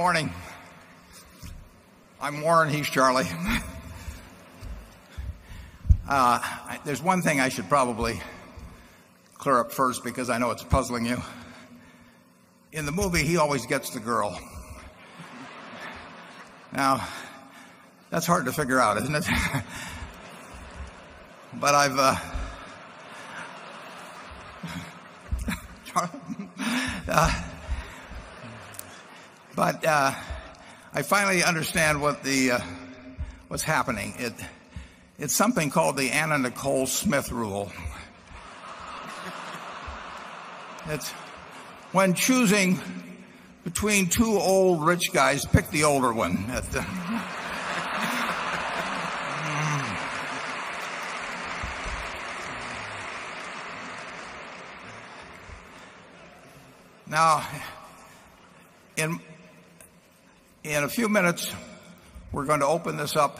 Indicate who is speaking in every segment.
Speaker 1: Good morning. I'm Warren Heescharlie. There's one thing I should probably clear up first because I know it's puzzling you. In the movie, he always gets the girl. Now, that's hard to figure out, isn't it? But I've but I finally understand what the what's happening. It's something called the Anna Nicole Smith rule. It's when choosing between 2 old rich guys, pick the older one. Now, in a few minutes, we're going to open this up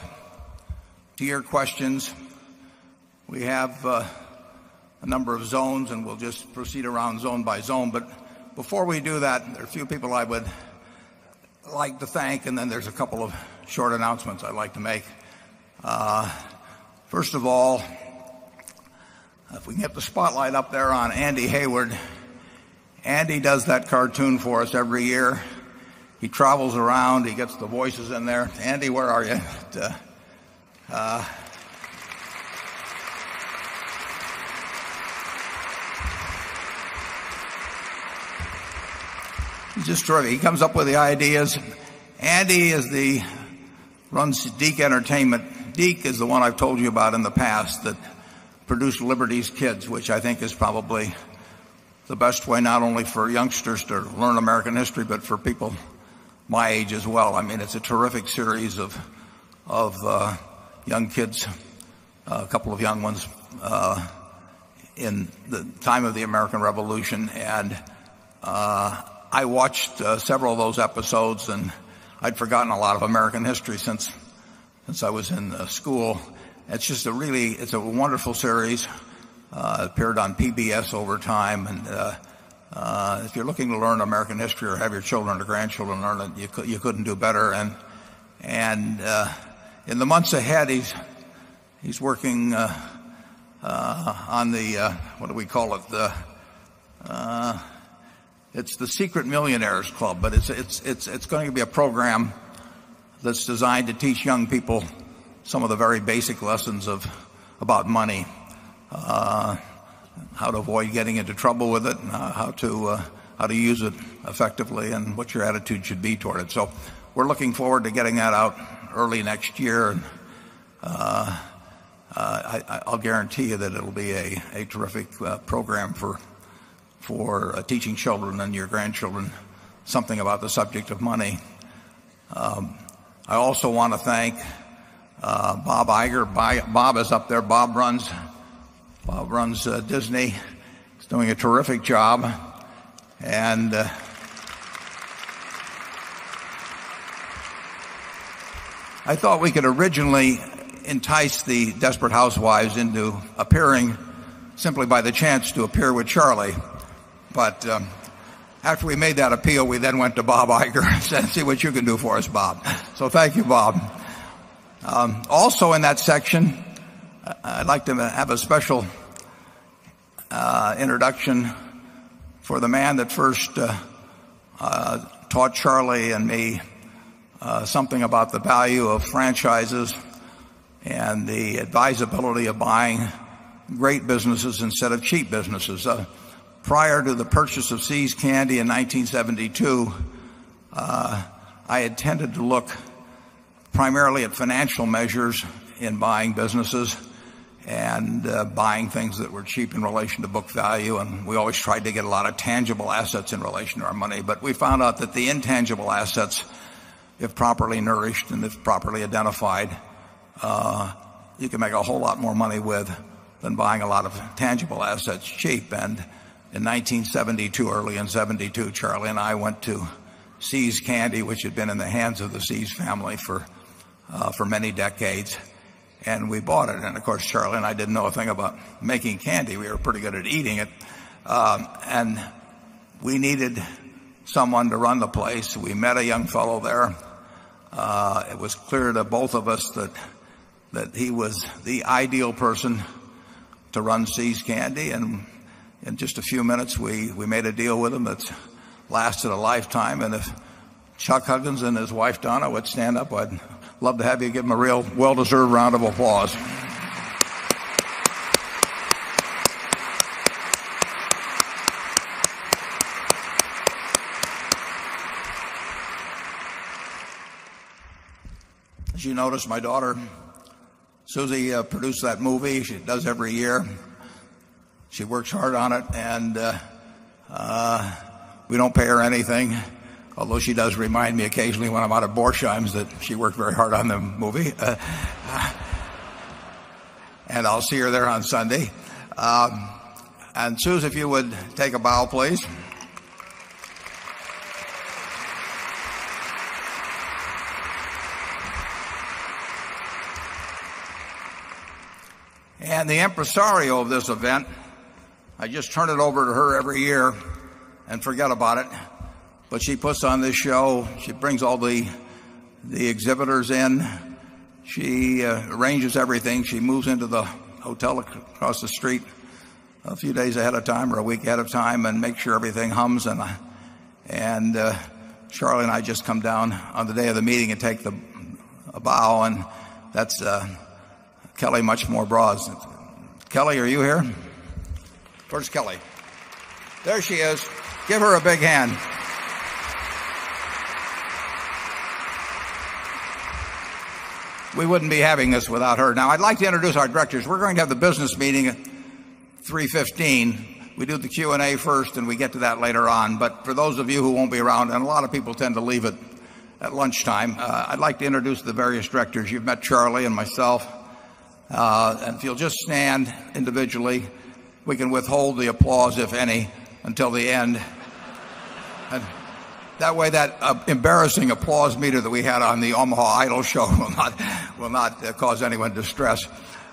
Speaker 1: to your questions. We have a number of zones, and we'll just proceed around zone by zone. But before we do that, there are a few people I would like to thank, and then there's a couple of short announcements I'd like to make. First of all, if we can get the spotlight up there on Andy Hayward, Andy does that cartoon for us every year. He travels around. He gets the voices in there. Andy, where are you? Just shortly, he comes up with the ideas. Andy is the runs Deac Entertainment. Deac is the one I've told you about in the past that produced Liberty's Kids, which I think is probably the best way not only for youngsters to learn American history, but for people my age as well. I mean it's a terrific series of young kids, a couple of young ones in the time of the American Revolution. And I watched several of those episodes and I'd forgotten a lot of American history since I was in school. It's just a really it's a wonderful series. It appeared on PBS over time. And if you're looking to learn American history or have your children or grandchildren learn it, you couldn't do better. And in the months ahead, he's working on the what do we call it? It's the Secret Millionaire's Club, but it's going to be a program that's designed to teach young people some of the very basic lessons about money, how to avoid getting into trouble with it, how to use it effectively and what your attitude should be toward it. So we're looking forward to getting that out early next year. I'll guarantee you that it will be a terrific program for teaching children and your grandchildren something about the subject of money. I also want to thank Bob Iger. Bob is up there. Bob runs Disney. He's doing a terrific job. And I thought we could originally entice the desperate housewives into appearing simply by the chance to appear with Charlie. But after we made that appeal, we then went to Bob Iger and said, see what you can do for us, Bob. So thank you, Bob. Also in that section, I'd like to have a special introduction for the man that first taught Charlie and me something about the value of franchises and the advisability of buying great businesses instead of cheap businesses. Prior to the purchase of See's Candy in 1972, I intended to look primarily at financial measures in buying businesses and buying things that were cheap in relation to book value and we always tried to get a lot of tangible assets in relation to our money. But we found out that the intangible assets, if properly nourished and if properly identified, you can make a whole lot more money with than buying a lot of tangible assets cheap. And in 1972, early in 'seventy two, Charlie and I went to See's candy which had been in the hands of the See's family for many decades and we bought it. And of course, Charlie and I didn't know a thing about making candy. We were pretty good at eating it. And we needed someone to run the place. We met a young fellow there. It was clear to both of us that he was the ideal person to run See's Candy. And in just a few minutes we made a deal with him that's lasted a lifetime. And if Chuck Hudgens and his wife Donna would stand up, I'd love to have you give them a real well deserved round of applause. As you noticed, my daughter, Susie, produced that movie. She does every year. She works hard on it, and we don't pay her anything, although she does remind me occasionally when I'm out of Borchheims that she worked very hard on the movie. And I'll see her there on Sunday. And, Susan, if you would take a bow, please. And the impresario of this event, I just turn it over to her every year and forget about it, But she puts on this show. She brings all the exhibitors in. She arranges everything. She moves into the hotel across the street a few days ahead of time or a week ahead of time and make sure everything hums. And Charlie and I just come down on the day of the meeting and take a bow, and that's Kelly much more broad. Kelly, are you here? Towards Kelly. There she is. Give her a big hand. We wouldn't be having this without her. Now I'd like to introduce our directors. We're going to have the business meeting at 3:15. We do the Q and A first and we get to that later on. But for those of you who won't be around and a lot of people tend to leave it at lunchtime, I'd like to introduce the various directors. You've met Charlie and myself. And if you'll just stand individually, we can withhold the applause, if any, until the end. That way, that embarrassing applause meter that we had on the Omaha Idol show will not will not cause anyone distress.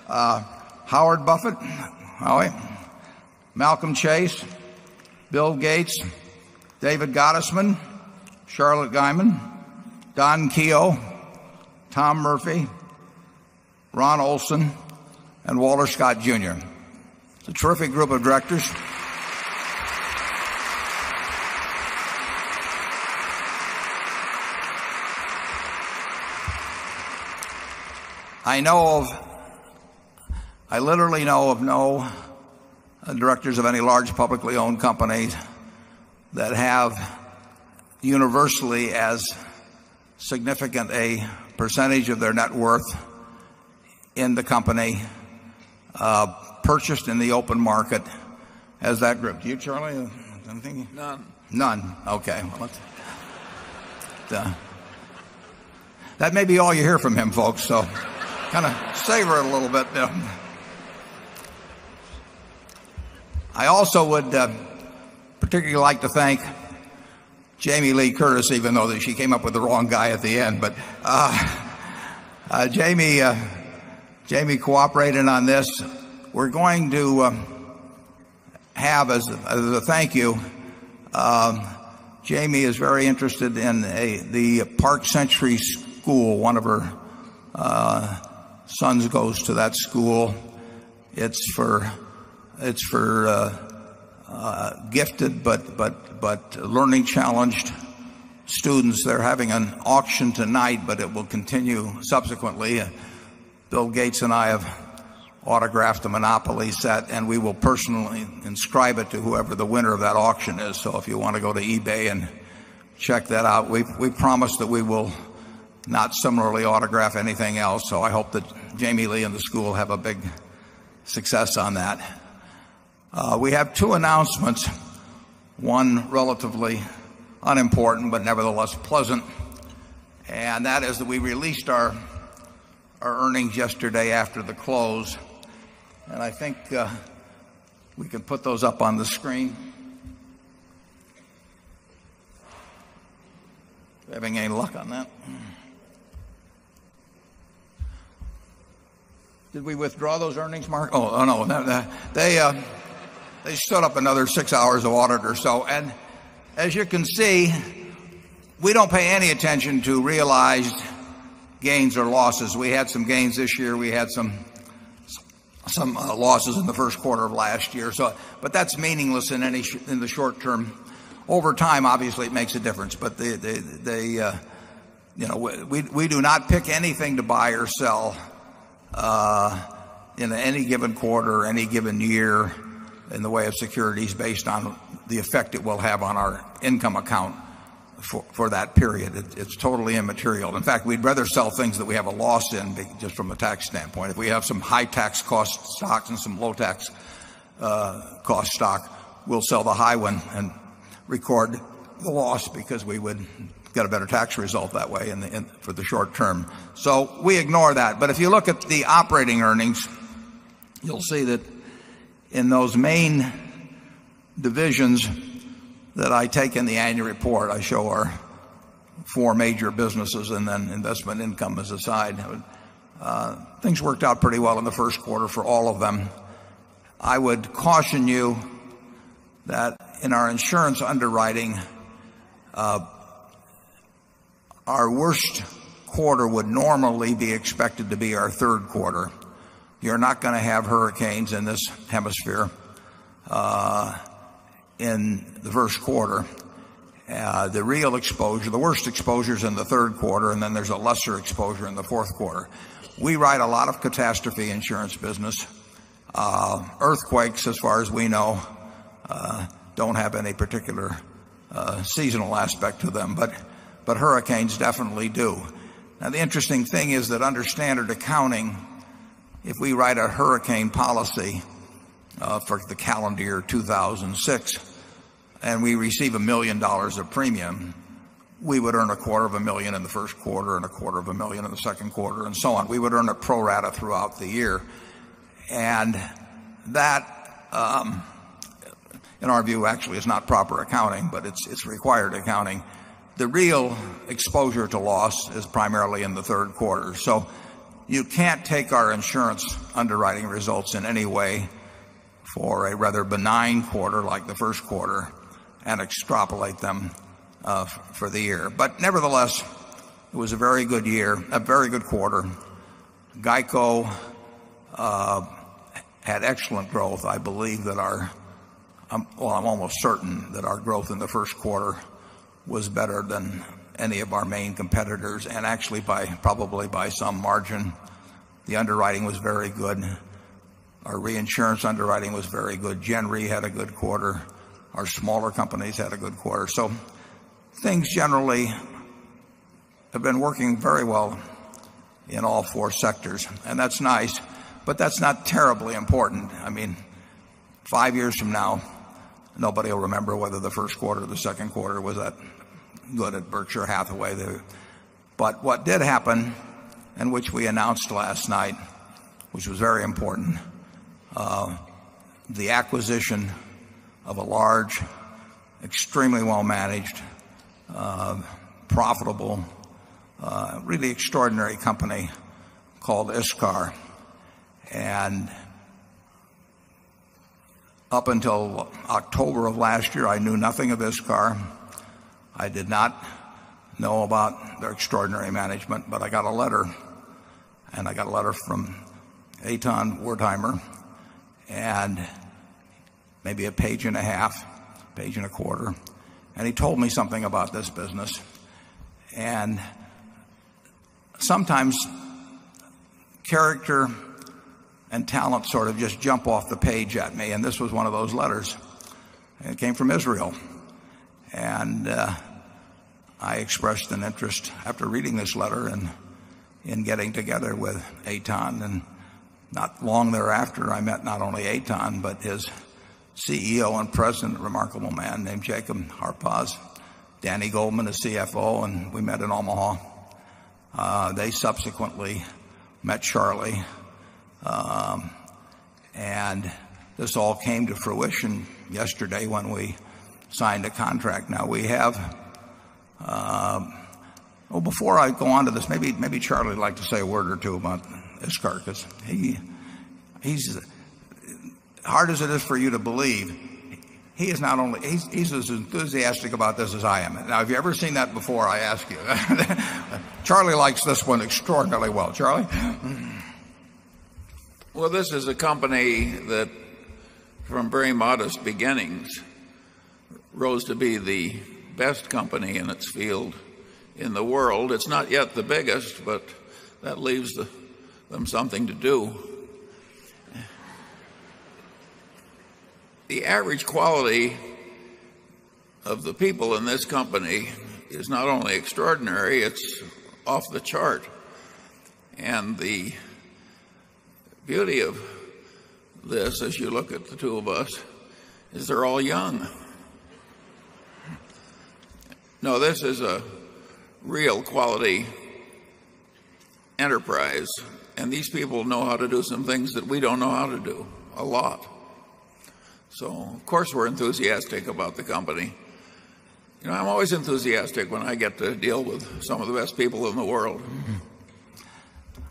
Speaker 1: Howard Buffett, Malcolm Chase, Bill Gates, David Gottesman, Charlotte Guymon, Don Keogh, Tom Murphy, Ron Olson, and Walter Scott Junior. A terrific group of directors. I know of I literally know of no directors of any large publicly owned companies that have universally as significant a percentage of their net worth in the company purchased in the open market as that group. Do you, Charlie? I'm thinking. None. None. Okay. That may be all you hear from him folks, so kind of savor it a little bit. I also would particularly like to thank Jamie Lee Curtis even though that she came up with the wrong guy at the end. But Jamie cooperated on this. We're going to have as a thank you. Jamie is very interested in a the Park Century School. 1 of her sons goes to that school. It's for it's for, gifted but but but learning challenged students. They're having an auction tonight, but it will continue subsequently. Bill Gates and I have autographed the monopoly set and we will personally inscribe it to whoever the winner of that auction is. So if you want to go to eBay and check that out, we promise that we will not similarly autograph anything else. So I hope that Jamie Lee and the school have a big success on that. We have 2 announcements, one relatively unimportant but nevertheless pleasant, and that is that we released our earnings yesterday after the close and I think we can put those up on the screen. Having any luck on that? Did we withdraw those earnings, Mark? Oh, no. They stood up another 6 hours of audit or so. And as you can see, we don't pay any attention to realized gains or losses. We had some gains this year. We had some losses in the Q1 of last year. So but that's meaningless in any in the short term. Over time, obviously, it makes a difference. But they we do not pick anything to buy or sell in any given quarter, any given year in the way of securities based on the effect it will have on our income account for that period. It's totally immaterial. In fact, we'd rather sell things that we have a loss in just from a tax standpoint. If we have some high tax cost stocks and some low tax cost stock, we'll sell the high one and record the loss because we would get a better tax result that way for the short term. So we ignore that. But if you look at the operating earnings, you'll see that in those main divisions that I take in the annual report, I show our 4 major businesses and then investment income as a side, Things worked out pretty well in the Q1 for all of them. I would caution you that in our insurance underwriting, our worst quarter would normally be expected to be our 3rd quarter. You're not gonna have hurricanes in this hemisphere in the Q1. The real exposure the worst exposure is in the Q3 and then there's a lesser exposure in the Q4. We write a lot of catastrophe insurance business. Earthquakes, as far as we know, don't have any particular seasonal aspect to them, but hurricanes definitely do. Now the interesting thing is that under standard accounting, if we write a hurricane policy for the calendar year 2006 and we receive $1,000,000 of premium, we would earn $250,000 in the Q1 and $250,000 in the 2nd quarter and so on. We would earn a pro rata throughout the year. And that, in our view, actually is not proper accounting, but it's required accounting. The real exposure to loss is primarily in the Q3. So you can't take our insurance underwriting results in any way for a rather benign quarter like the Q1 and extrapolate them for the year. But nevertheless, it was a very good year, a very good quarter. GEICO had excellent growth. I believe that our well, I'm almost certain that our growth in the Q1 was better than any of our main competitors and actually by probably by some margin. The underwriting was very good. Our reinsurance underwriting was very good. January had a good quarter. Our smaller companies had a good quarter. So things generally have been working very well in all four sectors, and that's nice, but that's not terribly important. I mean, 5 years from now, nobody will remember whether the Q1 or the Q2 was at good at Berkshire Hathaway. But what did happen and which we announced last night, which was very important, the acquisition of a large, extremely well managed, profitable, really extraordinary company called ISCAR. And up until October of last year, I knew nothing of this car. I did not know about their extraordinary management, but I got a letter and I got a letter from Eitan Wertheimer and maybe a page and a half, page and a quarter, and he told me something about this business. And sometimes character and talent sort of just jump off the page at me, and this was one of those letters. It came from Israel. And I expressed an interest after reading this letter and in getting together with Eitan. And not long thereafter, I met not only Eitan but his CEO and President, a remarkable man named Jacob Harpaz, Danny Goldman as CFO, and we met in Omaha. They subsequently met Charlie. And this all came to fruition yesterday when we signed a contract. Now we have well, before I go on to this, maybe Charlie would like to say a word or 2 about his carcass. He's hard as it is for you to believe, he is not only he's as enthusiastic about this as I am. Now have you ever seen that before? I ask you. Charlie likes this one extraordinarily well. Charlie?
Speaker 2: Well, this is a company that from very modest beginnings rose to be the best company in its field in the world. It's not yet the biggest, but that leaves them something to do. The average quality of the people in this company is not only extraordinary, it's off the chart. And the beauty of this as you look at the toolbox is they're all young. Now this is a real quality enterprise and these people know how to do some things that we don't know how to do, a lot. So of course, we're enthusiastic about the company. I'm always enthusiastic when I get to deal with some of the best people in the world.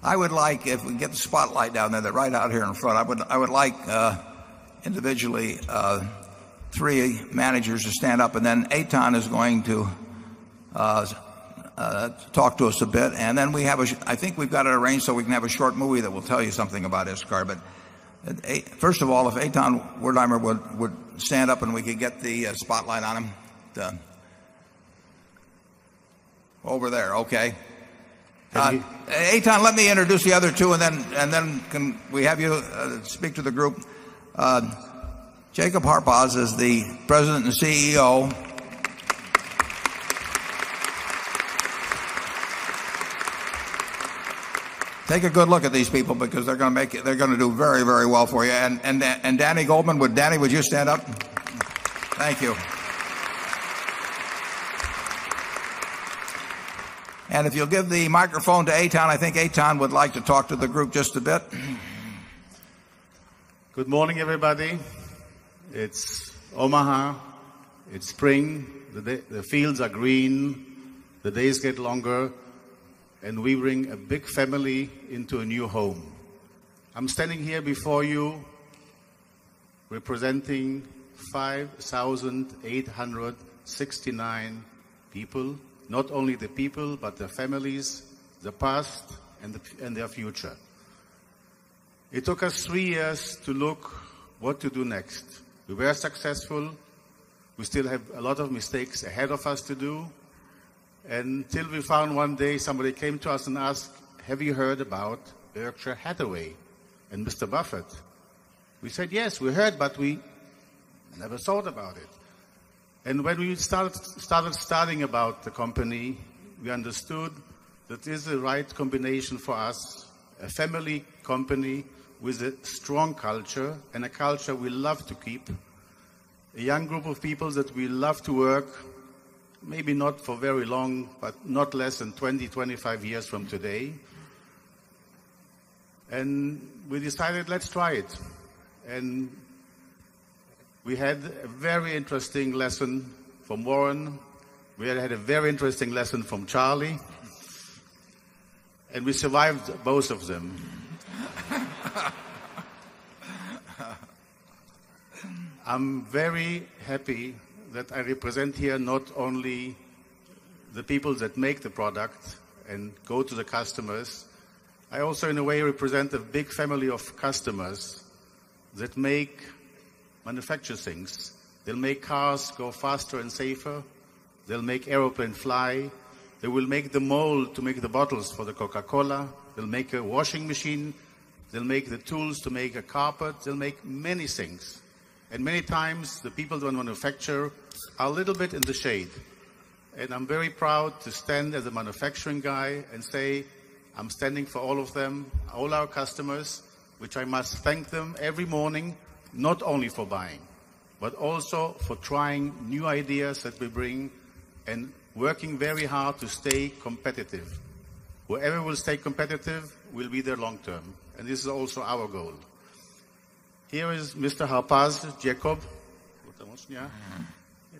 Speaker 1: I would like, if we get the spotlight down there, they're right out here in front. I would like individually 3 managers to stand up and then Eitan is going to talk to us a bit. And then we have I I think we've got it arranged so we can have a short movie that will tell you something about ISCAR. But first of all, if Eitan Wertheimer would stand up and we could get the spotlight on him done. Over there. Okay. Eitan, let me introduce the other 2 and then can we have you speak to the group? Jacob Harpaz is the president and CEO. Take a good look at these people because they're going to make it they're going to do very, very well for you. And and and Danny Goldman, would Danny, would you stand up? Thank you. And if you'll give the microphone to Eitan, I think Eitan would like to talk to the group just a
Speaker 3: bit. Good morning, everybody. It's Omaha. It's spring. The fields are green. The days get longer, and we bring a big family into a new home. I'm standing here before you, representing 5,869 people, not only the people, but their families, their past, and their future. It took us 3 years to look what to do next. We were successful. We still have a lot of mistakes ahead of us to do, And till we found one day somebody came to us and asked, have you heard about Berkshire Hathaway and Mr. Buffett? We said, yes, we heard, but we never thought about it. And when we started studying about the company, we understood that this is the right combination for us, a family company with a strong culture and a culture we love to keep, a young group of people that we love to work, maybe not for very long, but not less than 20, 25 years from today. And we decided let's try it. And we had a very interesting lesson from Warren. We had had a very interesting lesson from Charlie, and we survived both of them. I'm very happy that I represent here not only the people that make the product and go to the customers, I also in a way represent a big family of customers that make manufacture things, They'll make cars go faster and safer. They'll make airplane fly. They will make the mold to make the bottles for the Coca Cola. They'll make a washing machine. They'll make the tools to make a carpet, they'll make many things. And many times, the people who manufacture a little bit in the shade. And I'm very proud to stand as a manufacturing guy and say, I'm standing for all of them, all our customers, which I must thank them every morning, not only for buying, but also for trying new ideas that we bring and working very hard to stay competitive. Whoever will stay competitive will be there long term, and this is also our goal. Here is Mr. Harpaz Jacob.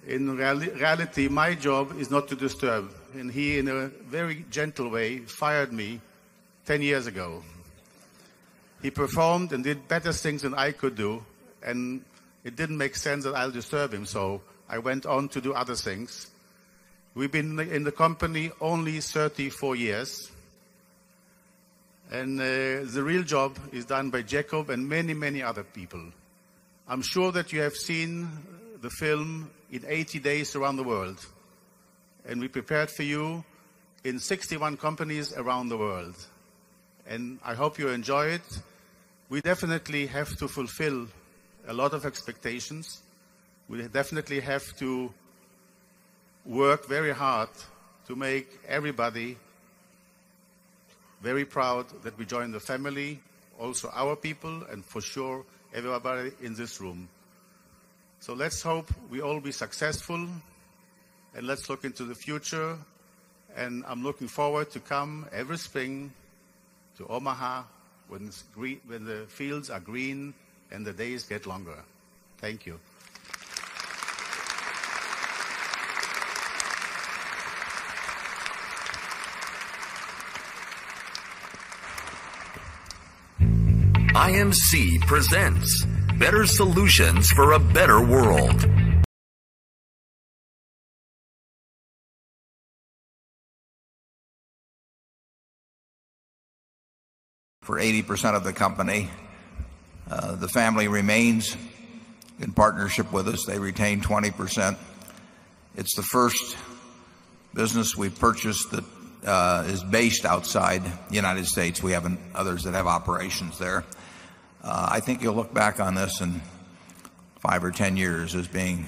Speaker 3: In reality, my job is not to disturb, and he, in a very gentle way, fired me 10 years ago. He performed and did better things than I could do, and it didn't make sense that I'll disturb him, so I went on to do other things. We've been in the company only 34 years and the real job is done by Jacob and many, many other people. I'm sure that you have seen the film in 80 days around the world and we prepared for you in 61 companies around the world. And I hope you enjoy it. We definitely have to fulfill a lot of expectations. We definitely have to work very hard to make everybody very proud that we joined the family, also our people, and for sure, everybody in this room. So let's hope we all be successful, and let's look into the future, And I'm looking forward to come every spring to Omaha when the fields are green and the days get longer. Thank you.
Speaker 1: For 80% of the company. The family remains in partnership with us. They retain 20%. It's the first business we've purchased that is based outside the United States. We have others that have operations there. I think you'll look back on this in 5 or 10 years as being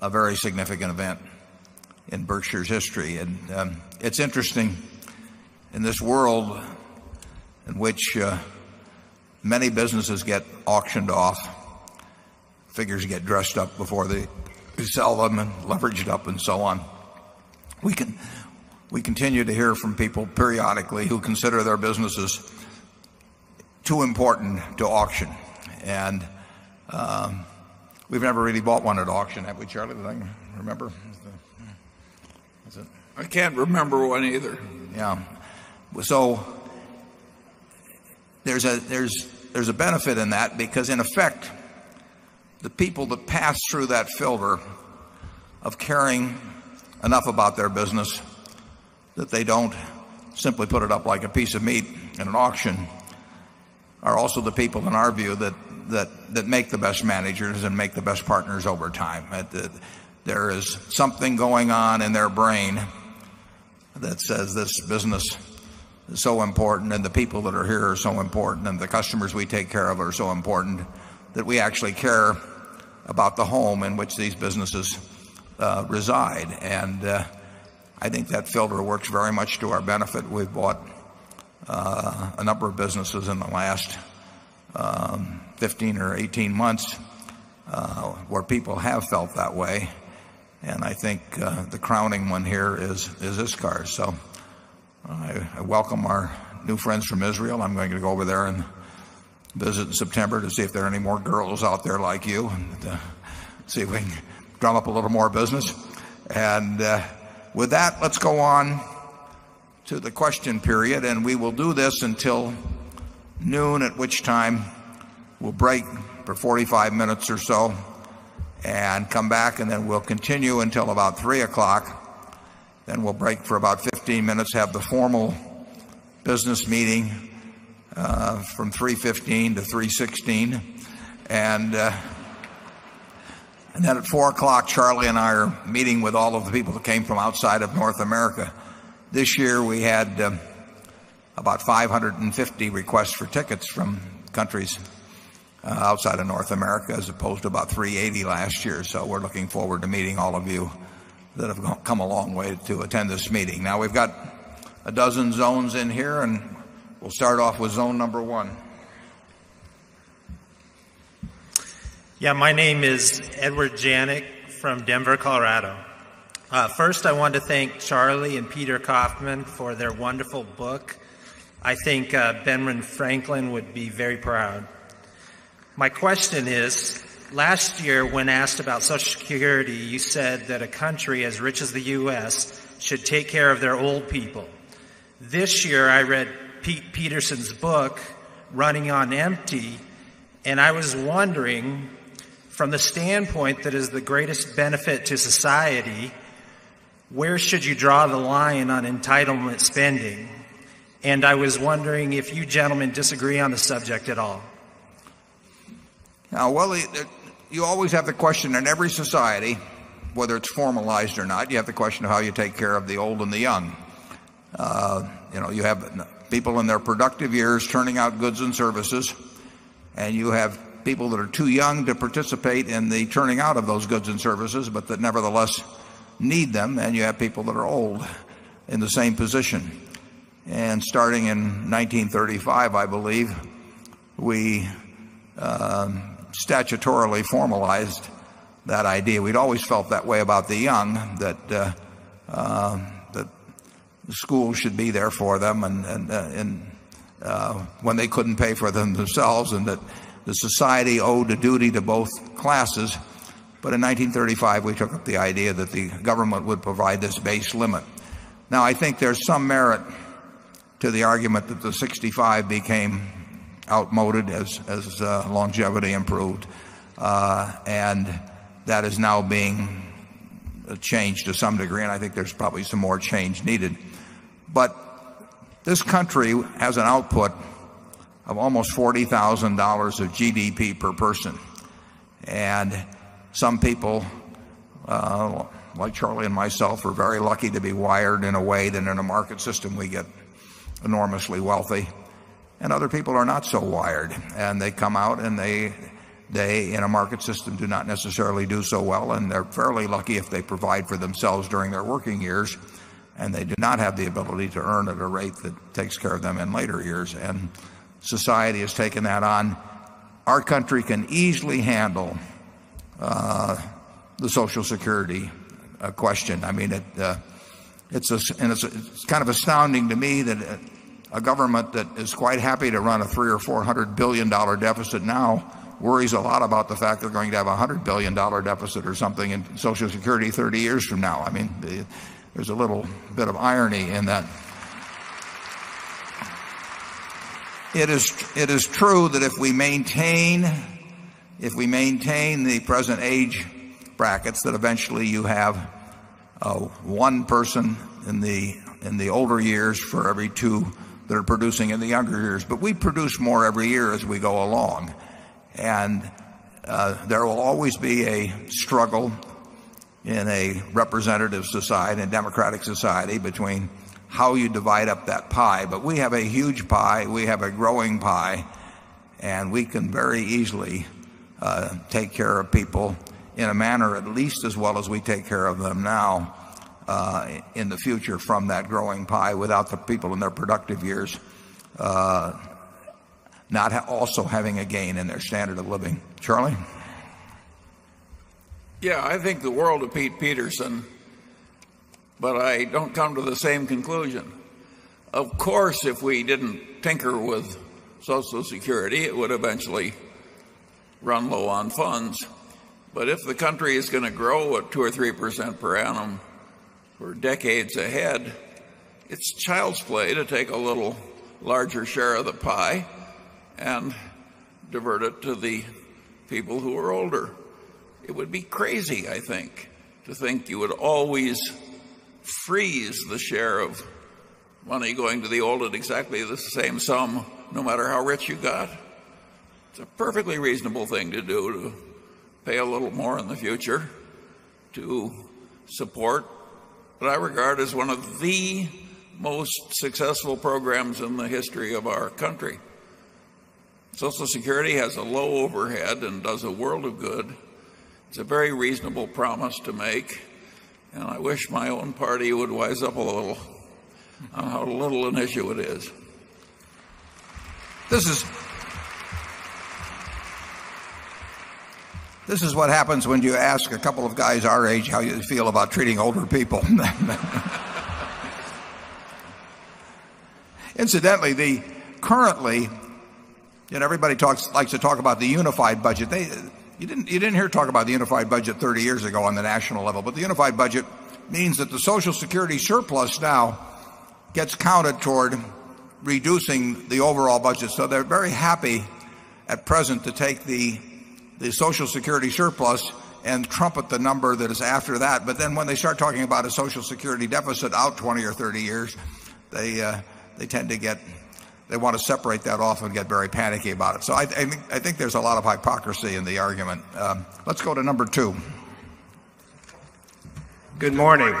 Speaker 1: a very significant event in Berkshire's history. And it's interesting in this world in which many businesses get auctioned off, figures get dressed up before they sell them and leveraged up and so on. We can we continue to hear from people periodically who consider their businesses too important to auction. And we've never really bought one at auction, have we, Charlie? Remember?
Speaker 2: I can't remember one either. Yeah.
Speaker 1: So there's a there's there's a benefit in that because in effect, the people that pass through that filter of caring enough about their business that they don't simply put it up like a piece of meat in an auction are also the people in our view that make the best managers and make the best partners over time. There is something going on in their brain that says this business is so important and the people that are here are so important and the customers we take care of are so important that we actually care about the home in which these businesses reside. And I think that filter works very much to our benefit. We've bought a number of businesses in the last 15 or 18 months where people have felt that way. And I think the crowning one here is this car. So I welcome our new friends from Israel. I'm going to go over there and visit in September to see if there are any more girls out there like you and see if we can drum up a little more business. And with that, let's go on to the question period, and we will do this until noon, at which time we'll break for 45 minutes or so and come back and then we'll continue until about 3 o'clock, then we'll break for about 15 minutes, have the formal business meeting from 3:15 to 3:16. And then at 4 o'clock Charlie and I are meeting with all of the people that came from outside of North America. This year we had about 550 requests for tickets from countries outside of North America as opposed to about 380 last year. So we're looking forward to meeting all of you that have come a long way to attend this meeting. Now we've got a dozen zones in here and we'll start off with zone number 1.
Speaker 4: Yeah. My name is Edward Janik from Denver, Colorado. First, I want to thank Charlie and Peter Kaufman for their wonderful book. I think Benjamin Franklin would be very proud. My question is, last year, when asked about Social Security, you said that a country as rich as the US should take care of their old people. This year, I read Pete Peterson's book, Running on Empty, and I was wondering, from the standpoint that is the greatest benefit to society, where should you draw the line on entitlement spending? And I was wondering if you gentlemen disagree on
Speaker 1: the subject at all. Well, you always have the question in every society, whether it's formalized or not, you have the question of how you take care of the old and the young. You know, you have people in their productive years turning out goods and services, and you have people that are too young to participate in the turning out of those goods and services, but that nevertheless need them and you have people that are old in the same position. And starting in 1935, I believe, we statutorily formalized that idea. We'd always felt that way about the young that the school should be there for them and when they couldn't pay for them themselves and that the society owed the duty to both classes. But in 1935, we took up the idea that the government would provide this base limit. Now I think there's some merit to the argument that the 65 became outmoded as longevity improved. And that is now being changed to some degree and I think there's probably some more change needed. But this country has an output of almost $40,000 of GDP per person. And some people, like Charlie and myself, are very lucky to be wired in a way that in a market system we get enormously wealthy and other people are not so wired. And they come out and they in a market system do not necessarily do so well and they're fairly lucky if they provide for themselves during their working years and they do not have the ability to earn at a rate that takes care of them in later years. And society has taken that on. Our country can easily handle the Social Security question. I mean, it's a and it's kind of astounding to me that a government that is quite happy to run a $300,000,000,000 or $400,000,000,000 deficit now worries a lot about the fact they're going to have a $100,000,000,000 deficit or something in Social Security 30 years from now. I mean, there's a little bit of irony in that. It is true that if we maintain the present age brackets that eventually you have 1 person in the older years for every 2 that are producing in the younger years. But we produce more every year as we go along. And there will always be a struggle in a representative society and democratic society between how you divide up that pie. But we have a huge pie, we have a growing pie, And we can very easily take care of people in a manner at least as well as we take care of them now in the future from that growing pie without the people in their productive years not also having a gain in their standard of living.
Speaker 2: Charlie? Yes. I think the world of Pete Peterson, but I don't come to the same conclusion. Of course, if we didn't tinker with Social Security, it would eventually run low on funds. But if the country is going to grow at 2% or 3% per annum, we're decades ahead, it's child's play to take a little larger share of the pie and divert it to the people who are older. It would be crazy, I think, to think you would always freeze the share of money going to the old at exactly the same sum no matter how rich you got. It's a perfectly reasonable thing to do to pay a little more in the future to support what I regard as one of the most successful programs in the history of our country. Social Security has a low overhead and does a world of good. It's a very reasonable promise to make and I wish my own party would wise up a little on how little an issue it is.
Speaker 1: This is what happens when you ask a couple of guys our age how you feel about treating older people. Incidentally, the currently and everybody talks likes to talk about the unified budget. You didn't hear talk about the unified budget 30 years ago on the national level but the unified budget means that the social security surplus now gets counted toward reducing the overall budget. So they're very happy at present to take the Social Security surplus and trumpet the number that is after that. But then when they start talking about a Social Security deficit out 20 or 30 years, they tend to get they want to separate that off and get very panicky about it. So I think there's a lot of hypocrisy in the argument. Let's go to number 2.
Speaker 5: Good morning.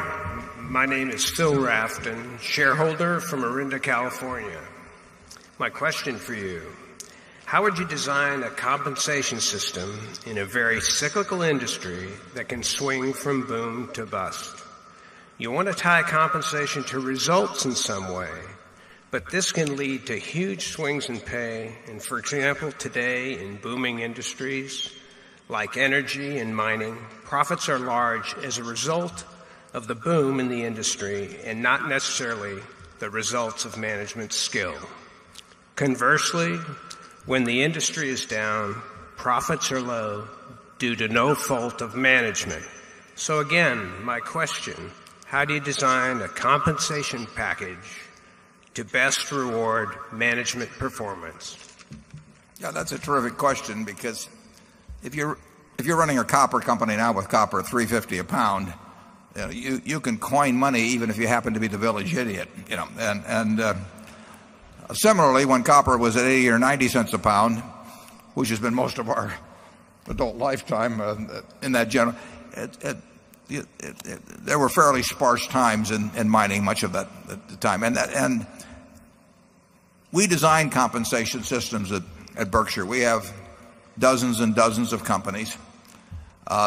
Speaker 5: My name is Phil Rafton, shareholder from Orinda, California. My question for you, How would you design a compensation system in a very cyclical industry that can swing from boom to bust? You want to tie compensation to results in some way, but this can lead to huge swings in pay. And for example, today in booming industries like energy and mining, profits are large as a result of the boom in the industry and not necessarily the results of management skill. Conversely, when the industry is down, profits are low due to no fault of management. So again, my question, how do you design a compensation package to best reward management performance?
Speaker 1: Yes, that's a terrific question because if you're running a copper company now with copper at 3.50 a pound, you can coin money even if you happen to be the village idiot. And similarly when copper was at 80 or 90¢ a pound, which has been most of our adult lifetime in that general, there were fairly sparse times in mining much of that time. And we design compensation systems at Berkshire. We have dozens and dozens of companies.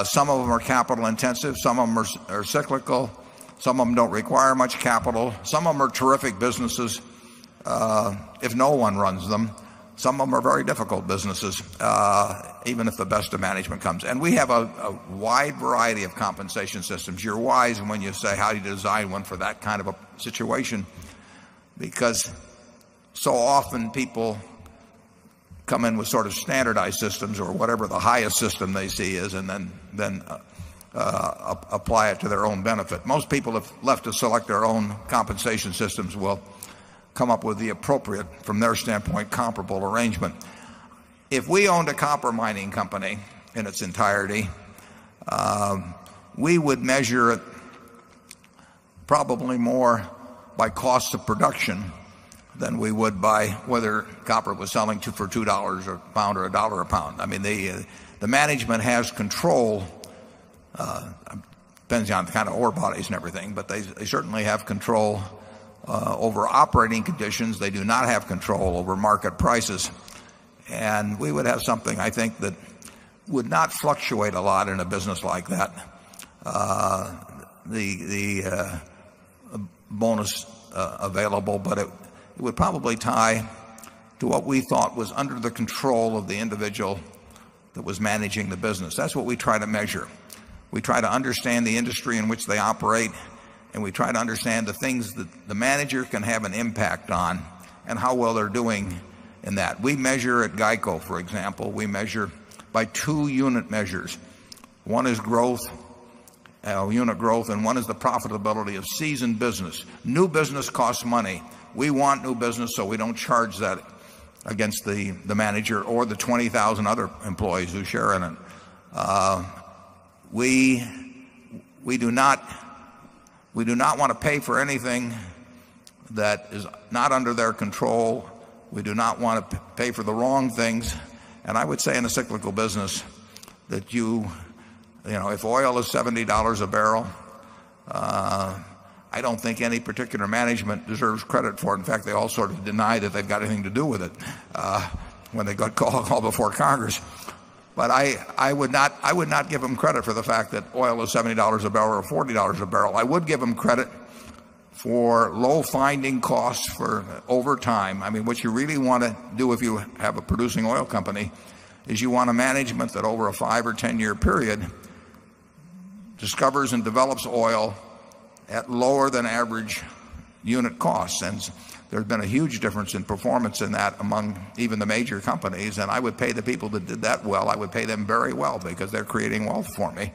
Speaker 1: Some of them are capital intensive, some of them are cyclical, some of them don't require much capital. Some of them are terrific businesses if no one runs them. Some of them are very difficult businesses even if the best of management comes. And we have a wide variety of compensation systems. You're wise when you say how you design one for that kind of a situation because so often people come in with sort of standardized systems or whatever the highest system they see is and then apply it to their own benefit. Most people have left to select their own compensation systems will come up with the appropriate, from their standpoint, comparable arrangement. If we owned a copper mining company in its entirety, we would measure it probably more by cost of production than we would by whether copper was selling for $2 or a pound or a dollar a pound. I mean, the management has control, depends on the kind of ore bodies and everything, but they certainly have control over operating conditions. They do not have control over market prices. And we would have something I think that would not fluctuate a lot in a business like that, the bonus available, but it would probably tie to what we thought was under the control of the individual that was managing the business. That's what we try to measure. We try to understand the industry in which they operate, and we try to understand the things that the manager can have an impact on and how well they're doing in that. We measure at GEICO, for example, we measure by 2 unit measures. 1 is growth unit growth and one is the profitability of seasoned business. New business costs money. We want new business so we don't charge that against the manager or the 20,000 other employees who share in it. We do not want to pay for anything that is not under their control. We do not want to pay for the wrong things. And I would say in a cyclical business that you if oil is $70 a barrel, I don't think any particular management deserves credit for. In fact, they all sort of denied that they've got anything to do with it when they got a call before Congress. But I would not I would not give them credit for the fact that oil is $70 a barrel or $40 a barrel. I would give them credit for low finding costs for over time. I mean, what you really want to do if you have a producing oil company is you want a management that over a 5 or 10 year period discovers and develops oil at lower than average unit costs. And there's been a huge difference in performance in that among even the major companies. And I would pay the people that did that well. I would pay them very well because they're creating wealth for me.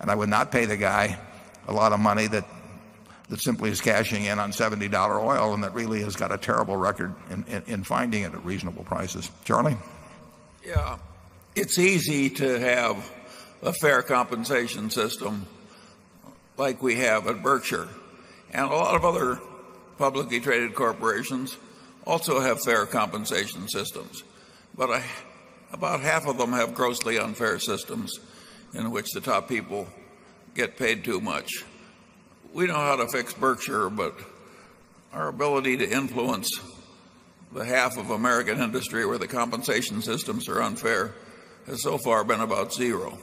Speaker 1: And I would not pay the guy a lot of money that simply is cashing in on $70 oil and that really has got a terrible record in finding it at reasonable prices. Charlie?
Speaker 2: Yes. It's easy to have a fair compensation system like we have at Berkshire. And a lot of other publicly traded corporations also have fair compensation systems, but about half of them have grossly unfair systems in which the top people get paid too much. We know how to fix Berkshire but our ability to influence the half of American industry where the compensation systems are unfair has so far been about 0.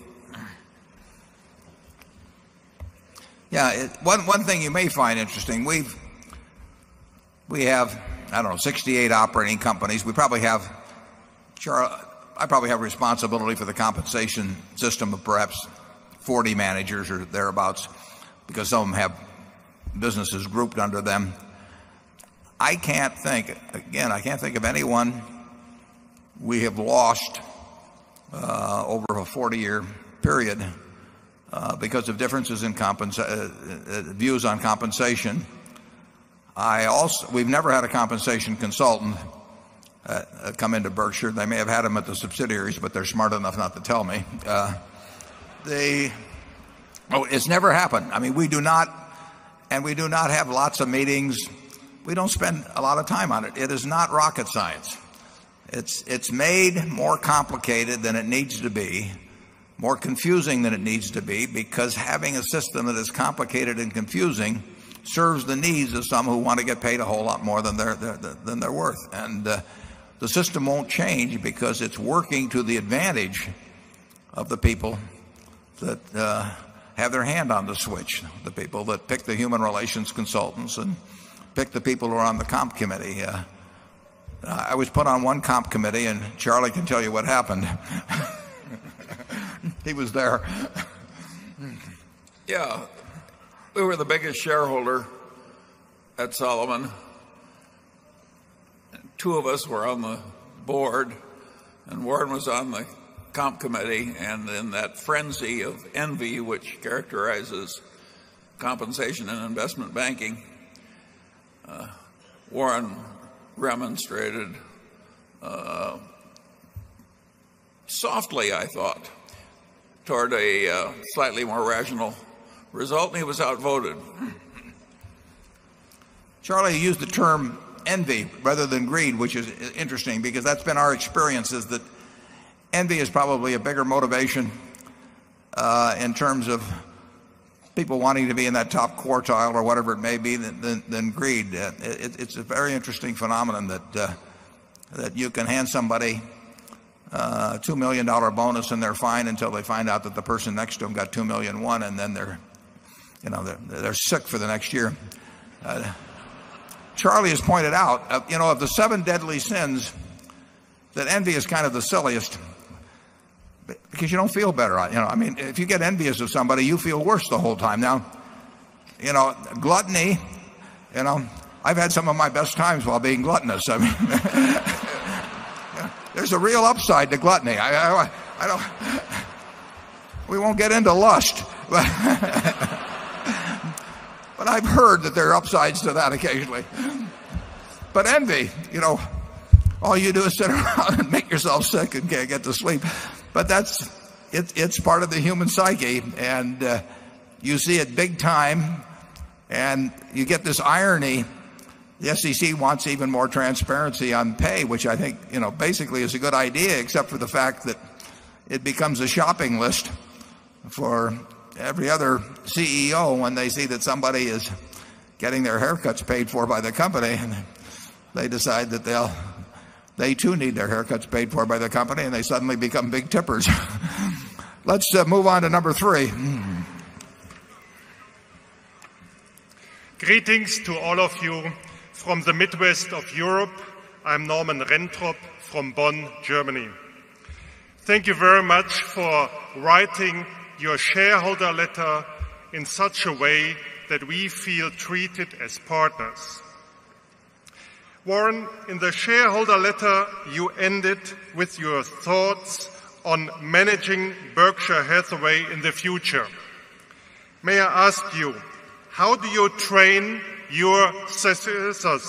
Speaker 1: Yes. One thing you may find interesting, we have, I don't know, 68 operating companies. We probably have probably have responsibility for the compensation system of perhaps 40 managers or thereabouts because some of them have businesses grouped under them. I can't think again, I can't think of anyone we have lost over a 40 year period because of differences in views on compensation. I also we've never had a compensation consultant come into Berkshire. They may have had them at the subsidiaries, but they're smart enough not to tell me. They oh, it's never happened. I mean, we do not and we do not have lots of meetings. We don't spend a lot of time on it. It is not rocket science. It's made more complicated than it needs to be, more confusing than it needs to be because having a system that is complicated and confusing serves the needs of some who want to get paid a whole lot more than they're worth. And the system won't change because it's working to the advantage of the people that have their hand on the switch, the people that pick the human relations consultants and pick the people who are on the Comp Committee. I was put on 1 Comp Committee and Charlie can tell you what happened. He was there.
Speaker 2: Yes. We were the biggest shareholder at Salomon. 2 of us were on the Board and Warren was on the comp committee and in that frenzy of envy which characterizes compensation and investment banking, Warren remonstrated, softly I thought toward a slightly more rational result and he was outvoted.
Speaker 1: Charlie used the term envy rather than greed, which is interesting because that's been our experience is that envy is probably a bigger motivation in terms of people wanting to be in that top quartile or whatever it may be than greed. It's a very interesting phenomenon
Speaker 3: that you
Speaker 1: can hand somebody a $2,000,000 bonus and they're fine until they find out that the person next to them got 2,000,001 and then they're sick for the next year. Charlie has pointed out of the 7 deadly sins that envy is kind of the silliest because you don't feel better. You know, I mean, if you get envious of somebody, you feel worse the whole time. Now, you know, gluttony, you know, I've had some of my best times while being gluttonous. There's a real upside to gluttony. I I don't we won't get into lust, But I've heard that there are upsides to that occasionally. But envy, you know, all you do is sit around and make yourself sick and get to sleep. But that's it's part of the human psyche and you see it big time and you get this irony. The SEC wants even more transparency on pay, which I think basically is a good idea except for the fact that it becomes a shopping list for every other CEO when they see that somebody is getting their haircuts paid for by the company and they decide that they'll they too need their haircuts paid for by the company and they suddenly become big tippers. Let's move on to number 3.
Speaker 6: Greetings to all of you from the Midwest of Europe. I'm Norman Renthrop from Bonn, Germany. Thank you very much for writing your shareholder letter in such a way that we feel treated as partners. Warren, in the shareholder letter you ended with your thoughts on managing Berkshire Hathaway in the future. May I ask you how do you train your successors?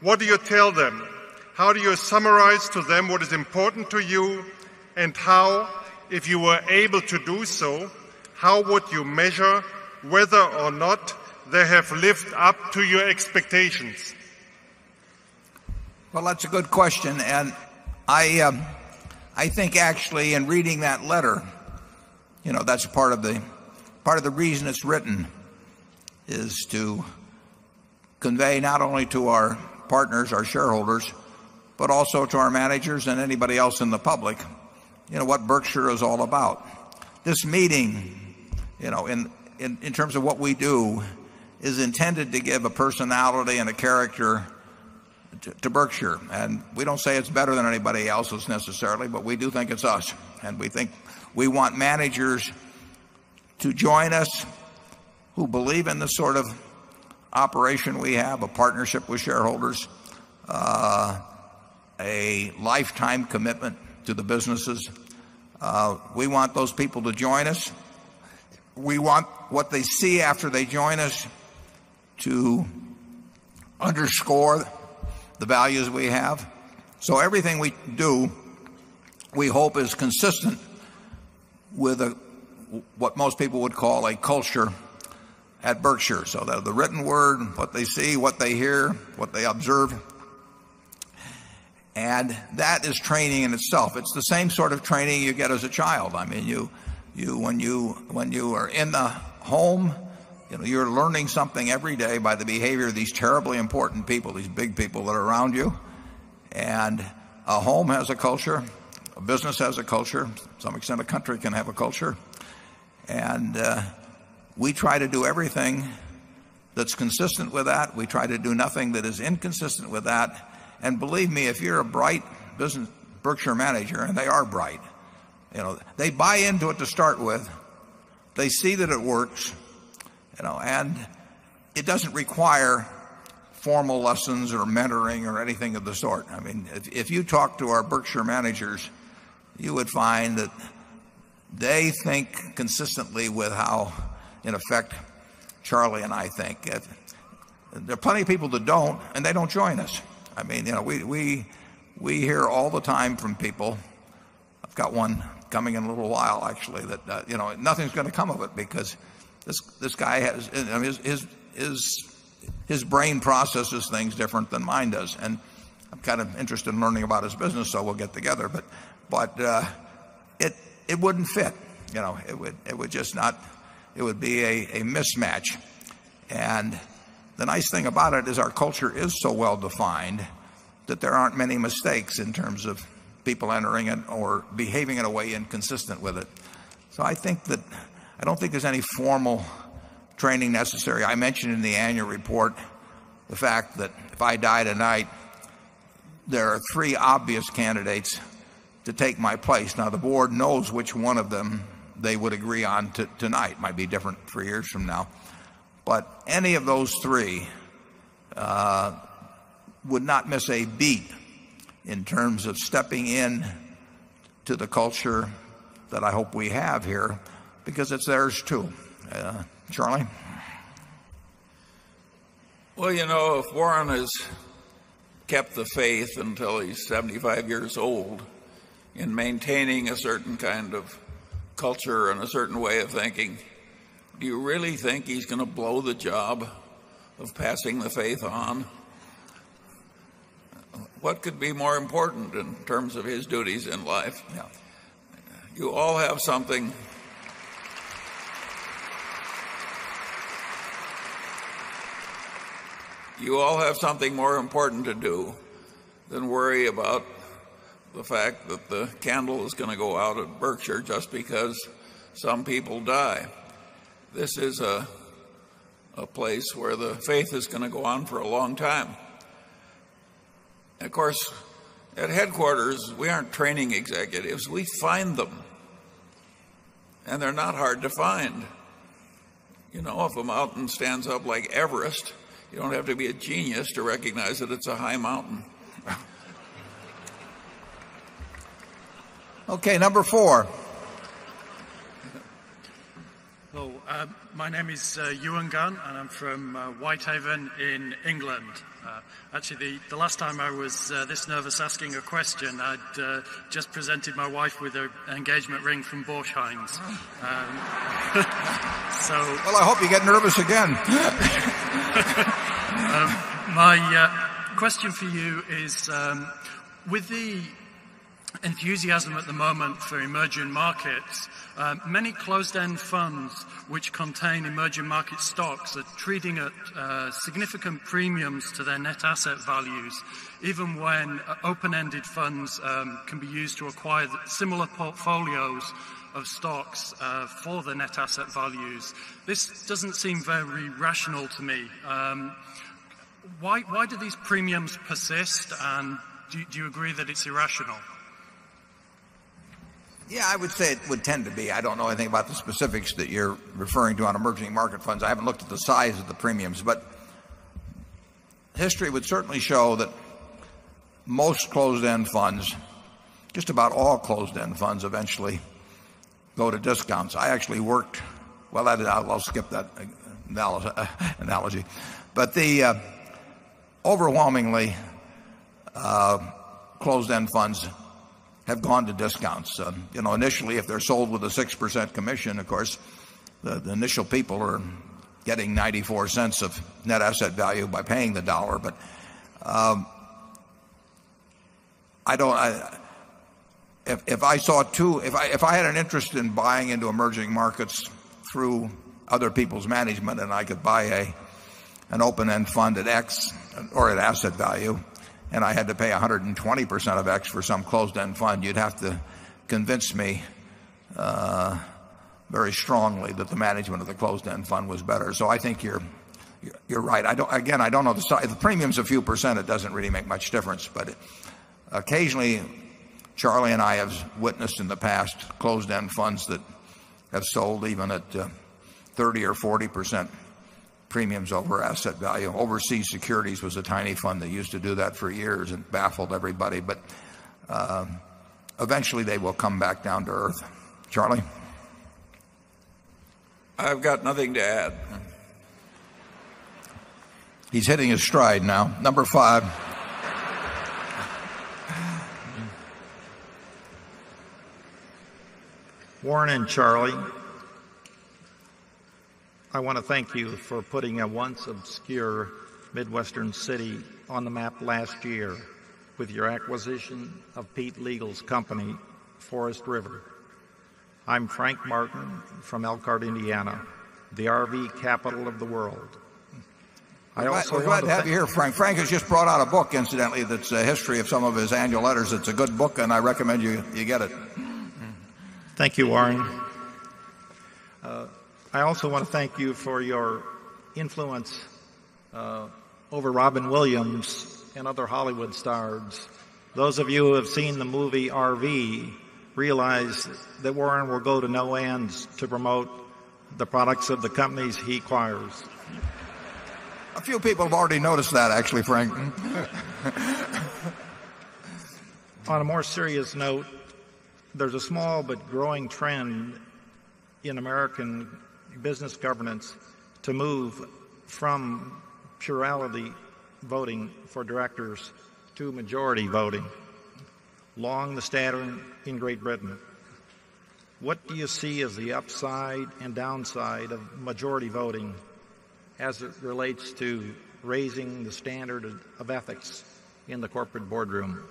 Speaker 6: What do you tell them? How do you summarize to them what is important to you and how, if you were able to do so, how would you measure whether or not they have lived up to your expectations?
Speaker 1: Well, that's a good question and I think actually in reading that letter, you know, that's part of the part of the reason it's written is to convey not only to our partners, our shareholders, but also to our managers and anybody else in the public what Berkshire is all about. This meeting in terms of what we do is intended to give a personality and a character to Berkshire. And we don't say it's better than anybody else's necessarily, but we do think it's us. And we think we want managers to join us who believe in the sort of operation we have, a partnership with shareholders, a lifetime commitment to the businesses. We want those people to join us. We want what they see after they join us to underscore the values we have. So everything we do, we hope is consistent with what most people would call a culture at Berkshire. So the written word, what they see, what they hear, what they observe, and that is training in itself. It's the same sort of training you get as a child. I mean, you when you are in the home, you're learning something every day by the behavior of these terribly important people, these big people that are around you. And a home has a culture, a business has a culture, to some extent a country can have a culture. And we try to do everything that's consistent with that. We try to do nothing that is inconsistent with that. And believe me, if you're a bright business Berkshire manager, and they are bright, they buy into it to start with, they see that it works, and it doesn't require formal lessons or mentoring or anything of the sort. I mean, if you talk to our Berkshire managers, you would find that they think consistently with how in effect Charlie and I think. There are plenty of people that don't and they don't join us. I mean, you know, we hear all the time from people. I've got one coming in a little while actually that nothing's going to come of it because this guy has I mean, his brain processes things different than mine does. And I'm kind of interested in learning about his business, so we'll get together. But it wouldn't fit. It would just not it would be a mismatch. And the nice thing about it is our culture is so well defined that there aren't many mistakes in terms of people entering it or behaving in a way inconsistent with it. So I think that I don't think there's any formal training necessary. I mentioned in the annual report the fact that if I die tonight, there are 3 obvious candidates to take my place. Now the Board knows which one of them they would agree on tonight, might be different 3 years from now. But any of those 3 would not miss a beat in terms of stepping in to the culture that I hope we have here because it's theirs too. Charlie?
Speaker 2: Well, you know, if Warren has kept the faith until he's 75 years old in maintaining a certain kind of culture and a certain way of thinking, do you really think he's going to blow the job of passing the faith on? What could be more important in terms of his duties in life? You all have something You all have something more important to do than worry about the fact that the candle is going to go out at Berkshire just because some people die. This is a place where the faith is going to go on for a long time. And of course, at headquarters, we aren't training executives, we find them and they're not hard to find. You know, if a mountain stands up like Everest, you don't have to be a genius to recognize that it's a high mountain.
Speaker 1: Okay, number 4.
Speaker 7: Hello. My name is Ewan Gan, and I'm from Whitehaven in England. Actually, the last time I was this nervous asking a question, I'd just presented my wife with an engagement ring from Borch Heinz.
Speaker 3: So Well, I
Speaker 1: hope you get nervous again.
Speaker 7: My question for you is with the enthusiasm at the moment for emerging markets, Many closed end funds which contain emerging market stocks are treating at significant premiums to their net asset values even when open ended funds can be used to acquire similar portfolios of stocks for the net asset values. This doesn't seem very rational to me. Why do these premiums persist? And do you agree that it's irrational?
Speaker 1: MR. Yeah, I would say it would tend to be. I don't know anything about the specifics that you're referring to on emerging market funds. I haven't looked at the size of the premiums, but history would certainly show that most closed end funds, just about all closed end funds eventually go to discounts. I actually worked well, I'll skip that analogy. But the overwhelmingly closed end funds have gone to discounts. Initially, if they're sold with a 6% commission, of course, the initial people are getting $0.94 of net asset value by paying the dollar. But I don't if I saw 2 if I had an interest in buying into emerging markets through other people's management and I could buy an open end fund at x or at asset value and I had to pay 120% of x for some closed end fund, you'd have to convince me very strongly that the management of the closed end fund was better. So I think you're right. I don't again, I don't know the size. The premium's a few percent. It doesn't really make much difference. But occasionally Charlie and I have witnessed in the past closed end funds that have sold even at 30% or 40% premiums over asset value. Overseas Securities was a tiny fund that used to do that for years and baffled everybody. But eventually they will come back down to earth. Charlie?
Speaker 2: I've got nothing to add.
Speaker 1: He's hitting his stride now. Number 5.
Speaker 8: Warren and Charlie, I want to thank you for putting a once obscure Midwestern city on the map last year with your acquisition of Pete Legal's company, Forest River. I'm Frank Martin from Elkhart, Indiana, the RV Capital of the World. I'm glad to
Speaker 1: have you here, Frank. Frank has just brought out a book incidentally that's a history of some of his annual letters. It's a good book and I recommend you get it.
Speaker 8: SECRETARY Thank you, Warren. I also want to thank you for your influence over Robin Williams and other Hollywood stars. Those of you who have seen the movie RV realize that Warren will go to no end to promote the products of the companies he acquires.
Speaker 1: A few people have already noticed that actually, Frank.
Speaker 8: On a more serious note, there's a small but growing trend in American Business Governance to move from purology voting for directors to majority voting, long the statering in Great Britain. What do you see as the upside and downside of majority voting as it relates to raising the standard of ethics in the corporate boardroom?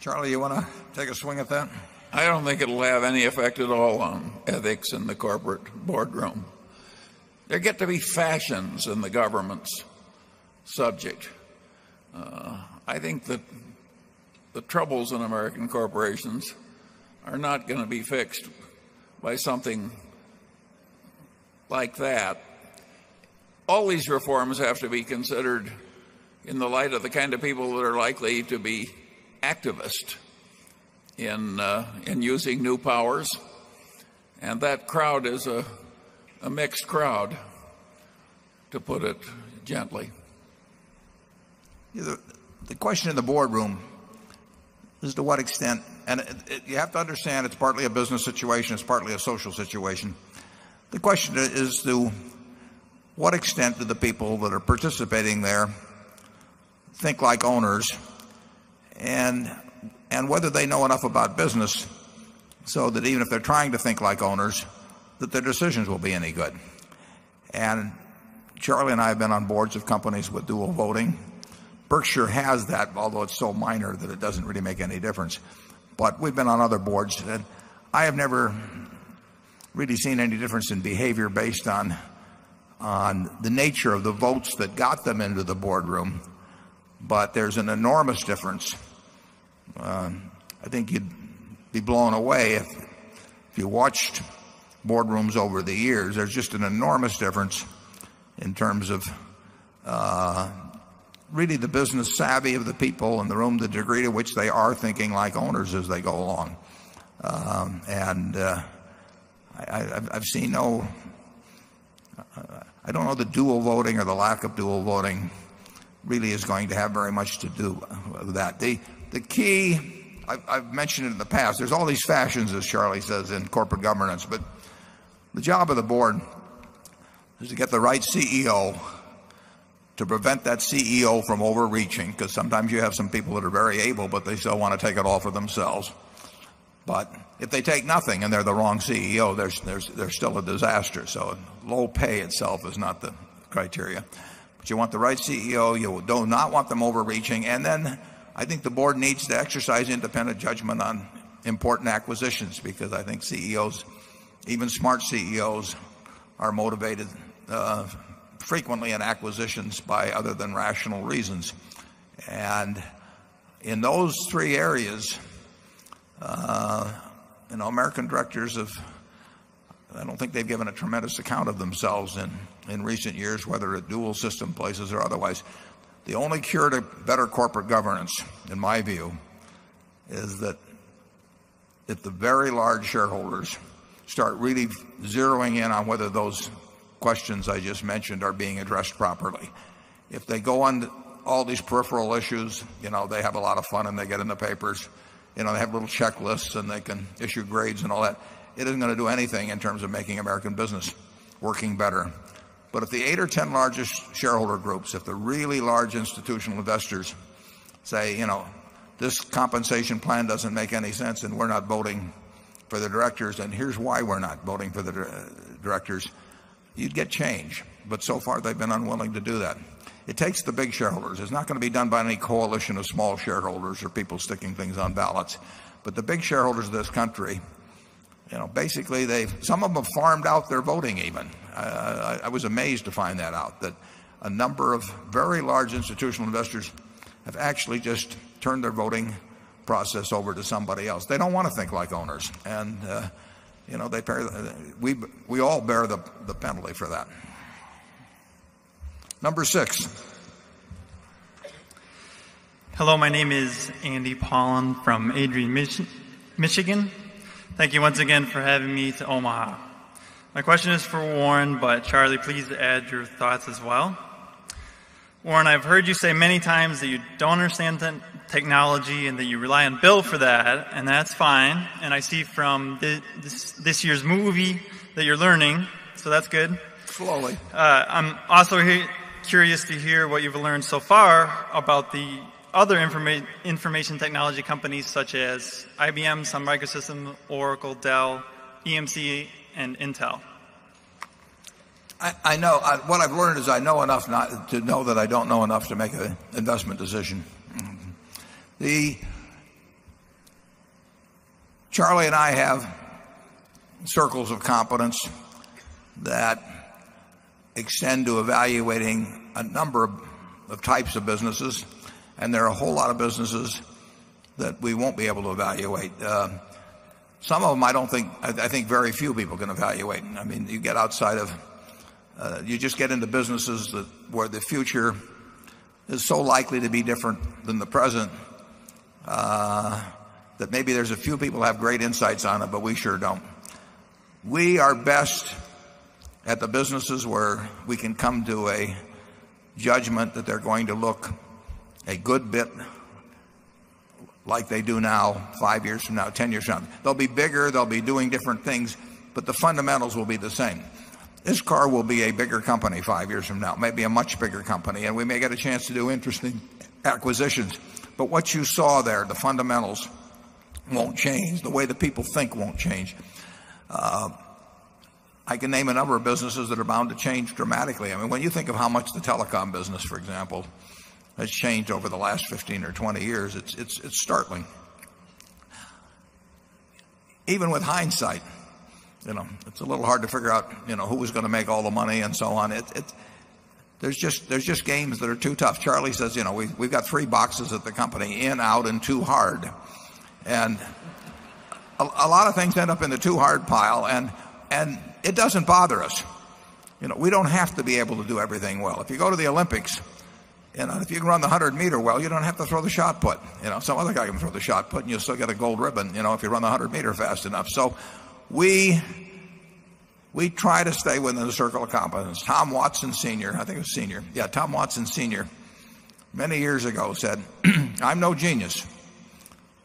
Speaker 1: Charlie, you want to take a swing at that?
Speaker 2: I don't think it will have any effect at all on ethics in the corporate boardroom. There get to be fashions in the government's subject. I think that the troubles in American corporations are not going to be fixed by something like that. All these reforms have to be considered in the light of the kind of people that are likely to be activists in using new powers. And that crowd is a mixed crowd, to put it gently.
Speaker 1: The question in the boardroom is to what extent and you have to understand it's partly a business situation, it's partly a social situation. The question is to what extent do the people that are participating there think like owners and whether they know enough about business so that even if they're trying to think like owners that their decisions will be any good. And Charlie and I have been on boards of companies with dual voting. Berkshire has that, although it's so minor that it doesn't really make any difference. But we've been on other boards that I have never really seen any difference in behavior based on the nature of the votes that got them into the boardroom, but there's an enormous difference. I think you'd be blown away if you watched boardrooms over the years. There's just an enormous difference in terms of really the business savvy of the people in the room, the degree to which they are thinking like owners as they go along. And I've seen no I don't know the dual voting or the lack of dual voting really is going to have very much to do with that. The key I've mentioned in the past there's all these fashions, as Charlie says, in corporate governance. But the job of the board is to get the right CEO to prevent that CEO from overreaching because sometimes you have some people that are very able but they still want to take it all for themselves. But if they take nothing and they're the wrong CEO, there's still a disaster. So low pay itself is not the criteria. But you want the right CEO, you don't not want them overreaching. And then I think the board needs to exercise independent judgment on important acquisitions because I think CEOs, even smart CEOs are motivated frequently in acquisitions by other than rational reasons. And in those three areas, American directors have I don't think they've given a tremendous account of themselves in recent years whether at dual system places or otherwise. The only cure to better corporate governance in my view is that if the very large shareholders start really zeroing in on whether those questions I just mentioned are being addressed properly. If they go on all these peripheral issues, they have a lot of fun and they get in the papers. They have little checklists and they can issue grades and all that. It isn't going to do anything in terms of making American Business working better. But if the 8 or 10 largest shareholder groups, if the really large institutional investors say, this compensation plan doesn't make any sense and we're not voting for the directors and here's why we're not voting for the directors, you'd get change. But so far, they've been unwilling to do that. It takes the big shareholders. It's not going to be done by any coalition of small shareholders or people sticking things on ballots. But the big shareholders of this country, basically they've some of them have farmed out their voting even. I was amazed to find that out that a number of very large institutional investors have actually just turned their voting process over to somebody else. They don't want to think like owners and they we all bear the penalty for that. Number 6.
Speaker 9: Hello. My name is Andy Pollan from Adrian, Michigan. Thank you once again for having me to Omaha. My question is for Warren, but Charlie, please add your thoughts as well. Warren, I've heard you say many times that you don't understand the technology and that you rely on Bill for that. And that's fine. And I see from this year's movie that you're learning, so that's good.
Speaker 1: Slowly.
Speaker 9: I'm also curious to hear what you've learned so far about the other information technology companies such as IBM, some microsystems, Oracle, Dell, EMC and Intel?
Speaker 1: I know what I've learned is I know enough to know that I don't know enough to make an investment decision. Charlie and I have circles of competence that extend to evaluating a number of types of businesses and there are a whole lot of businesses that we won't be able to evaluate. Some of them I don't think I think very few people can evaluate. I mean, you get outside of you just get into businesses that where the future is so likely to be different than the present that maybe there's a few people who have great insights on it but we sure don't. We are best at the businesses where we can come to a judgment that they're going to look a good bit like they do now 5 years from now, 10 years from now. They'll be bigger, they'll be doing different things, but the fundamentals will be the same. This car will be a bigger company 5 years from now, maybe a much bigger company. And we may get a chance to do interesting acquisitions. But what you saw there, the fundamentals won't change. The way that people think won't change. I can name a number of businesses that are bound to change dramatically. I mean, when you think of how much the telecom business, for example, has changed over the last 15 or 20 years, it's startling. Even with hindsight, it's
Speaker 2: a little hard
Speaker 1: to figure out who was going to make all the money and so on. There's just games that are too tough. Charlie says, we've got 3 boxes at the company, in, out and too hard. And a lot of things end up in the too hard pile and it doesn't bother us. We don't have to be able to do everything well. If you go to the Olympics and if you can run the 100 meter well, you don't have to throw the shot put. You know, some other guy can throw the shot put and you'll still get a gold ribbon, you know, if you run the 100 meter fast enough. So we try to stay within the circle of competence. Tom Watson Sr, I think it was Sr. Yeah, Tom Watson Sr, many years ago said, I'm no genius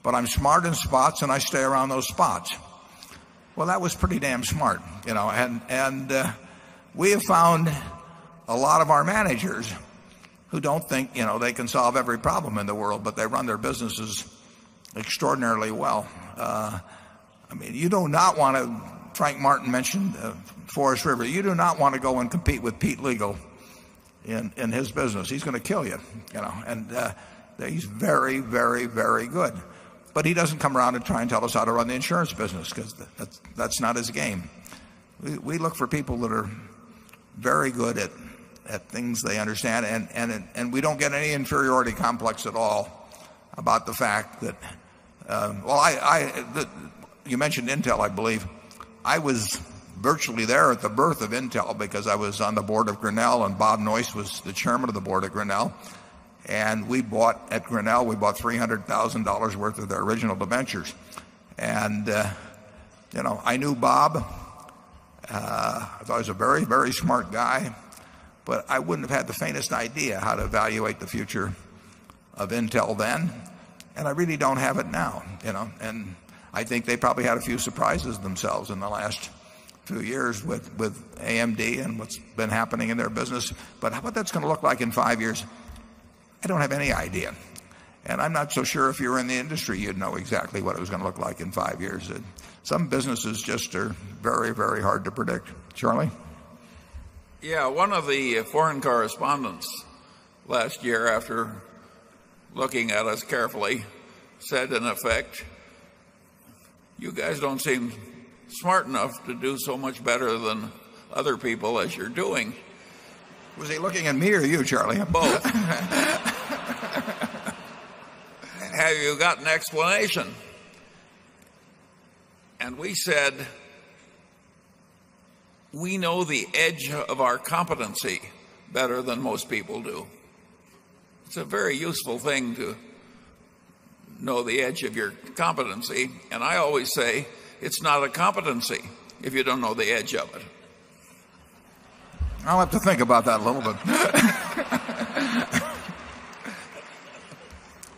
Speaker 1: but I'm smart in spots and I stay around those spots. Well, that was pretty damn smart, you know. And we have found a lot of our managers who don't think they can solve every problem in the world, but they run their businesses extraordinarily well. I mean, you do not want to Frank Martin mentioned Forest River, you do not want to go and compete with Pete Legal in his business. He's going to kill you. And he's very, very, very good. But he doesn't come around and try and tell us how to run the insurance business because that's not his game. We look for people that are very good at things they understand, and we don't get any inferiority complex at all about the fact that well, I you mentioned Intel, I believe. I was virtually there at the birth of Intel because I was on the board of Grinnell and Bob Noyce was the chairman of the board of Grinnell. And we bought at Grinnell, we bought $300,000 worth of the original debentures. And I knew Bob. I thought he was a very, very smart guy, but I wouldn't have had the faintest idea how to evaluate the future of Intel then, and I really don't have it now. And I think they probably had a few surprises themselves in the last few years with AMD and what's been happening in their business. But how about that's going to look like in 5 years? I don't have any idea. And I'm not so sure if you're in the industry, you'd know exactly what it was going to look like in 5 years. Some businesses are very, very hard to predict. Charlie?
Speaker 2: Yes. 1 of the foreign correspondents last year after looking at us carefully said in effect, you guys don't seem smart enough to do so much better than other people as you're doing.
Speaker 1: Was he looking at me or you, Charlie? Both.
Speaker 2: Have you got an explanation? And we said we know the edge of our competency better than most people do. It's a very useful thing to know the edge of your competency. And I always say, it's not a competency if you don't know the edge of it.
Speaker 1: I'll have to think about that a little bit.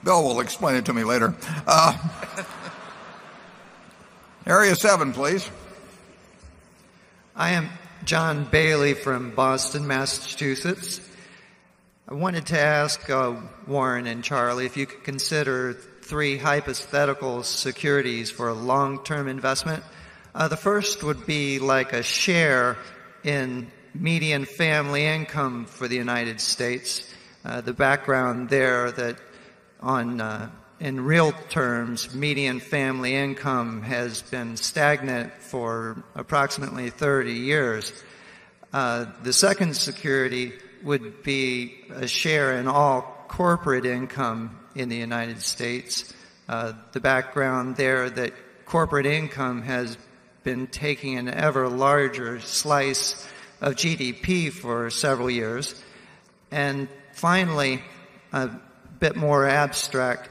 Speaker 1: Bill will explain it to me later.
Speaker 10: Area 7, please. I am John Bailey from Boston, Massachusetts. I wanted to ask Warren and Charlie if you could consider 3 hypothetical securities for a long term investment. The first would be like a share in median family income for the United States. The background there that on in real terms, median family income has been stagnant for approximately 30 years. The second security would be a share in all corporate income in the United States. The background there that corporate income has been taking an ever larger slice of GDP for several years. And finally, a bit more abstract,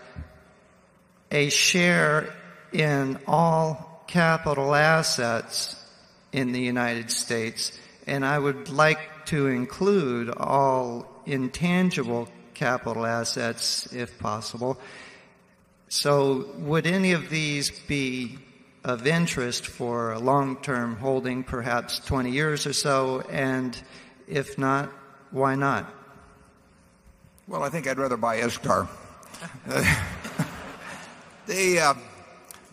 Speaker 10: a share in all capital assets in the United States. And I would like to include all intangible capital assets, if possible. So would any of these be of interest for a long term holding, perhaps 20 years or so? And if not, why not?
Speaker 1: Well, I think I'd rather buy ISCAR. The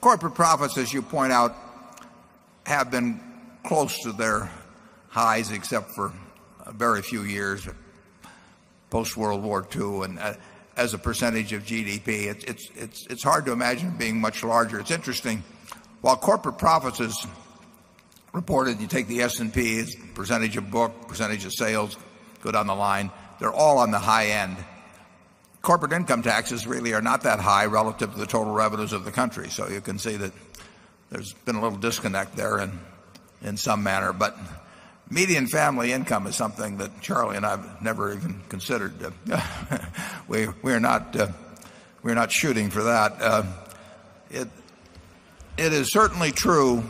Speaker 1: corporate profits, as you point out, have been close to their highs except for a very few years post World War II and as a percentage of GDP. It's hard to imagine being much larger. It's interesting, while corporate profits is reported you take the S and Ps, percentage of book, percentage of sales, good on the line, they're all on the high end. Corporate income taxes really are not that high relative to the total revenues of the country. So you can see that there's been a little disconnect there in some manner. But median family income is something that Charlie and I've never even considered. We are not are not shooting for that. It is certainly true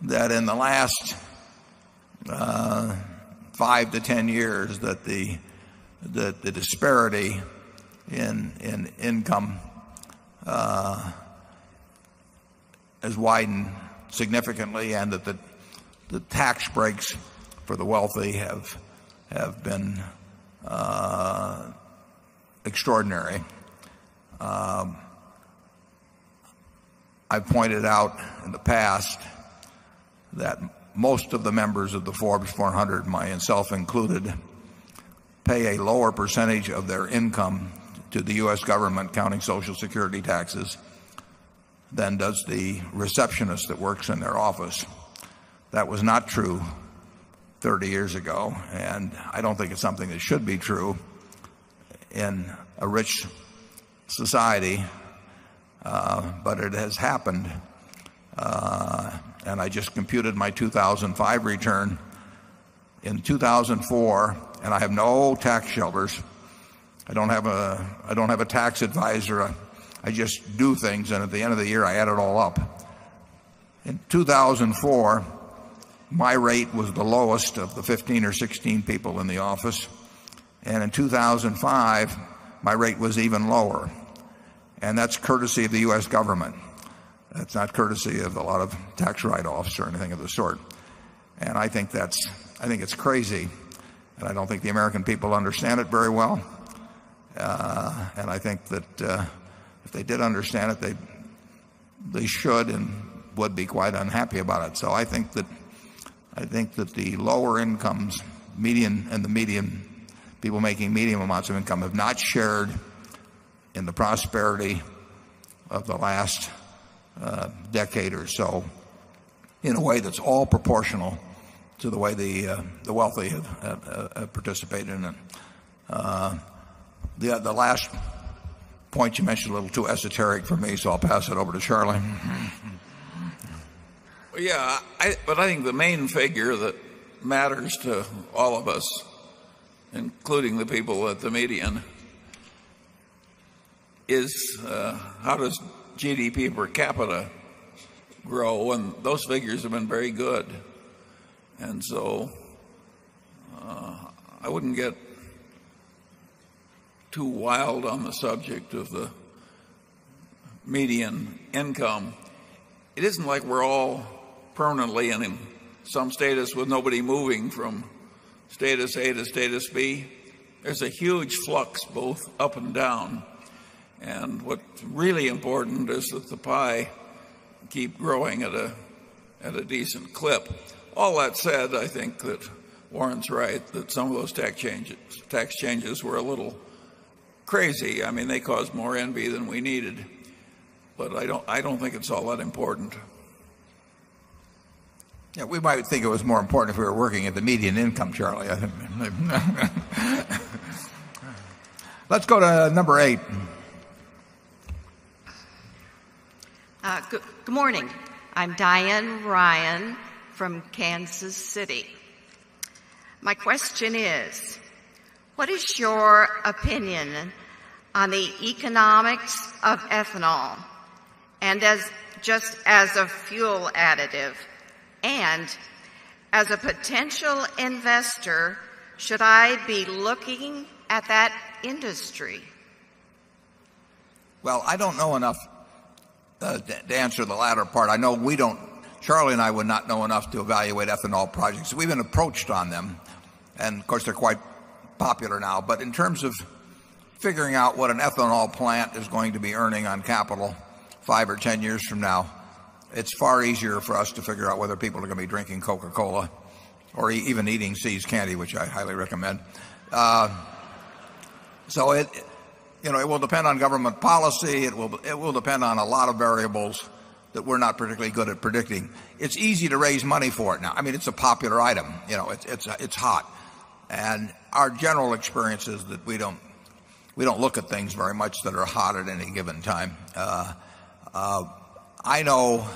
Speaker 1: that in the last 5 to 10 years that the disparity in income has widened significantly and that the tax breaks for the wealthy have been extraordinary. I've pointed out in the past that most of the members of the Forbes 400, myself included, pay a lower percentage of their income to the U. S. Government counting Social Security taxes than does the receptionist that works in their office. That was not true 30 years ago and I don't think it's something that should be true in a rich society, but it has happened. And I just computed my 2,005 return in 2004 and I have no tax shelters. I don't have a tax advisor. I just do things and at the end of the year I add it all up. In 2004, my rate was the lowest of the 15 or 16 people in the office. And in 2,005, my rate was even lower. And that's courtesy of the U. S. Government. It's not courtesy of a lot of tax write offs or anything of the sort. And I think that's I think it's crazy and I don't think the American people understand it very well. And I think that if they did understand it, they should and would be quite unhappy about it. So I think that the lower incomes median and the median people making medium amounts of income have not shared in the prosperity of the last decade or so in a way that's all proportional to the way the wealthy have participated in it. It. The last point you mentioned a little too esoteric for me, so I'll pass it over to Charlie.
Speaker 2: Yes. But I think the main figure that matters to all of us, including the people at the median, is how does GDP per capita grow and those figures have been very good. And so, I wouldn't get too wild on the subject of the median income. It isn't like we're all permanently in some status with nobody moving from status A to status B. There's a huge flux both up and down. And what's really important is that the pie keep growing at a decent clip. All that said, I think that Warren's right that some of those tax changes were a little crazy. I mean they caused more envy than we needed, but I don't think it's all that important.
Speaker 1: We might think it was more important if we were working at the median income, Charlie. Let's go to number 8.
Speaker 11: Good morning. I'm Diane Ryan from Kansas City. My question is, what is your opinion on the economics of ethanol and just as a fuel additive? And as a potential investor, should I be looking at that industry?
Speaker 1: Well, I don't know enough to answer the latter part. I know we don't Charlie and I would not know enough to evaluate ethanol projects. We've been approached on them and of course they're quite popular now. But in terms of figuring out what an ethanol plant is going to be earning on capital 5 or 10 years from now, it's far easier for us to figure out whether people are going to be drinking Coca Cola or even eating seized candy, which I highly recommend. So it will depend on government policy. It will depend on a lot of variables that we're not particularly good at predicting. It's easy to raise money for it now. I mean it's a popular item. It's hot. And our general experience is that we don't look at things very much that are hot at any given time. I know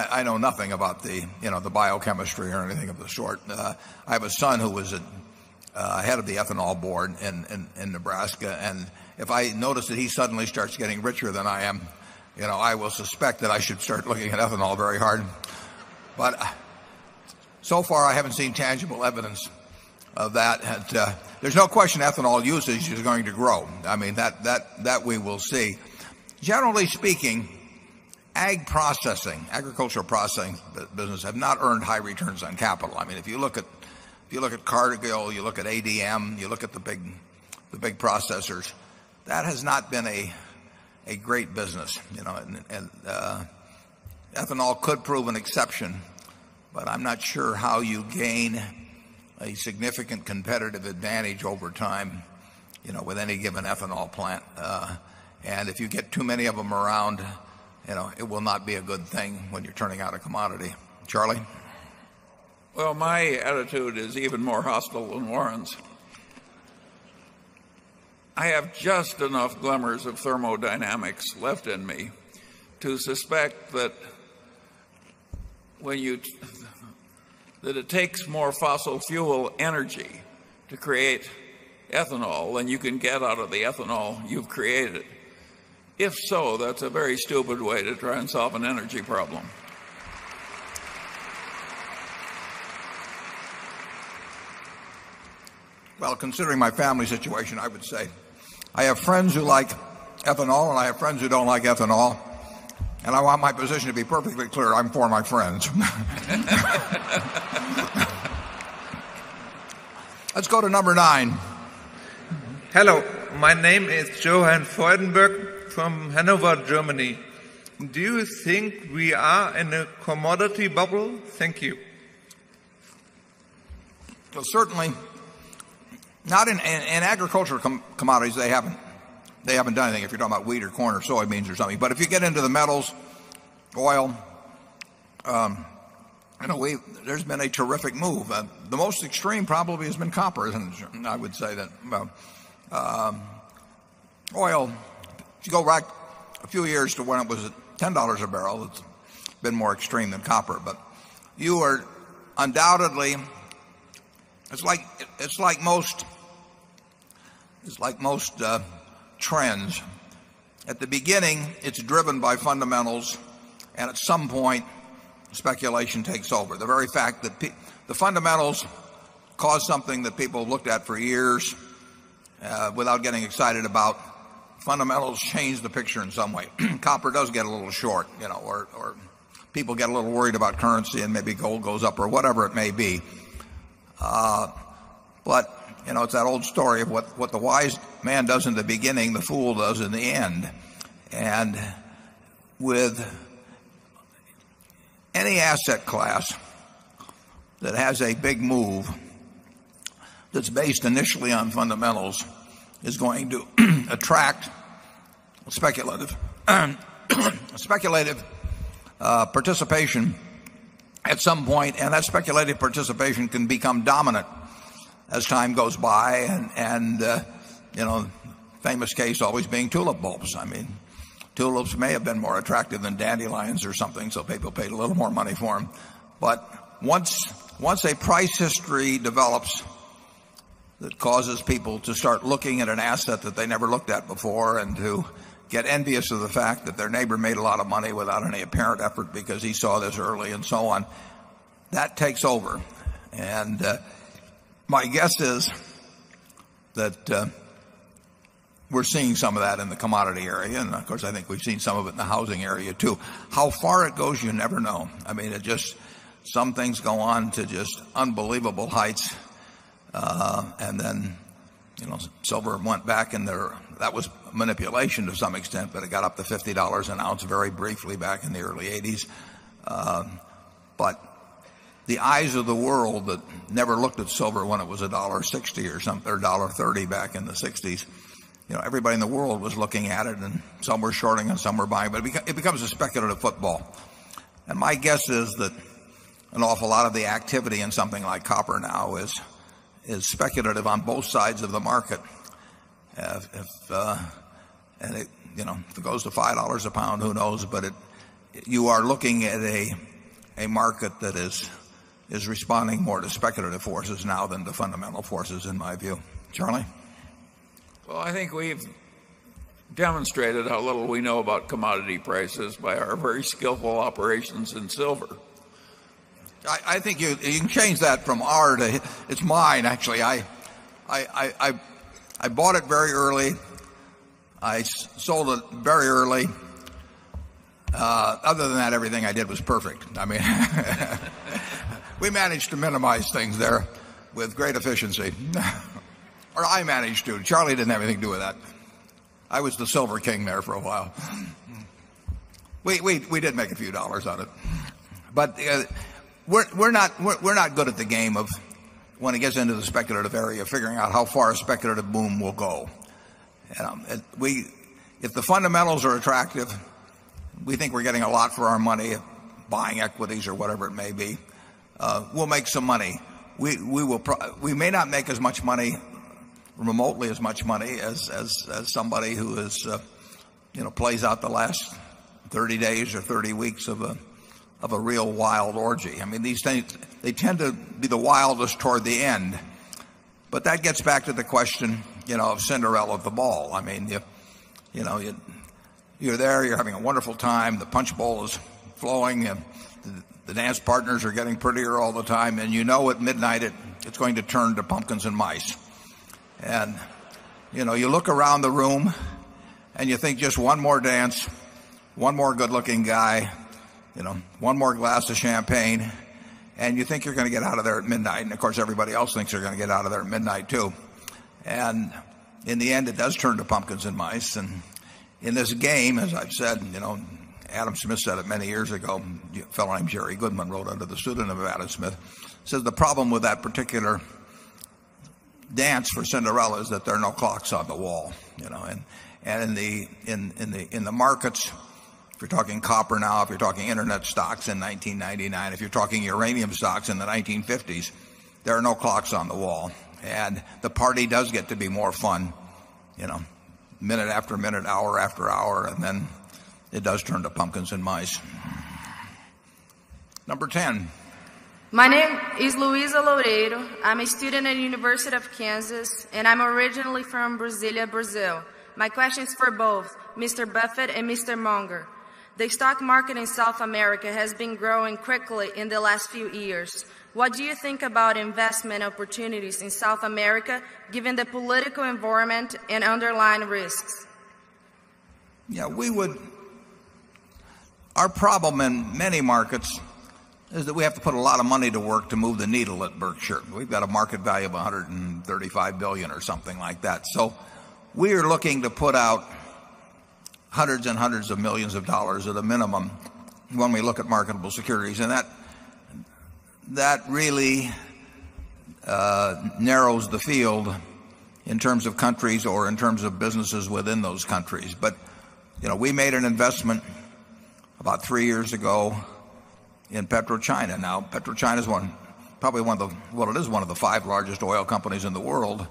Speaker 1: nothing about the biochemistry or anything of the sort. I have a son who was head of the ethanol board in Nebraska. And if I notice that he suddenly starts getting richer than I am, I will suspect that I should start looking at ethanol very hard. But so far I haven't seen tangible evidence of that. There's no question ethanol usage is going to grow. I mean, that we will see. Generally speaking, ag processing, agricultural processing business have not earned high returns on capital. I mean, if you look at Cargill, you look at ADM, you look at the big processors, that has not been a great business. And ethanol could prove an exception, but I'm not sure how you gain a significant competitive advantage over time with any given ethanol plant. And if you get too many of them around, it will not be a good thing when you're turning out a commodity. Charlie?
Speaker 2: Well, my attitude is even more hostile than Warren's. I have just enough glimmers of thermodynamics left in me to suspect
Speaker 12: that when you
Speaker 2: that it takes more fossil fuel energy to create ethanol than you can get out of the ethanol you've created. If so, that's a very stupid way to try and solve an energy problem.
Speaker 1: Well, considering my family situation, I would say I have friends who like ethanol and I have friends who don't like ethanol, and I want my position to be perfectly clear. I'm for my friends. Let's go to number 9. Hello. My name is Johann Freudenberg from Hannover, Germany. Do you think we are in a commodity bubble? Thank you. So certainly not in agricultural commodities, they haven't done anything if you're talking about wheat or corn or soybeans or something. But if you get into the metals, oil, I know there's been a terrific move. The most extreme probably has been copper, isn't it? I would say that oil, if you go back a few years to when it was at $10 a barrel, it's been more extreme than copper. But you are undoubtedly it's like most it's like most trends. At the beginning, it's driven by fundamentals and at some point, speculation takes over. The very fact that the fundamentals cause something that people looked at for years without getting excited about fundamentals change the picture in some way. Copper does get a little short or people get a little worried about currency and maybe gold goes up or whatever it may be. But it's that old story of what the wise man does in the beginning, the fool does in the end. And with any asset class that has a big move that's based initially on fundamentals is going to attract speculative speculative participation at some point and that speculative participation can become dominant as time goes by. And famous case always being tulip bulbs. I mean, tulips may have been more attractive than dandelions or causes people to start looking at an asset that they causes people to start looking at an asset that they never looked at before and to get envious of the fact that their neighbor made a lot of money without any apparent effort because he saw this early and so on, that takes over. And my guess is that we're seeing some of that in the commodity area and of course I think we've seen some of it in the housing area too. How far it goes you never know. I mean it just some things go on to just unbelievable heights and then silver went back in there that was manipulation to some extent, but it got up to $50 an ounce very briefly back in the early '80s. But the eyes of the world that never looked at silver when it was $1.60 or something or $1.30 back in the '60s, everybody in the world was looking at it and were shorting and some were buying, but it becomes a speculative football. And my guess is that an awful lot of the activity in something like copper now is speculative on both sides of the market. If it goes to $5 a pound, who knows, but you are looking at a market that is responding more to speculative forces now than the fundamental forces in my view. Charlie? Well, I think
Speaker 2: we've demonstrated how little we know about commodity prices by our very skillful operations in silver.
Speaker 1: I think you can change that from our it's mine actually. I bought it very early. I sold it very early. Other than that everything I did was perfect. I mean, we managed to minimize things there with great efficiency or I managed to. Charlie didn't have anything to do with that. I was the silver king there for a while. We did make a few dollars on it. But we're not good at the game of when it gets into the speculative area, figuring out how far a speculative boom will go. We if the fundamentals are attractive, we think we're getting a lot for our money buying equities or whatever it may be. We'll make some money. We will we may not make as much money remotely as much money as somebody who has plays out the last 30 days or 30 weeks of a real wild orgy. I mean, these things, they tend to be the wildest toward the end. But that gets back to the question of Cinderella the ball. I mean, you know, you're there, you're having a wonderful time, the Punch Bowl is flowing and the dance partners are getting prettier all the time and you know at midnight it's going to turn to pumpkins and mice. And you look around the room and you think just one more dance, one more good looking guy, one more glass of champagne, and you think you're going to get out of there at midnight. And of course, everybody else thinks you're going to get out of there at midnight, too. And in the end, it does turn to pumpkins and mice. And in this game, as I've said, Adam Smith said it many years ago, a fellow named Jerry Goodman wrote under the pseudonym of Adam Smith, says the problem with that particular dance for Cinderella is that there are no clocks on the wall. And in the markets, if you're talking copper now, if you're talking Internet stocks in 1999, if you're talking uranium stocks in the 1950s, there are no clocks on the wall. And the party does get to be more fun minute after minute, hour after hour, and then it does turn to pumpkins and mice. Number 10.
Speaker 11: My name is Luisa Laredo. I'm a student at University of Kansas, and I'm originally from Brasilia, Brazil. My question is for both Mr. Buffett and Mr. Munger. The stock market in South America has been growing quickly in the last few years. What do you think about investment opportunities in South America given the political environment and underlying risks?
Speaker 1: Yeah. We would our problem in many markets is that we have to put a lot of money to work to move the needle at Berkshire. We've got a market value of $135,000,000,000 or something like that. So we are looking to put out 100 100 of 1,000,000 of dollars at the minimum when we look at marketable securities and that really narrows the field in terms of countries or in terms of businesses within those countries. But we made an investment about 3 years ago in PetroChina. Now PetroChina is 1 probably one of the well, it is 1 of the 5 largest oil companies in the world.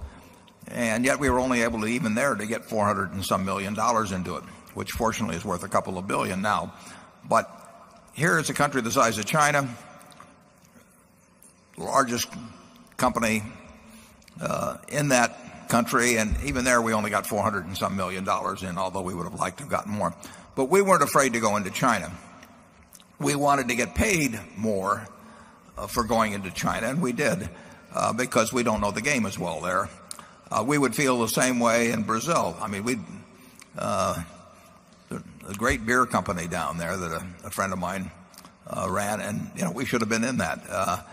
Speaker 1: And yet we were only able to even there to get $400 and some $1,000,000 into it, which fortunately is worth a couple of 1,000,000,000 now. But here is a country the size of China, largest company in that country, and even there we only got 400 and some $1,000,000 in, although we would have liked to have gotten more. But we weren't afraid to go into China. We wanted to get paid more for going into China and we did because we don't know the game as well there. We would feel the same way in Brazil. I mean, we a great beer company down there that a friend of mine ran and we should have been in that.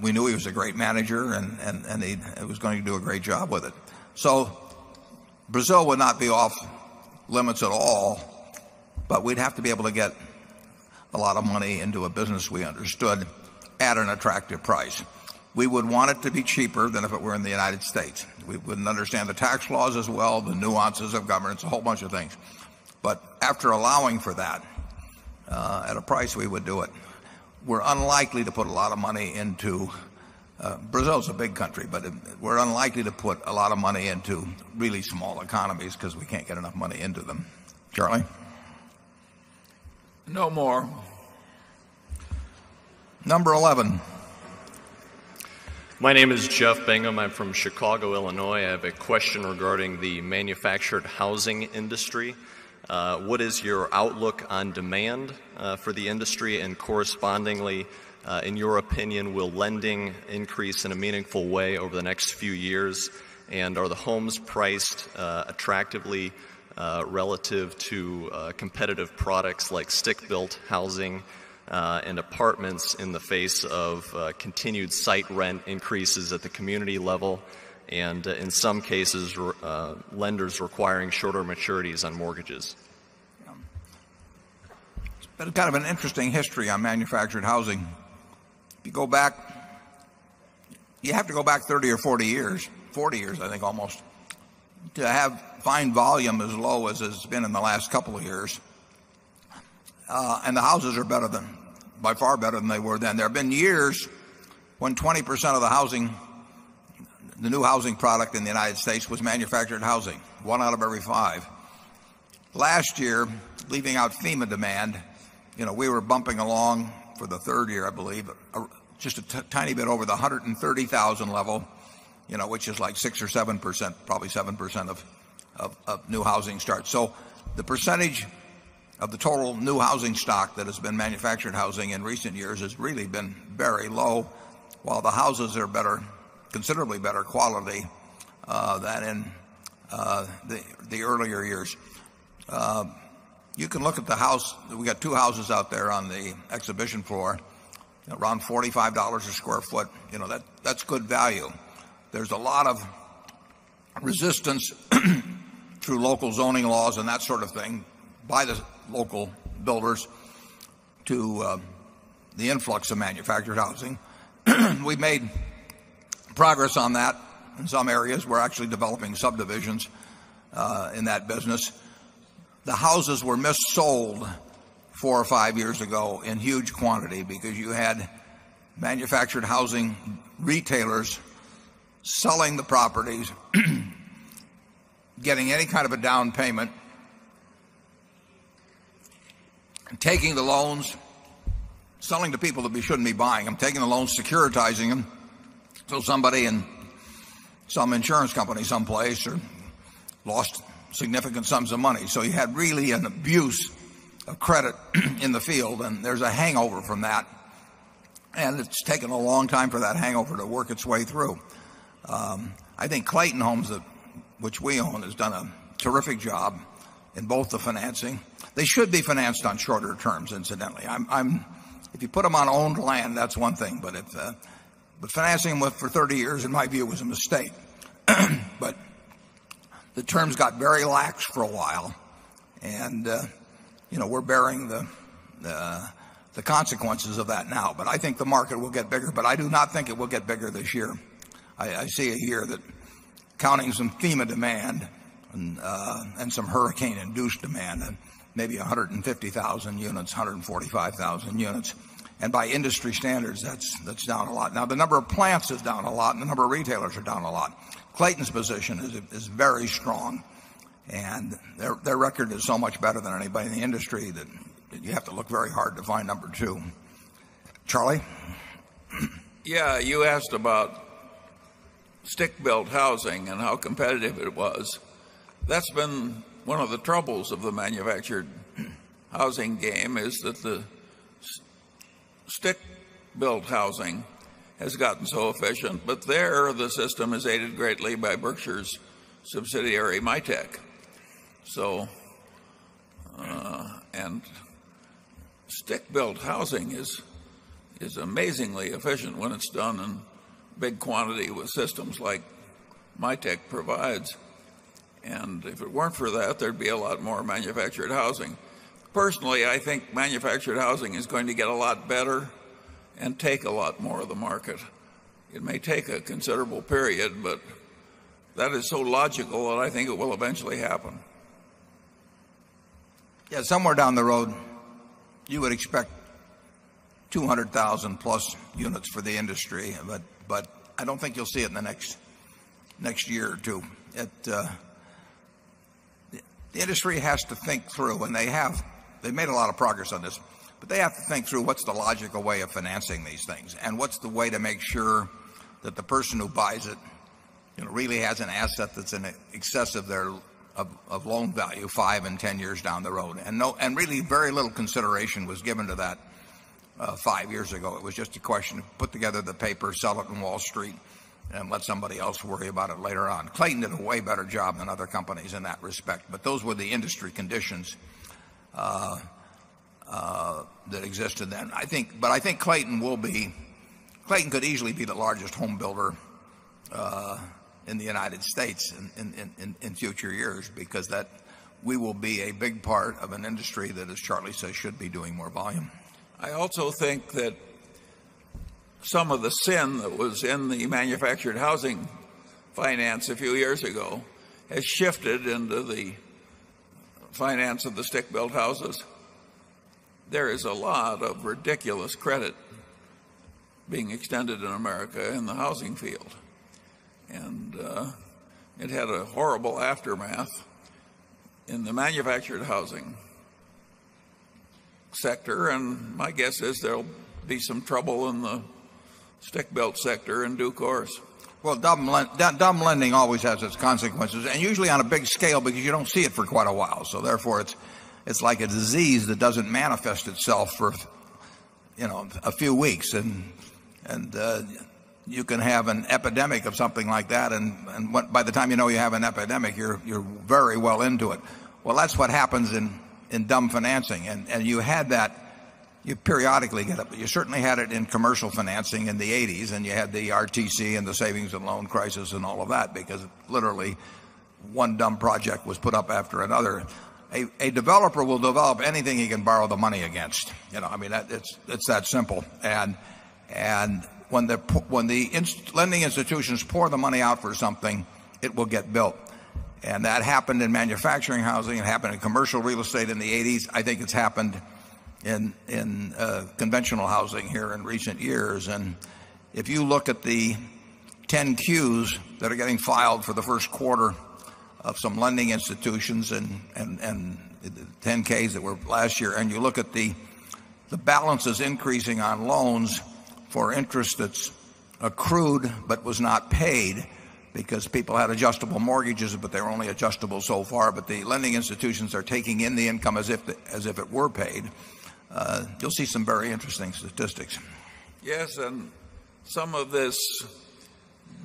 Speaker 1: We knew he was a great manager and he was going to do a great job with it. So Brazil would not be off limits at all, but we'd have to be able to get a lot of money into a business we understood at an attractive price. We would want it to be cheaper than if it were in the United States. We wouldn't understand the tax laws as well, the nuances of governments, a whole bunch of things. But after allowing for that at a price we would do it, we're unlikely to put a lot of money into Brazil is a big country, but we're unlikely to put a lot of money into really small economies because we can't get enough money into them. Charlie?
Speaker 2: No more.
Speaker 1: Number 11.
Speaker 13: My name is Jeff Bingham. I'm from Chicago, Illinois. I have a question regarding the manufactured housing industry. What is your outlook on demand, for the industry? And correspondingly, in your opinion, will lending increase in a meaningful way over the next few years? And are the homes priced attractively relative to competitive products like stick built housing and apartments in the face of continued site rent increases at the community level and in some cases lenders requiring shorter maturities on mortgages.
Speaker 3: It's been
Speaker 1: kind of an interesting history on manufactured housing. You go back you have to go back 30 or 40 years, 40 years, I think almost, to have fine volume as low as it's been in the last couple of years. And the houses are better than by far better than they were then. There have been years when 20 percent of the housing the new housing product in the United States was manufactured housing, 1 out of every 5. Last year, leaving out FEMA demand, we were bumping along for the 3rd year, I believe, just a tiny bit over the $130,000 level, which is like 6% or 7%, probably 7% of new housing starts. So the percentage of the total new housing stock that has been manufactured housing in recent years has really been very low. While the houses are better considerably better quality than in the earlier years. You can look at the house we got 2 houses out there on the exhibition floor, around $45 a square foot. That's good value. There's a lot of
Speaker 2: resistance
Speaker 1: through local zoning laws and that sort of thing by the local builders to the influx of manufactured housing. We've made progress on that in some areas. We're actually developing subdivisions in that business. The houses were mis sold 4 or 5 years ago in huge quantity because you had manufactured housing retailers selling the properties, getting any kind of a down payment, and taking the loans, selling to people that we shouldn't be buying. I'm taking the loans, securitizing them so somebody in some insurance company someplace lost significant sums of money. So you had really an abuse of credit in the field and there's a hangover from that and it's taken a long time for that hangover to work its way through. I think Clayton Homes, which we own, has done a terrific job in both the financing. They should be financed on shorter terms incidentally. I'm if you put them on owned land, that's one thing. But financing for 30 years, in my view, was a mistake. But the terms got very lax for a while, and we're bearing the consequences of that now. But I think the market will get bigger, but I do not think it will get bigger this year. I see it here that counting some FEMA demand and some hurricane induced demand and maybe 150,000 units, 145,000 units. And by industry standards, that's down a lot. Now the number of plants is down a lot and the number of retailers are down a lot. Clayton's position is very strong and their record is so much better than anybody in the industry that you have to look very hard to find number 2.
Speaker 2: Charlie? Yes. You asked about stick built housing and how competitive it was. That's been one of the troubles of the manufactured housing game is that the stick built housing has gotten so efficient, but there the system is aided greatly by Berkshire's subsidiary, Mitek. So and stick built housing is amazingly efficient when it's done in big quantity with systems like Mitek provides. And if it weren't for that, there'd be a lot more manufactured housing. Personally, I think manufactured housing is going to get a lot better and take a lot more of the market. It may take a considerable period, but that is so logical and I think it will eventually happen.
Speaker 1: Yes, somewhere down the road you would expect 200,000 plus units for the industry, but I don't think you'll see it in the next year or 2. The industry has to think through, and they have they've made a lot of progress on this, but they have to think through what's the logical way of financing these things and what's the way to make sure that the person who buys it really has an asset that's in excess of their of loan value 5 10 years down the road. And really very little consideration was given to that 5 years ago. It was just a question of way better worry about it later on. Clayton did a way better job than other companies in that respect, but those were the industry conditions that existed then. I think but I think Clayton will be Clayton could easily be the largest homebuilder in the United States in future years because that we will be a big part of an industry that as Charlie said should be doing more volume.
Speaker 2: I also think that some of the sin that was in the manufactured housing finance a few years ago has shifted into the finance of the stick built houses. There is a lot of ridiculous credit being extended in America in the housing field. And it had a horrible aftermath in the manufactured housing sector and my guess is there'll be some trouble in the stick belt sector in due course. Well, dumb lending always has its consequences and usually on
Speaker 1: a big scale because you don't see it for quite a while. So therefore, it's like a disease that doesn't manifest itself for a few weeks. And you can have an epidemic of something like that. And by the time you know you have an epidemic, you're very well into it. Well, that's what happens in dumb financing. And you had that you periodically get up, but you certainly had it in commercial financing in the '80s and you had the RTC and the savings and loan crisis and all of that because because literally one dumb project was put up after another. A developer will develop anything he can borrow the money against. I mean, it's that simple. And when the lending institutions pour the money out for something, it will get built. And that happened in manufacturing housing. It happened in commercial real estate in the '80s. I think it's happened in conventional housing here in recent years. And if you look at the 10 Qs that are getting filed for the Q1 of some lending institutions and the 10ks that were last year and you look at the balances increasing on loans for interest that's accrued but was not paid because people had adjustable mortgages but they're only adjustable so far but the lending institutions are taking in the income as if it were paid. You'll see some very interesting statistics.
Speaker 2: Yes. And some of this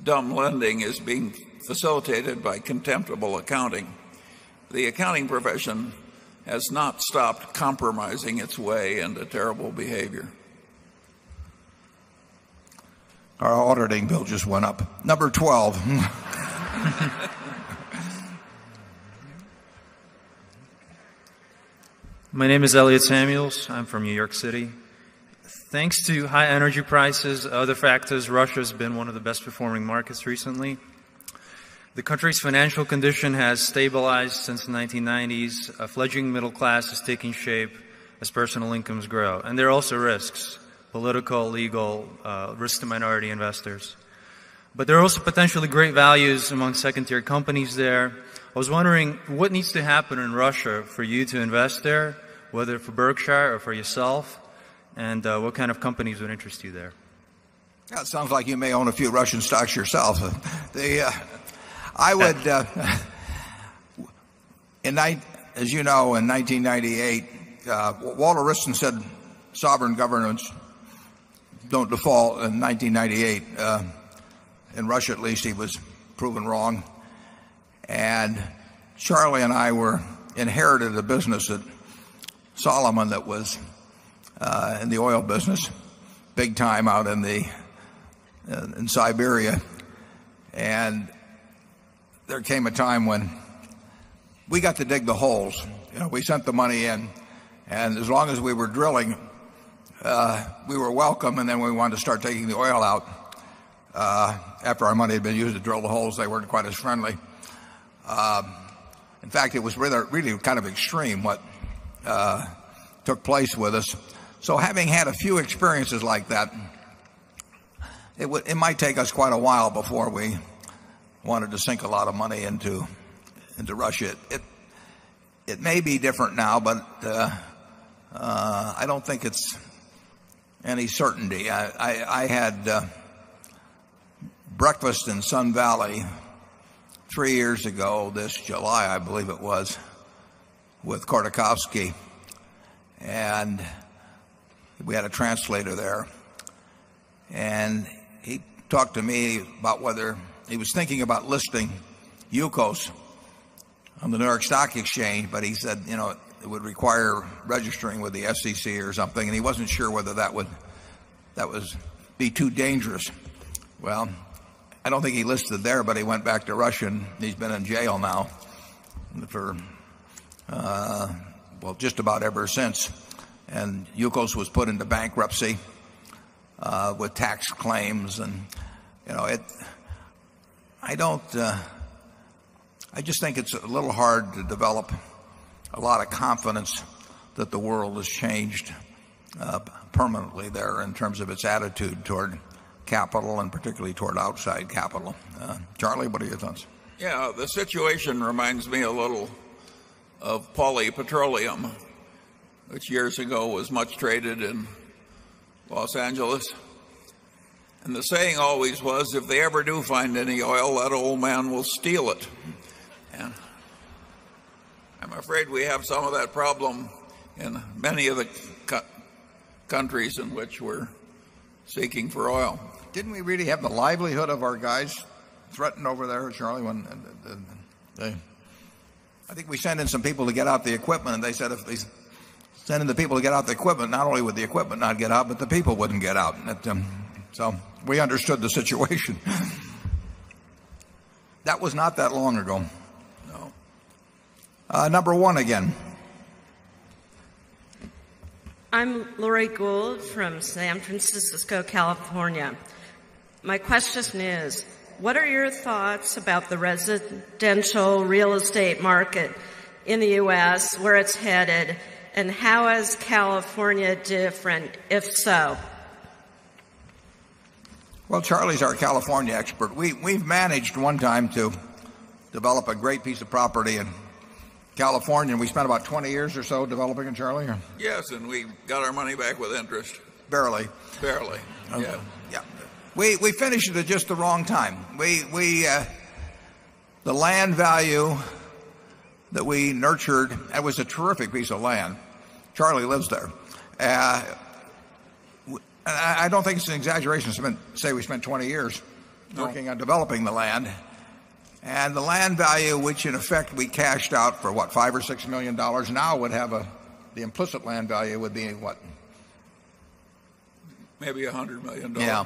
Speaker 2: dumb lending is being facilitated by contemptible accounting. The accounting profession has not stopped compromising its way into terrible behavior.
Speaker 1: Our auditing bill just went up. Number 12.
Speaker 14: My name is Elliot Samuels. I'm from New York City. Thanks to high energy prices, other factors, Russia has been one of the best performing markets recently. The country's financial condition has stabilized since 1990s, a fledgling middle class is taking shape as personal incomes grow and there are also risks, political, legal, risk to minority investors. But there are also potentially great values among 2nd tier companies there. I was wondering what needs to happen in Russia for you to invest there, whether for Berkshire or for yourself? And what kind of companies would interest you there?
Speaker 1: It sounds like you may own a few Russian stocks yourself. I would as you know, in 1998, Walter Wriston said sovereign governance don't default in 1998. In Russia at least, he was proven wrong. And Charlie and I were inherited a business at Solomon that was in the oil business, big time out in the in Siberia. And there came a time when we got to dig the holes. We sent the money in and as long as we were drilling we were welcome and then we wanted to start taking the oil out after our money had been used to drill the holes. They weren't quite as friendly. In fact, it was really kind of extreme what took place with us. So having had a few experiences like that, it might take us quite a while before we wanted to sink a lot of money into Russia. It may be different now, but I don't think it's any certainty. I had breakfast in Sun Valley 3 years ago this July I believe it was with Kortakowski and we had a translator there And he talked to me about whether he was thinking about listing UCOS on the New York Stock Exchange, but he said it would require registering with the SEC or something and he wasn't sure whether that would that was be too dangerous. Well, I don't think he listed there, but he went back to Russia and he's been in jail now for well just about ever since and Yukos was put into bankruptcy with tax claims and it I don't I just think it's a little hard to develop a lot of confidence that the world has changed permanently there in terms of its attitude toward capital and particularly toward outside capital. Charlie, what are your thoughts?
Speaker 2: Yes. The situation reminds me a little of poly Petroleum which years ago was much traded in Los Angeles. And the saying always was, if they ever do find any oil, that old man will steal it. And I'm afraid we have some of that problem in many of the countries in which we're seeking for oil. Didn't we really have the livelihood of
Speaker 1: our guys threatened over there, Charlie, when they I think we sent in some people to get out the equipment. And they said if these sent in the people to get out the equipment, not only would the equipment not get out, but the people wouldn't get out. So we understood the situation. That was not that long ago. No. Number 1 again.
Speaker 15: I'm Laurie Gould from San Francisco, California. My question is, what are your thoughts about the residential real estate market in the U. S, where it's headed? And how is California different, if so?
Speaker 1: Well, Charlie's our California expert. We've managed one time to develop a great piece of property in California and we spent about 20 years or so developing it, Charlie?
Speaker 2: Yes. And we got our money back with interest. Barely. Barely. Yeah.
Speaker 1: Okay. Yeah. We finished it at just the wrong time. We the land value that we nurtured, that was a terrific piece of land. Charlie lives there. I don't think it's an exaggeration to say we spent 20 years working on developing the land. And the land value which in effect we cashed out for, what, dollars 5,000,000 or $6,000,000 now would have a the implicit land value would be what? Maybe $100,000,000 Yeah.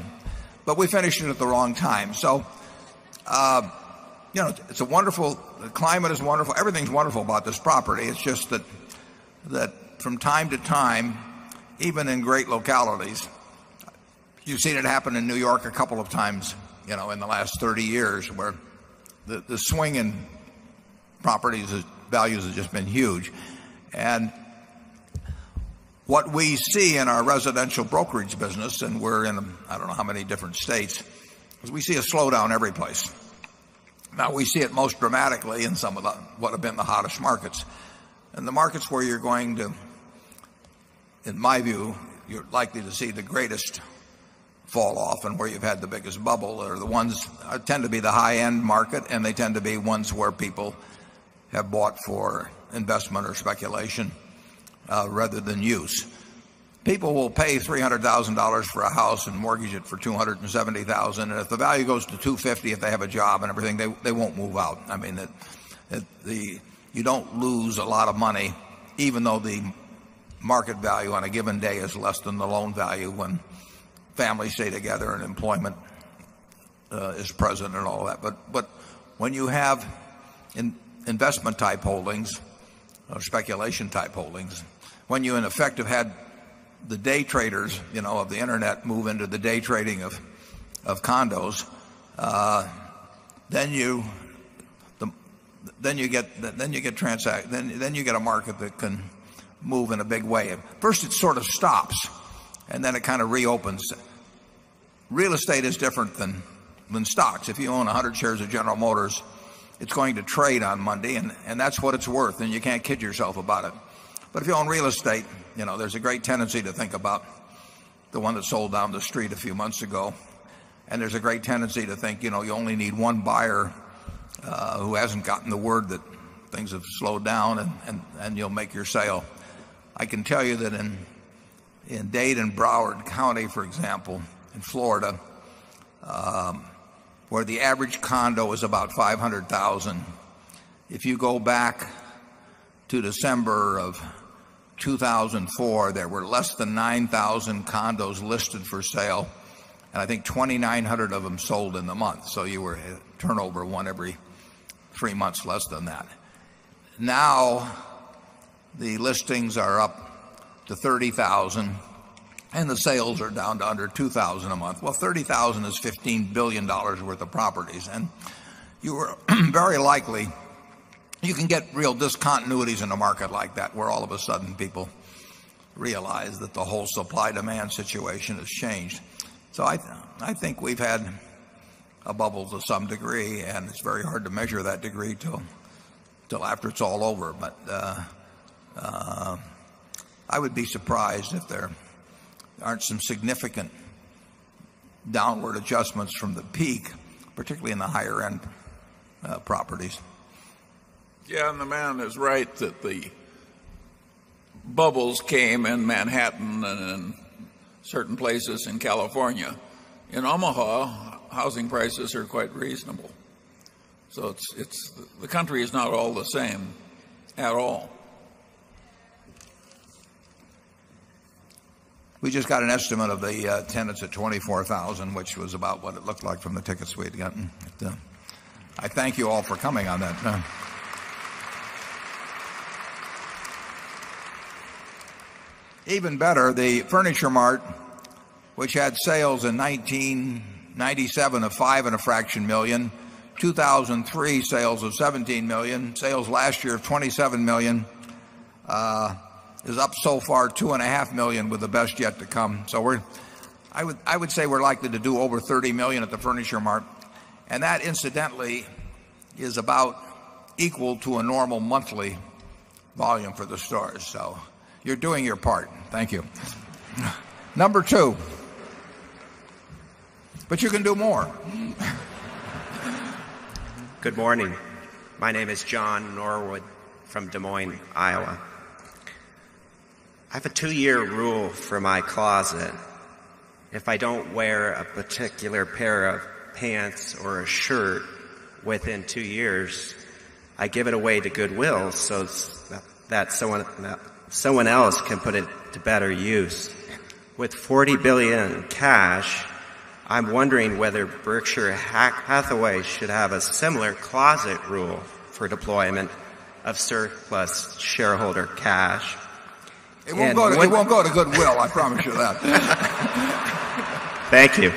Speaker 1: But we finished it at the wrong time. So, it's a wonderful the climate is wonderful. Everything's wonderful about this property. It's just that that from time to time, even in great localities You've seen it happen in New York a couple of times in the last 30 years where the swing in properties values has just been huge. And what we see in our residential brokerage business and we're in I don't know how many different states because we see a slowdown every place. Now we see it most dramatically in some of what have been the hottest markets. And the markets where you're going to in my view, you're likely to see the greatest fall off and where you've had the biggest bubble are the ones tend to be the high end market and they tend to be ones where people have bought for investment or speculation rather than use. People will pay $300,000 for a house and mortgage it for 270 if they have a job and everything, they won't move out. I mean, you don't lose a lot of money even though the market value on a given day is less than the loan value when families stay together and employment is present and all that. But when you have investment type holdings or speculation type holdings, when you in effect have had the day traders of the Internet move into the day trading of condos, then you get a market that can move in a big way. First, it sort of stops and then it kind of reopens. Real estate is different than stocks. If you own 100 shares of General Motors, it's going to trade on Monday and that's what it's worth and you can't kid yourself about it. But if you own real estate, there's a great tendency to think about the one that sold down the street a few months ago and there's a great tendency to think you only need one buyer who hasn't gotten the word that things have slowed down and you'll make your sale. I can tell you that in Dade and Broward County for example in Florida where the average condo is about 500,000 If you go back to December of 2,004, there were less than 9,000 condos listed for sale. And I think 2,900 of them sold in the month. So you were turnover 1 every 3 months less than that. Now the listings are up to 30,000 and the sales are down to under 2,000 a month. Well, 30,000 is $15,000,000,000 worth discontinuities in a market like that where all of a sudden people realize that the whole supply demand situation has changed. So I think we've had a bubble to some degree and it's very hard to measure that degree till after it's all over. But I would be surprised if there aren't some significant downward adjustments from the peak, particularly in the higher end properties.
Speaker 2: Yeah. And the man is right that the bubbles came in Manhattan and in certain places in California. In Omaha, housing prices are quite reasonable. So it's the country is not all the same at all.
Speaker 1: We just got an estimate of the tenants at 24,000 which was about what it looked like from the ticket suite. I thank you all for coming on that. Even better, the Furniture Mart which had sales in 1997 of $5,000,000 2,003 sales of $17,000,000 sales last year of 27,000,000 dollars is up so far $2,500,000 with the best yet to come. So we're I would say we're likely to do over $30,000,000 at the Furniture Mart. And that incidentally is about equal to a normal monthly volume for the stores. So you're doing your part. Thank you. Number 2, but you can do more.
Speaker 16: Good morning. My name is John Norwood from Des Moines, Iowa. I have a 2 year rule for my closet. If I don't wear a particular pair of pants or a shirt within 2 years, I give it away to goodwill, so that someone else can put it to better use. With $40,000,000,000 cash, I'm wondering whether Berkshire Hathaway should have a similar closet rule for deployment of surplus shareholder cash.
Speaker 1: It won't go to goodwill, I promise you that.
Speaker 16: Thank you.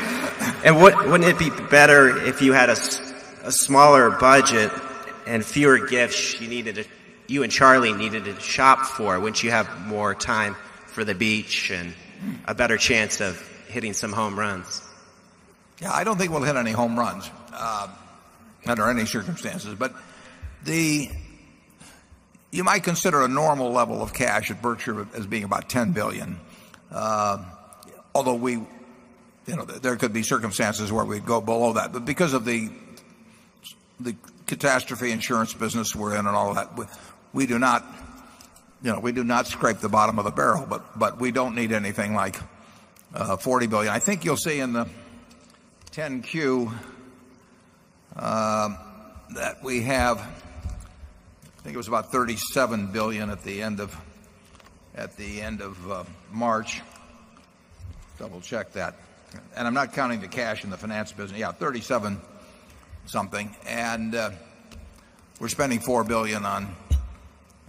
Speaker 16: And wouldn't it be better if you had a smaller budget and fewer gifts you needed to you and Charlie needed to shop for, would you have more time for the beach and a better chance of hitting some home runs?
Speaker 1: Yeah. I don't think we'll hit any home runs under any circumstances. But the you might consider a normal level of cash at Berkshire as being about 10,000,000,000
Speaker 3: although
Speaker 1: we there could be circumstances where we go below that. But because of the catastrophe insurance business we're in and all of that, we do not scrape the bottom of the barrel, but we don't need anything like $40,000,000,000 I think you'll see in the 10Q that we have I think it was about $37,000,000,000 at the end of March, double check that. And I'm not counting the cash in the finance business. Yes, 37 something. And we're spending 4,000,000,000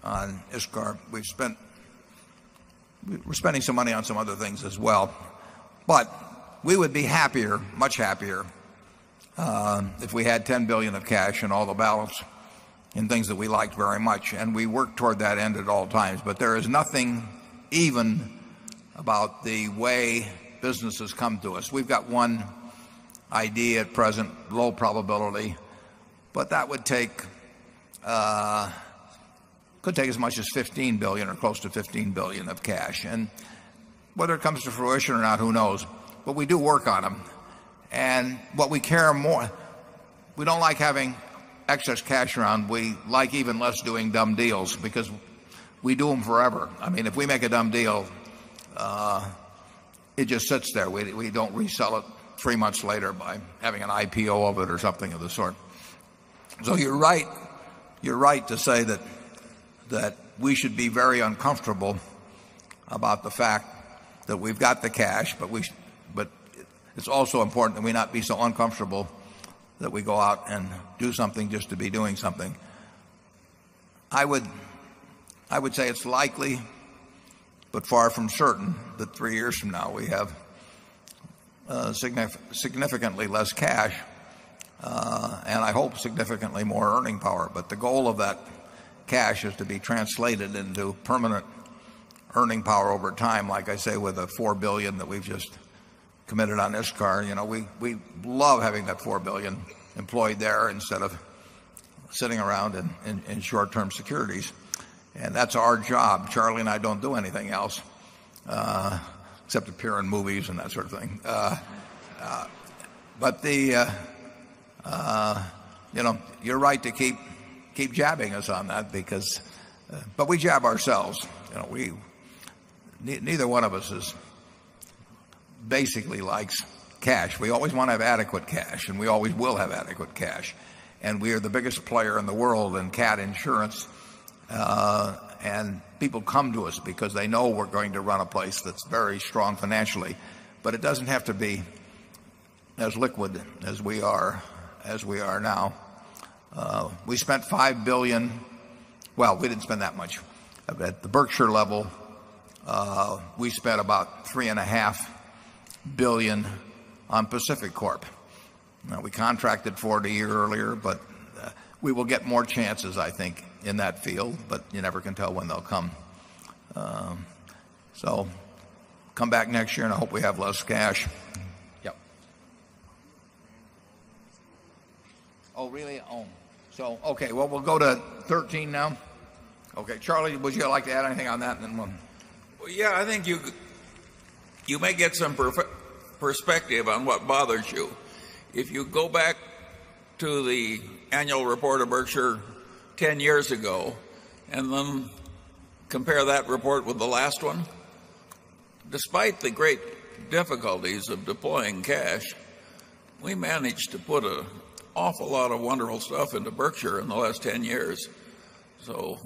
Speaker 1: on ISKAR. We've spent we're spending some money on some other things as well. But we would be happier, much happier if we had $10,000,000,000 of cash and all the balance in things that we liked very much. And we worked toward that end at all times. But there is nothing even about the way businesses come to us. We've got one idea at present, low probability, but that would take could take as much as $15,000,000,000 or close to $15,000,000,000 of cash. And whether it comes to fruition or not, who knows. But we do work on them. And what we care more we don't like having excess cash around. We like even less doing dumb deals because we do them forever. I mean, if we make a dumb deal, it just sits there. We don't resell it 3 months later by having an IPO of it or something of the sort. So you're right. You're right to say that we should be very uncomfortable about the fact that we've got the cash, but we but it's also important that we not be so uncomfortable that we go out and do something just to be doing something. I would say it's likely but far from certain that 3 years from now we have significantly less cash and I hope significantly more earning power. But the goal of that cash is to be translated into permanent earning power over time like I say with the $4,000,000,000 that we've just committed on ISKAR. We love having that $4,000,000,000 employed there instead of sitting around in short term securities. And that's our job. Charlie and I don't do anything else except appear in movies and that sort of thing. But the you're right to keep jabbing us on that because but we jab ourselves. Neither one of us basically likes cash. We always want to have adequate cash and we always will have adequate cash. And we are the biggest player in the world in cat insurance. And people come to us because they know we're going to run a place that's very strong financially. But it doesn't have to be as liquid as we are now. We spent 5,000,000,000 well, we didn't spend that much. At the Berkshire level, we spent about 3,500,000,000 on Pacific Corp. Now we contracted for it a year earlier, but we will get more chances I think in that field, but you never can tell when they'll come. So come back next year and I hope we have less cash. Yes. Oh, really? Oh, so okay. Well, we'll go to 13 now. Okay. Charlie, would you like to add anything on that?
Speaker 2: Yes, I think you may get some perspective on what bothers you. If you go back to the annual report of Berkshire 10 years ago and then compare that report with the last one, Despite the great difficulties of deploying cash, we managed to put an awful lot of wonderful stuff into Berkshire in the last 10 years. So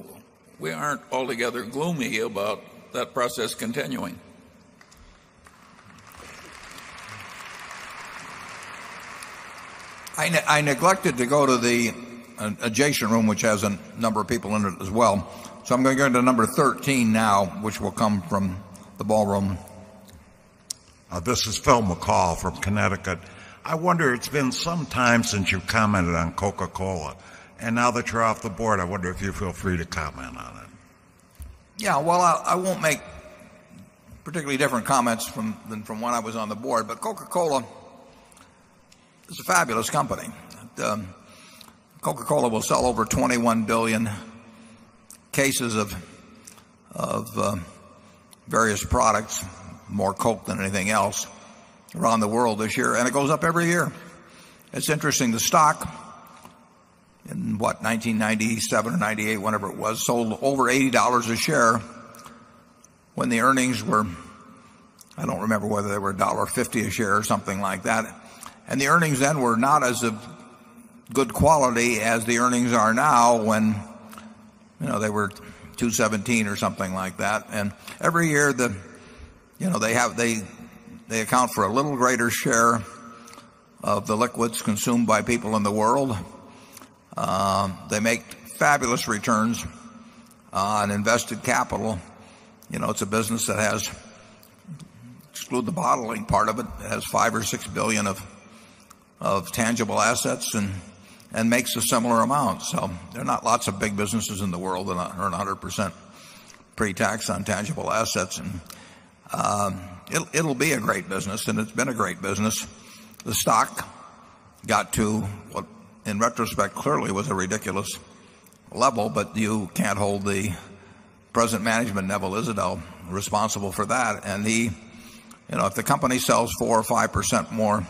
Speaker 2: we aren't altogether gloomy about that process continuing.
Speaker 1: I neglected to go to the adjacent room which has a number of people in it as well. So I'm going to go to number 13 now which will come from the ballroom. This is Phil McCall from Connecticut. I wonder it's been some time since you've commented on Coca Cola. And now that you're off the board, I wonder if you feel free to on it. Yes. Well, I won't make particularly different comments from when I was on the board, but Coca Cola is a fabulous company. Coca Cola will sell over 21,000,000,000 cases of various products, more Coke than anything else around the world this year and it goes up every year. It's interesting the stock in, what, 1997 or 'ninety eight, whenever it was, sold over $80 a share when the earnings were, I don't remember whether they were a dollar 50 a share or something like that. And the earnings then were not as of good quality as the earnings are now when they were $2.17 or something like that. And every year, they have they account for a little greater share of the liquids consumed by people in the world. They make fabulous returns on invested capital. It's a business that has exclude the bottling part of it, it has $5,000,000,000 or $6,000,000,000 of tangible assets and makes a similar amount. So there are not lots of big businesses in the world that that are 100% pretax on tangible assets and it'll be a great business and it's been a great business. The stock got to what in retrospect clearly was a ridiculous level, but you can't hold the present management, Neville Isidel, responsible for And he if the company sells 4% or 5% more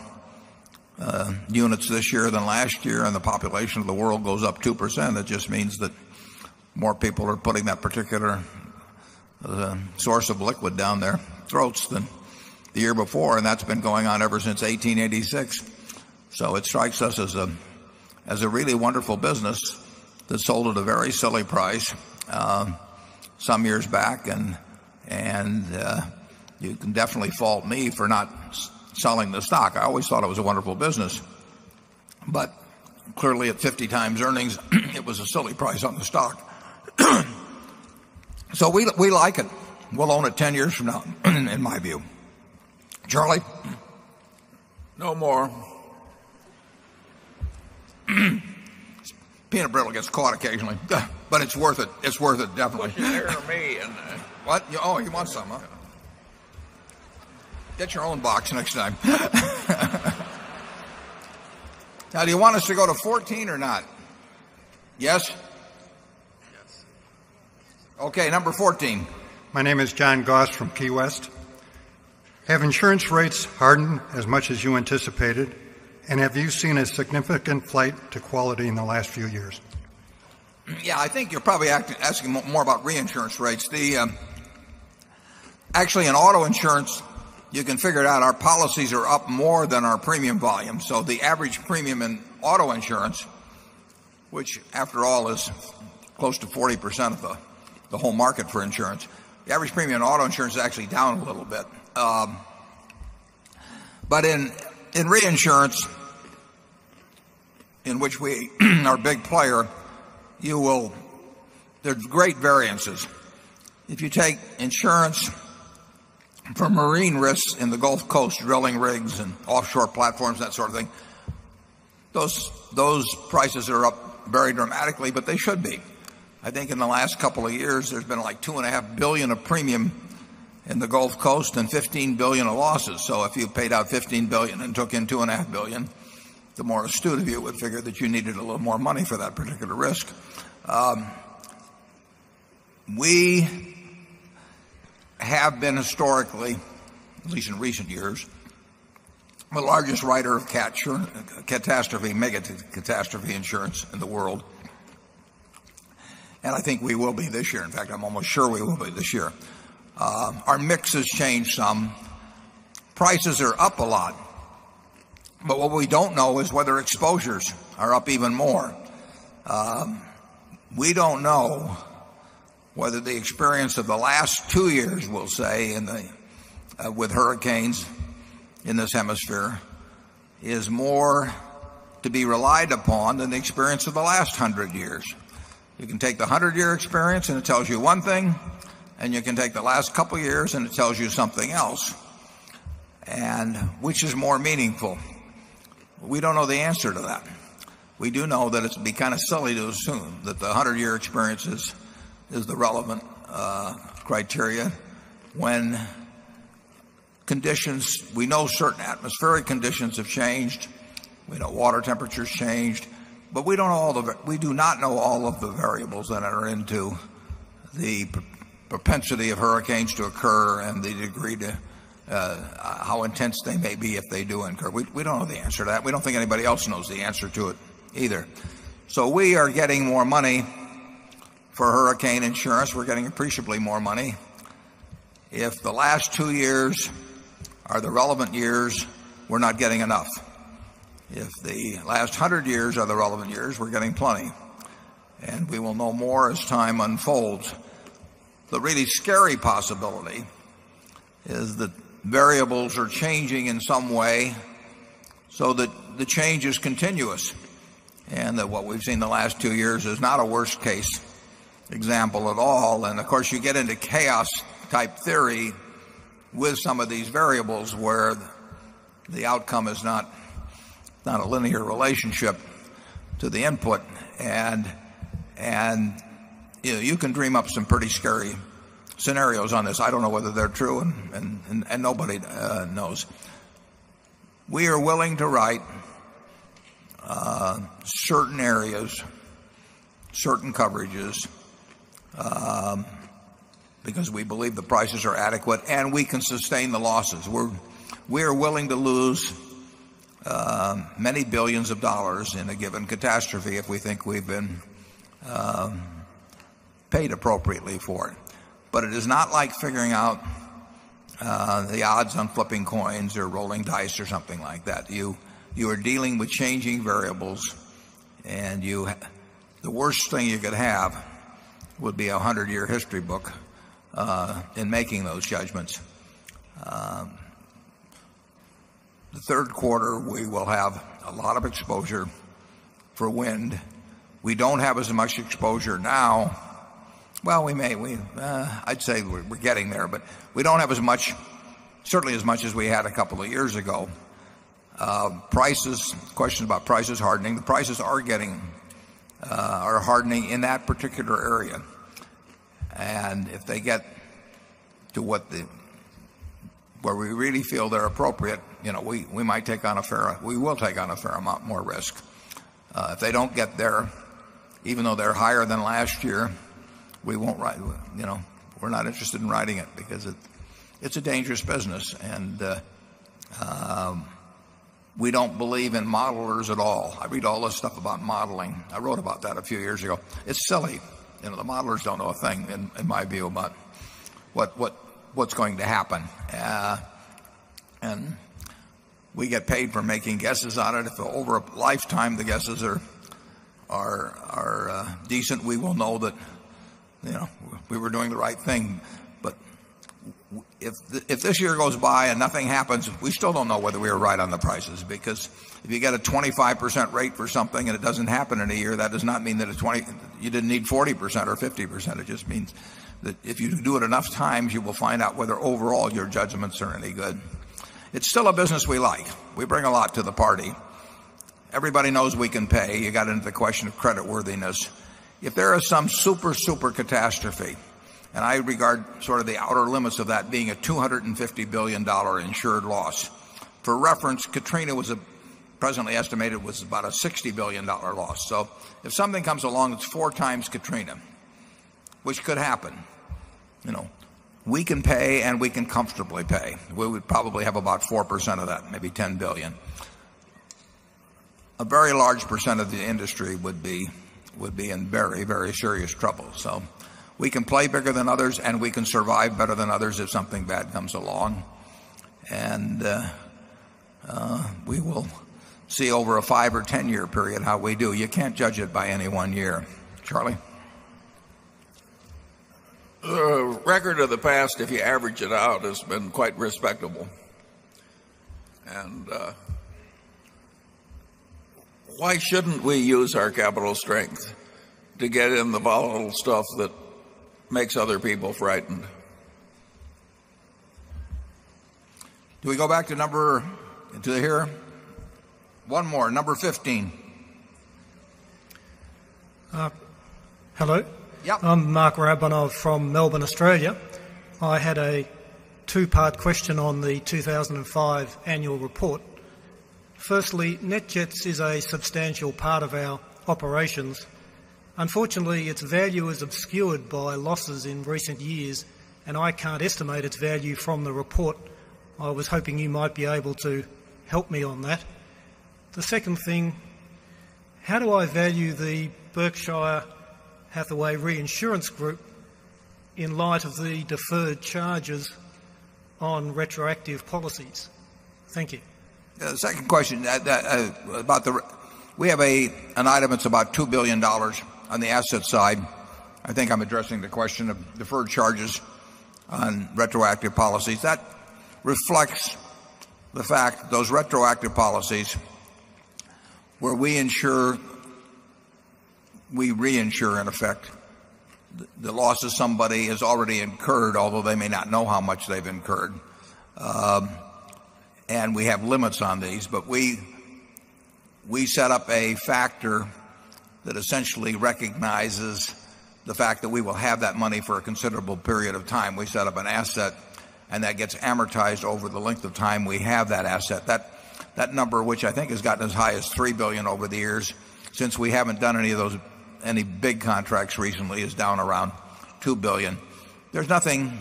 Speaker 1: units this year than last year and the population of the world goes up 2%, it just means that more people are putting that particular source of liquid down their throats than the year before and that's been going on ever since 18/86. So it strikes us as a really wonderful business that sold at a very silly price some years back and you can definitely fault me for not selling the stock. I always thought it was a wonderful business. But clearly at 50 times earnings, it was a silly price on the stock. So we like it. We'll own it 10 years from now in my view. Charlie, no more. Peter brittle gets caught occasionally, but it's worth it. It's worth it definitely. But you hear me? What? Oh, you want some? Get your own box next time. Now do you want us to go to 14 or not? Yes? Okay. Number 14. My name is John Goss from Key West. Have insurance rates hardened as much as you anticipated? And have you seen a significant flight to quality in the last few years? Yes, I think you're probably asking more about reinsurance rates. The actually in auto insurance, can figure it out our policies are up more than our premium volume. So the average premium in auto insurance, which after all is close to 40% of the whole market for insurance, the average premium in auto insurance is actually down a little bit. But in reinsurance, in which we are a big player, you will there's great variances. If you take insurance from marine risks in the Gulf Coast, drilling rigs and offshore platforms, that sort of thing, those prices are up very dramatically but they should be. I think in the last couple of years, there's been like $2,500,000,000 of premium in the Gulf Coast and $15,000,000,000 of losses. So if you paid out $15,000,000,000 and took in $2,500,000,000 the more astute of you would figure that you needed a little more money for that particular risk. We have been historically, at least in recent years, the largest writer of catastrophe, mega catastrophe insurance in the world and I think we will be this year. In fact, I'm almost sure we will be this year. Our mix has changed some. Prices are up a lot. But what we don't know is whether exposures are up even more. We don't know whether the experience of the last 2 years, we'll say, in the with hurricanes in this hemisphere is more to be relied upon than the experience of the last 100 years. You can take the 100 year experience and it tells you one thing and you can take the last couple of years and it tells you something else. And which is more meaningful? We don't know the answer to that. We do know that it would be kind of silly to assume that the 100 year experiences is the relevant criteria when conditions we know certain atmospheric conditions have changed. We know water temperature has changed. But we don't all the it. We do not know all of the variables that enter into the propensity of hurricanes to occur and the degree to how intense they may be if they do incur. We don't know the answer to that. We don't think anybody else knows the answer to it either. So we are getting more money for hurricane insurance. We're getting appreciably more money. If the last 2 years are the relevant years, we're not getting enough. If the last 100 years are the relevant years, we're getting plenty. And we will know more as time unfolds. The really scary possibility is that variables are changing in some way so that the change is continuous and that what we've seen the last 2 years is not a worst case example at all. And of course, you get into chaos type theory with some of these variables where the outcome is not a linear relationship to the input. And you can dream up some pretty scary scenarios on this. I don't know whether they're true and nobody knows. We are willing to write certain areas, certain coverages because we believe the prices are adequate and we can sustain the losses. We're willing to lose many 1,000,000,000 of dollars in a given catastrophe if we think we've been paid appropriately for it. But it is not like figuring out the odds on flipping coins or rolling dice or something like that. You are dealing with changing variables and you the worst thing you could have would be a 100 year history book in making those judgments. The Q3, we will have a lot of exposure for wind. We don't have as much exposure now. Well, we may we I'd say we're getting there, but we don't have as much certainly as much as we had a couple of years ago. Prices, questions about prices hardening, the prices are getting are hardening in that particular area. And if they get to what the where we really feel they're appropriate, we might take on a fair we will take on a fair amount more risk. If they don't get there, even though they're higher than last year, we won't we're not interested in riding it because a dangerous business and we don't believe in modelers at all. I read all this stuff about modeling. I wrote about that a few years ago. It's silly. The modelers don't know a thing in my view about what's going to happen. And we get paid for making guesses on it. If over a lifetime the guesses are decent, we will know that we were doing the right thing. But if this year goes by and nothing happens, we still don't know whether we are right on the prices because if you get a 25% rate for something and it doesn't happen in a year, that does not mean that it's 20 you didn't need 40% or 50%. It just means that if you do it enough times, you will find out whether overall your judgments are any good. It's still a business we like. We bring a lot to the party. Everybody knows we can pay. You got into the question of creditworthiness. If there is some super, super catastrophe and I regard sort of the outer limits of that being a $250,000,000,000 insured loss, for reference, Katrina was presently estimated was about a $60,000,000,000 loss. So if something comes along, it's 4 times Katrina, which could happen. We can pay and we can comfortably pay. We would probably have about 4% of that, maybe $10,000,000,000 A very large percent of the industry would be in very, very serious trouble. So we can play bigger than others and we can survive better than others if something bad comes along. And we will see over a 5 or 10 year period how we do. You can't judge it by any 1 year. Charlie?
Speaker 2: A record of the past, if you average it out, has been quite respectable. And why shouldn't we use our capital strength to get in the volatile stuff that makes other people frightened.
Speaker 1: Do we go back to number to here? One more, number 15.
Speaker 17: Hello. Yeah. I'm Mark Rabunov from Melbourne, Australia. I had a 2 part question on the 2,005 annual report. Firstly, NetJets is a substantial part of our operations. Unfortunately, its value is obscured by losses in recent years and I can't estimate its value from the report. I was hoping you might be able to help me on that. The second thing, how do I value the Berkshire Hathaway Reinsurance Group in light of the deferred charges on retroactive policies? Thank you.
Speaker 1: The second question about the we have an item that's about $2,000,000,000 on the asset side. I think I'm addressing the question of deferred charges on retroactive policies. That reflects the fact those retroactive policies where we ensure we reinsure in effect the loss of somebody has already incurred, although they may not know how much they've incurred, and we have limits on these. But we set up a factor that essentially recognizes the fact that we will have that money for a considerable period of time. We set up an asset and that gets amortized over the length of time we have that asset. That number, which I think has gotten as high as $3,000,000,000 over the years since we haven't done any of those any big contracts recently is down around $2,000,000,000 There's nothing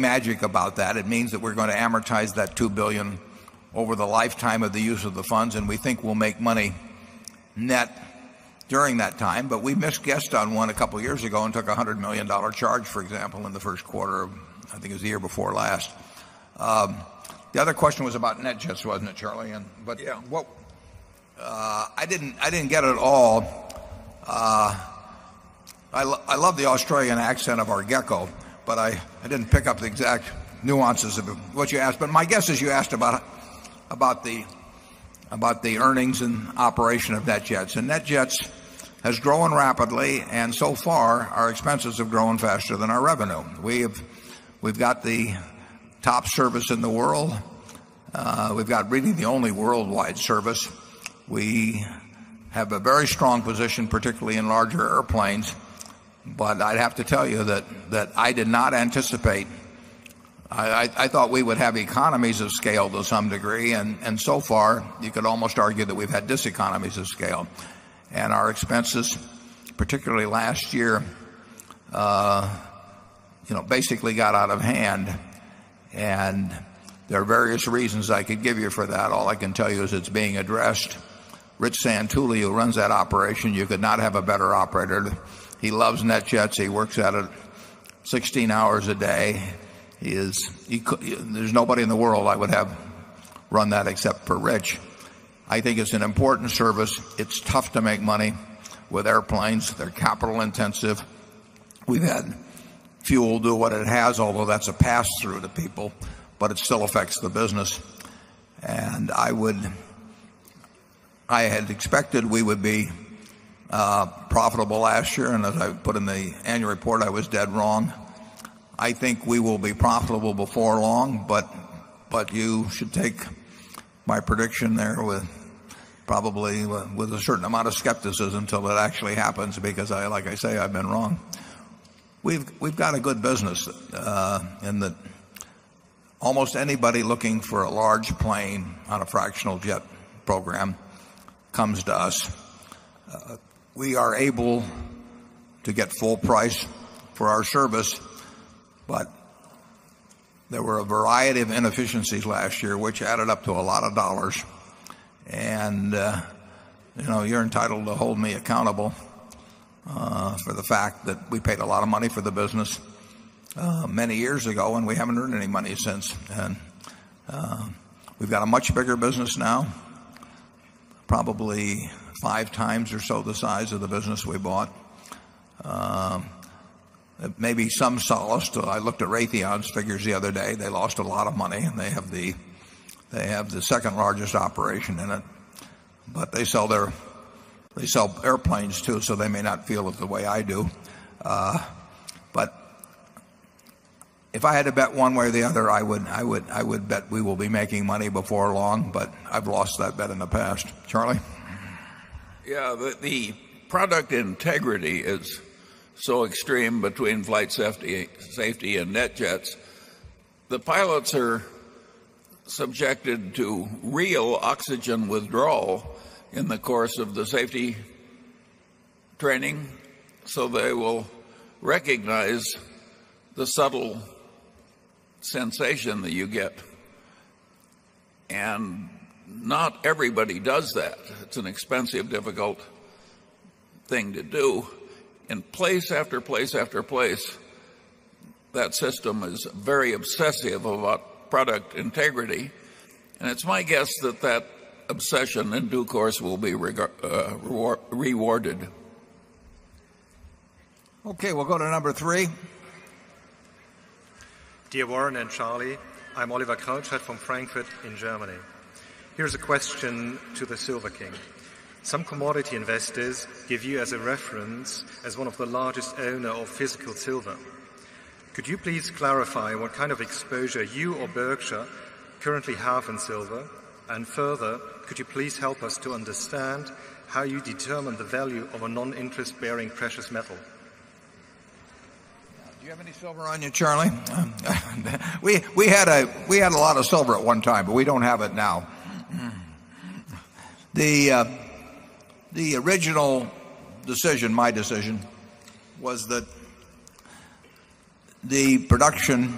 Speaker 1: magic about that. It means that we're going to amortize that $2,000,000,000 over the lifetime of the use of the funds and we think we'll make money net during that time. But we misguessed on one a couple of years ago and took $100,000,000 charge for example in the Q1. I think it was the year before last. The other question was about NetJets, wasn't it, Charlie? But yes, what I didn't get it all. I love the Australian accent of our gecko, but I didn't pick up the exact nuances of what you asked. But my guess is you asked about the about the earnings and operation of NetJets. And NetJets has grown rapidly and so far our expenses have grown faster than our revenue. We've got the top service in the world. We've got really the only worldwide service. We have a very strong position particularly in larger airplanes. But I'd have to tell you that that I did not anticipate. I thought we would have economies of scale to some degree and so far you could almost argue that we've had diseconomies of scale. And our expenses particularly last year basically got out of hand. And there are various reasons I could give you for that. All I can tell you is it's being addressed. Rich Santouli, who runs that operation, you could not have a better operator. He loves netjets. He works at it 16 hours a day. He is there's nobody in the world I would have run that except for Rich. I think it's an important service. It's tough to make money with airplanes. They're capital intensive. We've had fuel do what it has although that's a pass through to people but it still affects the business. And I would I had expected we would be profitable last year and as I put in the annual report I was dead wrong. I think we will be profitable before long, but you should take my prediction there with probably with a certain amount of skepticism till it actually happens because I like I say, I've been wrong. We've got a good business and that almost anybody looking for a large plane on a fractional jet program comes to us. We are able to get full price for our service, but there were a variety of inefficiencies last year which added up to a lot of dollars And, you know, you're entitled to hold me accountable for the fact that we paid a lot of money for the business many years ago and we haven't earned any money since then. We've got a much bigger business now, probably 5 times or so the size of the business we bought. Maybe some solace. I looked at Raytheon's figures the other day, they lost a lot of money and they have the 2nd largest operation in it. But they sell their they sell airplanes too so they may not feel it the way I do. But if I had to bet one way or the other I would bet we will be making money before long but I've lost that bet in the past. Charlie?
Speaker 2: Yes. The product integrity is so extreme between flight safety and net jets. The pilots are subjected to real oxygen withdrawal in the course of the safety training so they will recognize the subtle sensation that you get. And not everybody does that. It's an expensive, difficult thing to do. And place after place after place, that system is very obsessive about product integrity. And it's my guess that that obsession in due course will be rewarded.
Speaker 1: Okay. We'll go to number 3.
Speaker 12: Dear Warren and Charlie, I'm Oliver Kralshad from Frankfurt in Germany. Here's a question to the Silver King. Some commodity investors give you as a reference as one of the largest owner of physical silver. Could you please clarify what kind of exposure you or Berkshire currently have in silver? And further, could you please help us to understand how you determine the value of a non interest bearing precious metal?
Speaker 3: Do you
Speaker 1: have any silver on you, Charlie? We had a lot of silver at one time, but we don't have it now. The original decision, my decision, was that the production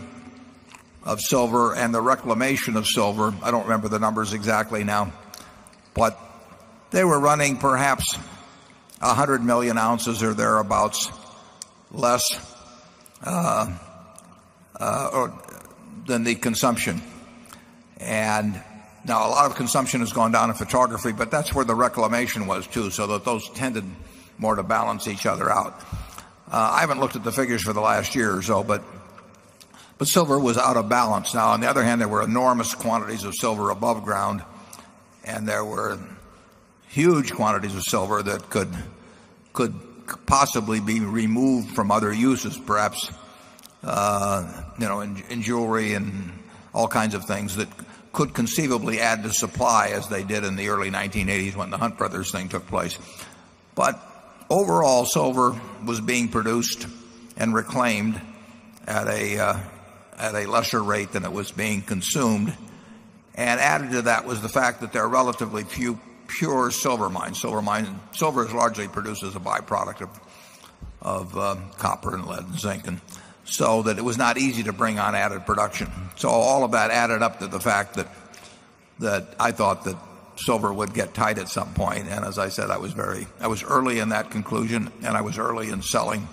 Speaker 1: of silver and the reclamation of silver, I don't remember the numbers exactly now, but they were running perhaps a 100,000,000 ounces or thereabouts less than the consumption. And now a lot of consumption has gone down in photography, but that's where the reclamation was too so that those tended more to balance each other out. I haven't looked at the figures for the last year or so but silver was out of balance. Now on the other hand there were enormous quantities of silver above ground and there were huge quantities of silver that could possibly be removed from other uses perhaps in jewelry and all kinds of things that could conceivably add to supply as they did in the early 1980s when the Hunt Brothers thing took place. But overall, silver was being produced and reclaimed at a lesser rate than it was being consumed. And added to that was the fact that there are relatively pure silver mines. Silver mines silver is largely produced as a byproduct of copper and lead and zinc. And so that it was not easy to bring on added production. So all of that added up to the fact that I thought that silver would get tied at some point. And as I said, I was very I was early in that conclusion and I was early in selling.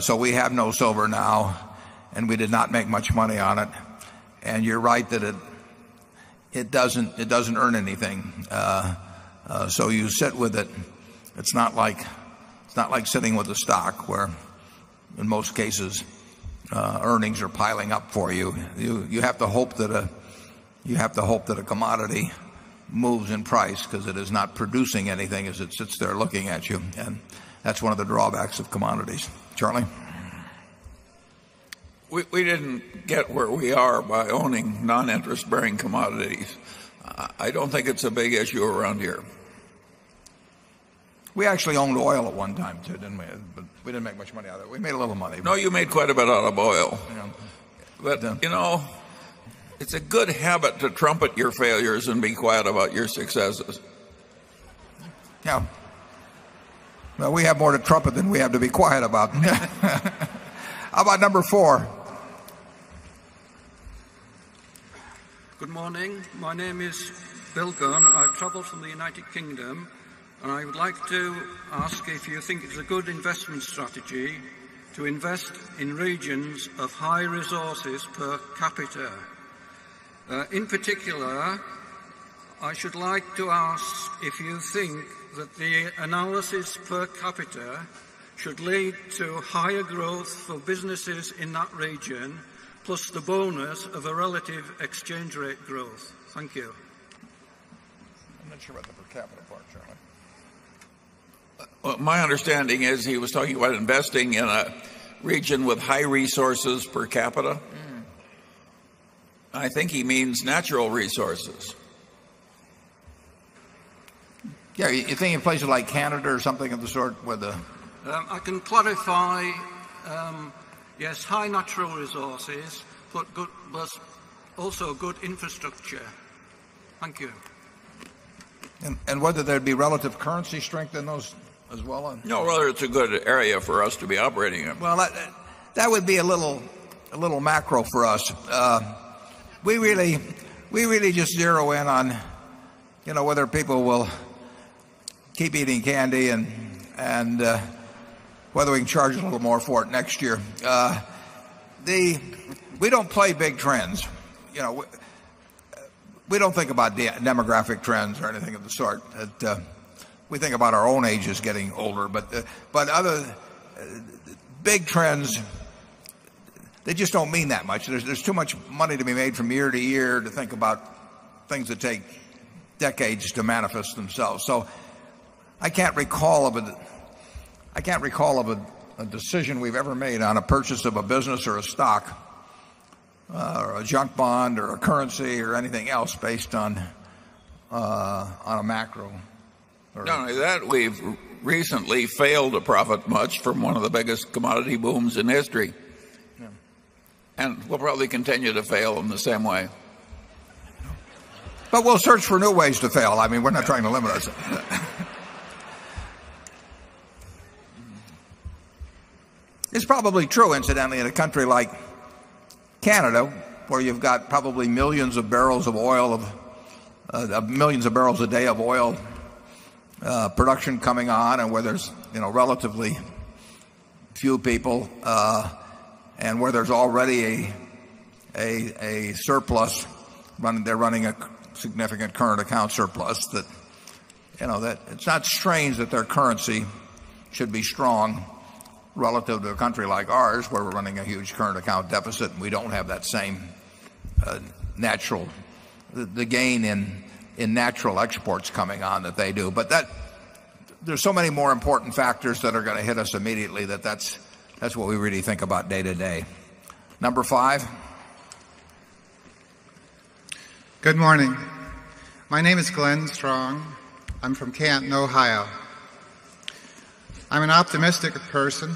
Speaker 1: So we have no silver now and we did not make much money on it. And you're right that it doesn't earn anything. So you sit with it. It's not like sitting with a stock where in most cases earnings are piling up for you. You have to hope that a commodity moves in price because it is not producing anything as it sits there looking at you. And that's one of the drawbacks of commodities. Charlie?
Speaker 2: We didn't get where we are by owning non interest bearing commodities. I don't think it's a big issue around here.
Speaker 1: We actually owned oil at one time too, didn't we? But we didn't make much money out. We made a little money.
Speaker 2: No, you made quite a bit out of oil. But it's a good habit to trumpet your failures and be quiet about your successes.
Speaker 1: Yeah. Well, we have more to trumpet than we have to be quiet about. How about number 4?
Speaker 12: Good morning. My name is Bill Gunn. I've traveled from the United Kingdom, and I would like to ask if you think it's a good investment strategy to invest in regions of high resources per capita. In particular, I should like to ask if you think that the analysis per capita should lead to higher growth for businesses in that region plus the bonus of a relative exchange rate growth? Thank you.
Speaker 1: I'm not sure about the per capita part, Charlie.
Speaker 2: My understanding is he was talking about investing in a region with high resources per capita. I think he means natural resources.
Speaker 1: You think in places like Canada or something of the sort where the
Speaker 12: I can clarify, yes, high natural resources, but good but also good infrastructure?
Speaker 1: Thank you. And whether there'd be relative currency strength in those as well?
Speaker 2: No, rather it's a good area for us to be operating in.
Speaker 1: Well, that would be a little macro for us. We really we really just zero in on, you know, whether people will keep eating candy and and whether we can charge a little more for it next year. The we don't play big trends. You know, We don't think about demographic trends or anything of the sort. We think about our own ages getting older. But other big trends, they just don't mean that much. There's too much money to be made from year to year to think about things that take decades to manifest themselves. So I can't recall of a decision we've ever made on a purchase of a business or a stock or a junk bond or a currency or anything else based on a macro?
Speaker 2: Not only that, we've recently failed to profit much from one of the biggest commodity booms in history and we'll probably continue to fail in the same way.
Speaker 1: But we'll search for new ways to fail. I mean, we're not trying to limit ourselves. It's probably true incidentally in a country like Canada where you've got probably millions of barrels of oil of millions of barrels a day of oil production coming on and where there's, you know, relatively few people and where there's already a surplus running they're running a significant current account surplus that it's not strange that their currency should be strong relative to a country like ours where we're running a huge current account deficit and we don't have that same natural the gain in natural exports coming on that they do. But that there's so many more important factors that are going to hit us immediately that that's what we really think about day to day. Number 5?
Speaker 18: Good morning. My name is Glenn Strong. I'm from Canton, Ohio. I'm an optimistic person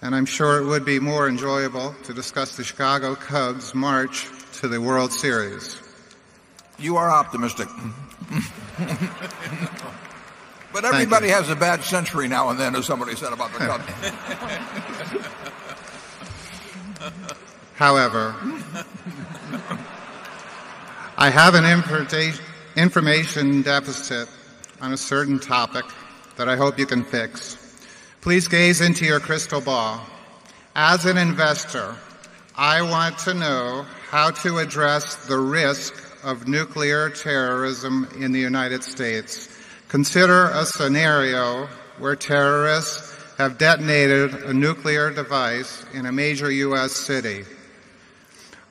Speaker 18: and I'm sure it would be more enjoyable to discuss the Chicago Cubs march to the World Series. You are optimistic.
Speaker 1: But everybody has a bad century now and then as somebody said about the government. However,
Speaker 18: I have an information deficit on a certain topic that I hope you can fix. Please gaze into your crystal ball. As an investor, I want to know how to address the risk of nuclear terrorism in the United States. Consider a scenario where terrorists have detonated a nuclear device in a major US city.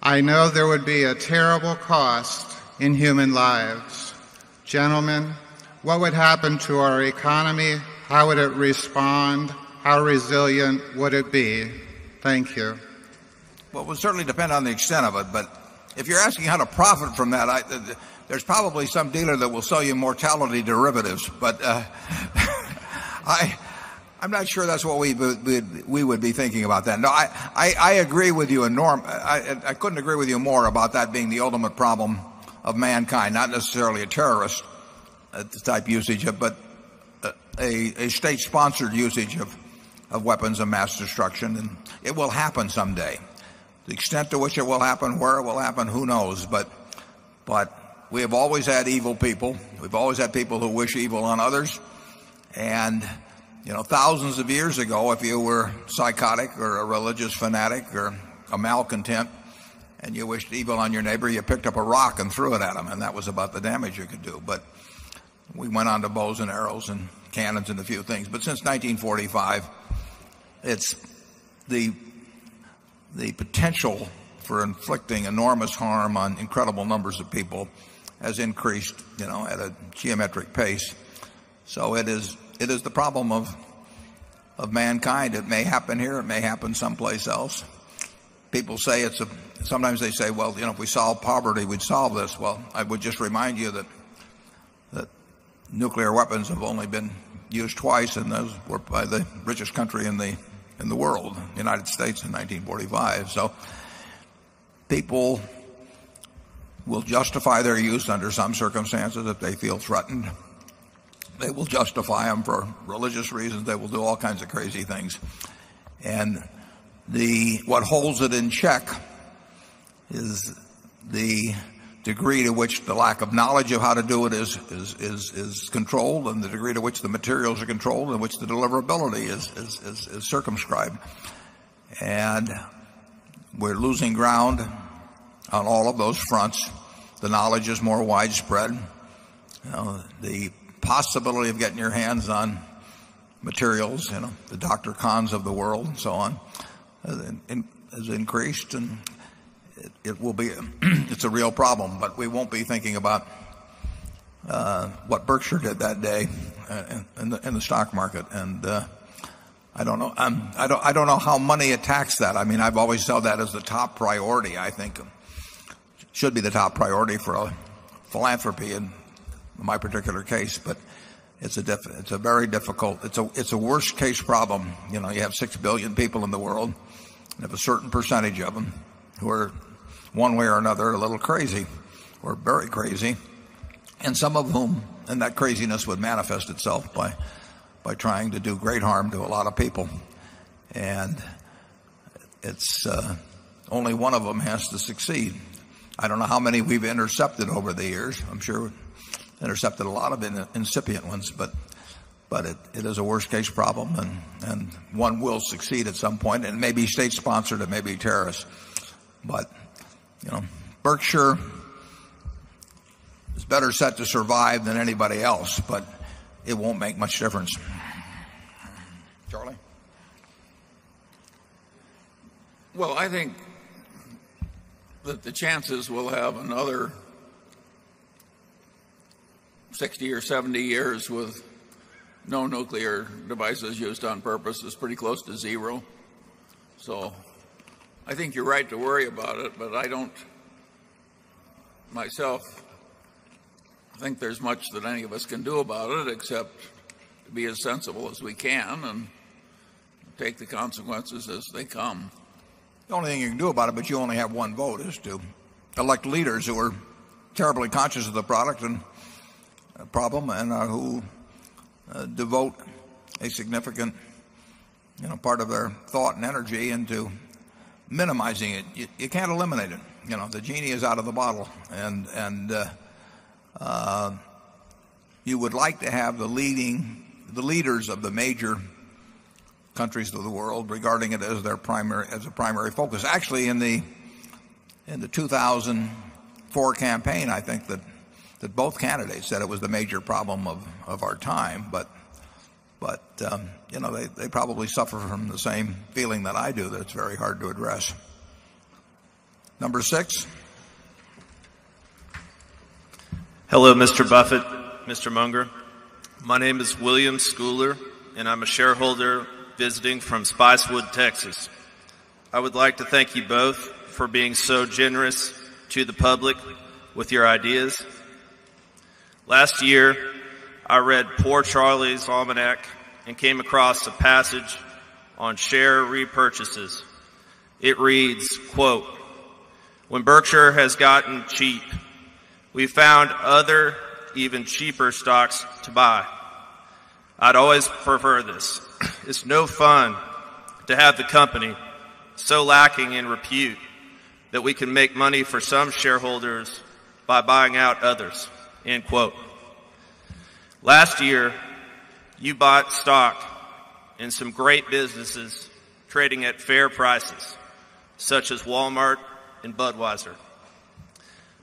Speaker 18: I know there would be a terrible cost in human lives. Gentlemen, what would happen to our economy? How would it respond? How resilient would it be? Thank you.
Speaker 1: Well, it will certainly depend on the extent of it. But if you're asking how to profit from that, there's probably some dealer that will sell you mortality derivatives. But I'm not sure that's what we would be thinking about then. No, I agree with you and I couldn't agree with you more about that being the ultimate problem of mankind, not necessarily a terrorist type usage, but a state sponsored usage of weapons of mass destruction and it will happen someday. The extent to which it will happen, where it will happen, who knows. But we have always had evil people. We've always had people who wish evil on others. And 1000 of years ago, if you were psychotic or a religious fanatic or a malcontent and you wished evil on your neighbor, you picked up a rock and threw it at them and that was about the damage you could do. But we went on to bows and arrows and cannons and a few things. But since 1945, it's the potential for inflicting enormous harm on incredible numbers of people has increased, you know, at a geometric pace. So it is the problem of mankind. It may happen here, it may happen someplace else. People say it's a sometimes they say, well, you know, if we solve poverty, we'd solve this. Well, I would just remind you that nuclear weapons have only been used twice and those were by the richest country in the world, the United States in 1945. So people will justify their use under some circumstances that they feel threatened. They will justify them for religious reasons, they will do all kinds of crazy things. And the what holds it in check is the degree to which the lack of knowledge of how to do it is controlled and the degree to which the materials are controlled and which the deliverability is circumscribed. And we're losing ground on all of those fronts. The knowledge is more widespread. The possibility of getting your hands on materials, the Doctor. Khan's of the world and so on has increased and it will be it's a real problem, but we won't be thinking about what Berkshire did that day in the stock market. And I don't know how money attacks that. I mean, I've always felt that as the top priority. I think it should be the top priority for philanthropy in my particular case, but it's a very difficult it's a worst case problem. You have 6,000,000,000 people in the world and if a certain percentage of them who are one way or another a little crazy or very crazy and some of whom and that craziness would manifest itself by trying to do great harm to a lot of people. And it's only one of them has to succeed. I don't know how many we've intercepted over the years. I'm sure we've intercepted a lot of incipient ones, but it is a worst case problem and one will terrorists. But Berkshire is better set to survive than anybody else, but it won't make much difference. Charlie? Well, I
Speaker 2: think that the chances will have another 60 or 70 years with no nuclear devices used on purpose is pretty close to 0. So I think you're right to worry about it, but I don't myself think there's much that any of us can do about it except to be as sensible as we can and take the consequences as they come.
Speaker 1: The only thing you can do about it, but you only have one vote is to elect leaders who are terribly conscious of the product and problem and who devote a significant part of their thought and energy into minimizing it. You can't eliminate it. The genie is out of the bottle and you would like to have the leading the leaders of the major countries of the world regarding it as their primary as a primary focus. Actually, in the 2004 campaign, I think that both candidates the 2,004 campaign,
Speaker 3: I think that that both candidates said it was the major problem of our
Speaker 1: time, but but, you know, they probably suffer from the same feeling that I do that's very hard to address. Number
Speaker 19: 6. Hello, Mr. Buffet, Mr. Munger. My name is William Schuller, and I'm a shareholder visiting from Spicewood, Texas. I would like to thank you both for being so generous to the public with your ideas. Last year, I read Poor Charlie's Almanac and came across a passage on share repurchases. It reads, When Berkshire has gotten cheap, we found other even cheaper stocks to buy. I'd always prefer this. It's no fun to have the company so lacking in repute that we can make money for some shareholders by buying out others. Last year, you bought stock in some great businesses trading at fair prices such as Walmart and Budweiser,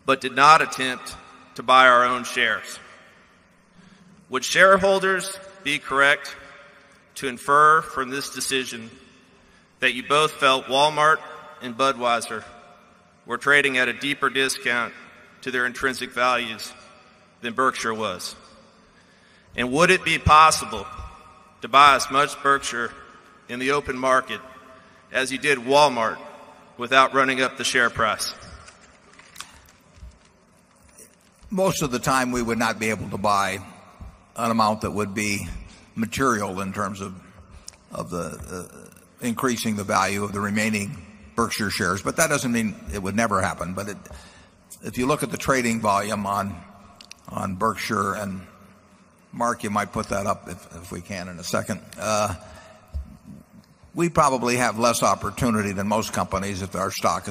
Speaker 19: but did not attempt to buy our own shares. Would shareholders be correct to infer from this decision that you both felt Walmart and Budweiser were trading at a deeper discount to their intrinsic values than Berkshire was? And would it be possible to buy as much Berkshire in the open market as he did Walmart without running up the share price?
Speaker 1: Most of the time, we would not be able to buy an amount that would be material in terms of the increasing the value of the remaining Berkshire shares. But that doesn't mean it would never happen. But if you look at the trading volume on Berkshire and Mark you might put that up if we can in a second, we probably have less opportunity than most companies if our stock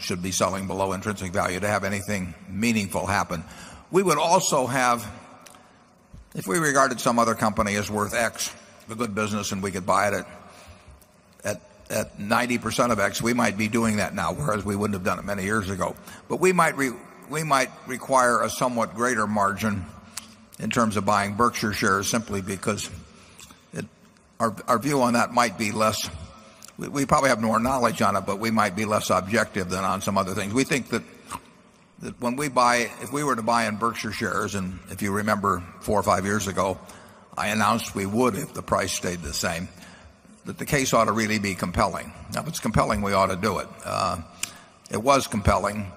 Speaker 1: should be selling below intrinsic value to have anything meaningful happen. We would also have if we regarded some other company as worth X the good business and we could buy it at 90% of X, we might be doing that now whereas we wouldn't have done it many years ago. But we might require a somewhat greater margin in terms of buying Berkshire shares simply because our view on that might be less we probably have more knowledge on it, but we might be less objective than on some other things. We think that when we buy if we were to buy in Berkshire shares and if you remember 4 or 5 years ago I announced we would if the price stayed the same that the case ought to really be compelling. Now if it's compelling we ought to do it. It was compelling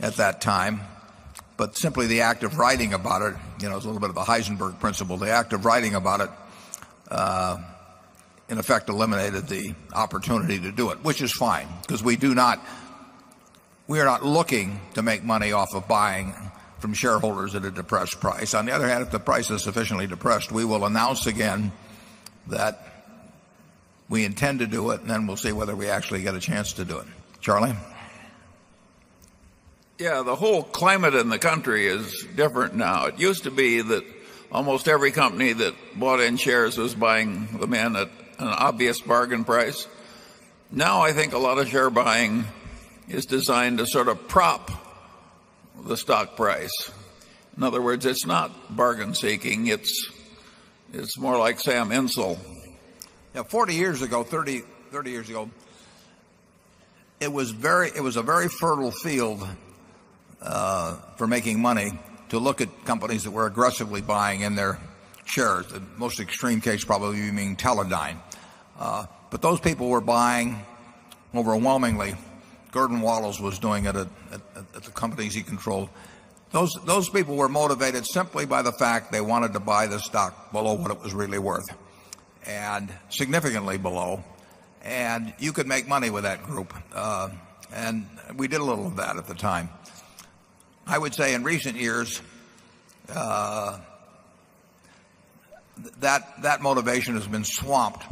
Speaker 1: at that time, but simply the act of writing about it, you know, it's a little bit of a Heisenberg principle, the act of writing about it in effect eliminated the opportunity to do it, which is fine because we do not we are not looking to make money off of buying from shareholders at a depressed price. On the other hand, if the price is sufficiently depressed, we will announce again that we intend to do it and then we'll see whether we actually get a chance to do it. Charlie?
Speaker 2: Yes, the whole climate in the country is different now. It used to be that almost every company that bought in shares was buying the man at an obvious bargain price. Now I think a lot of share buying is designed to sort of prop the stock price. In other words, it's not bargain seeking.
Speaker 1: It's more like Sam Insel. 40 years ago, 30 years ago, it was very it was a very fertile field for making money to look at companies that were aggressively buying in their shares. The most extreme case probably you mean Teledyne. But those people were buying overwhelmingly. Gordon Wallows was doing it at the companies he controlled. Those people were motivated simply by the fact they wanted to buy the stock below what it was really worth and significantly below. And you could make money with that group. And we did a little of that at the time. I would say in recent years that that motivation has been swamped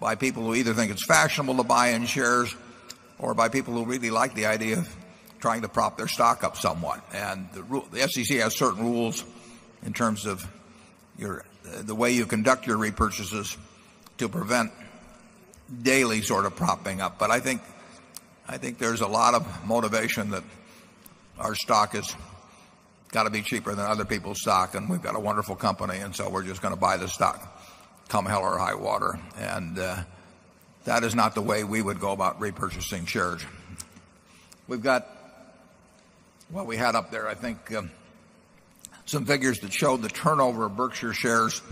Speaker 1: by people who either think it's fashionable to buy in shares or by people who really like the idea of trying to prop their stock up somewhat. And the SEC has certain rules in terms of your the way you conduct your repurchases to prevent daily sort of propping up. But I think there's a lot of motivation that our stock has got to be cheaper than other people's stock and we've got a wonderful company and so we're just going to buy the stock come hell or high water. And that is not the way we would go about repurchasing shares. We've got what we had up there. I think some figures that showed the turnover of Berkshire shares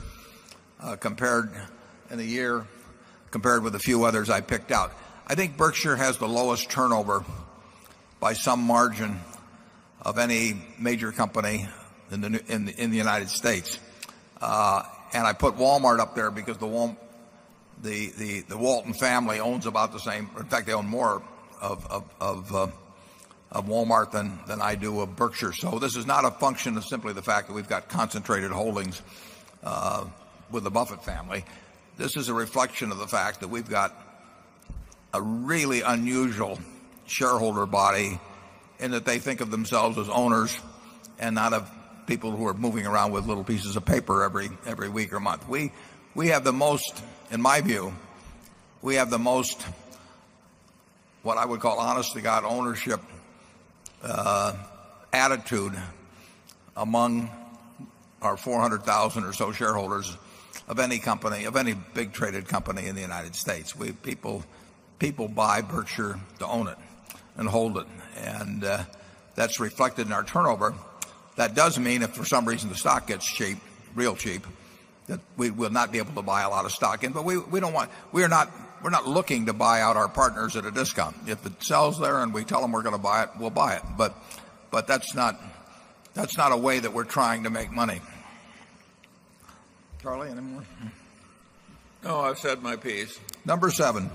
Speaker 1: compared in the year compared with a few others I picked out. I think Berkshire has the lowest turnover by some margin of any major company in the United States. And I put Walmart up there because the Walton family owns about the same in fact, they own more of Walmart than I do of Berkshire. So this is not a function of simply the fact that we've got concentrated holdings with the Buffett family. This is a reflection of the fact that we've got a really unusual shareholder body and that they think of themselves as owners and not of people who are moving around with little pieces of paper every week or month. We have the most in my view, we have the most what I would call honest to God ownership attitude among our 400,000 or so shareholders of any company, of any big traded company in the United States. We have people buy Berkshire to own it and hold it. And that's reflected in our turnover. That does mean if for some reason the stock gets cheap, real cheap, that we will not be able to buy a lot of stock in. But we don't want we are not we're not looking to buy out our partners at a discount. If it sells there and we tell them we're going to buy it, we'll buy it. But that's not a way that we're trying to make money. Charlie, anymore?
Speaker 2: No, I've said my piece.
Speaker 1: Number 7.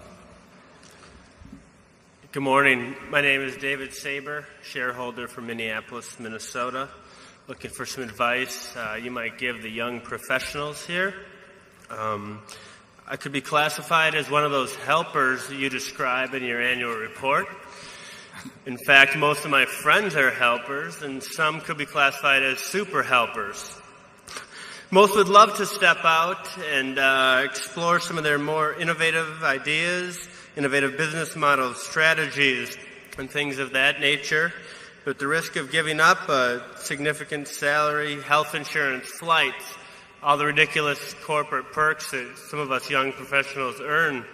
Speaker 20: Good morning. My name is David Sabre, shareholder for Minneapolis, Minnesota, looking for some advice you might give the young professionals here. I could be classified as one of those helpers that you described in your annual report. In fact, most of my friends are helpers and some could be classified as super helpers. Most would love to step out and explore some of their more innovative ideas, innovative business model strategies and things of that nature. But the risk of giving up a significant salary, health insurance, flights, all the ridiculous corporate perks that some of us young professionals earn.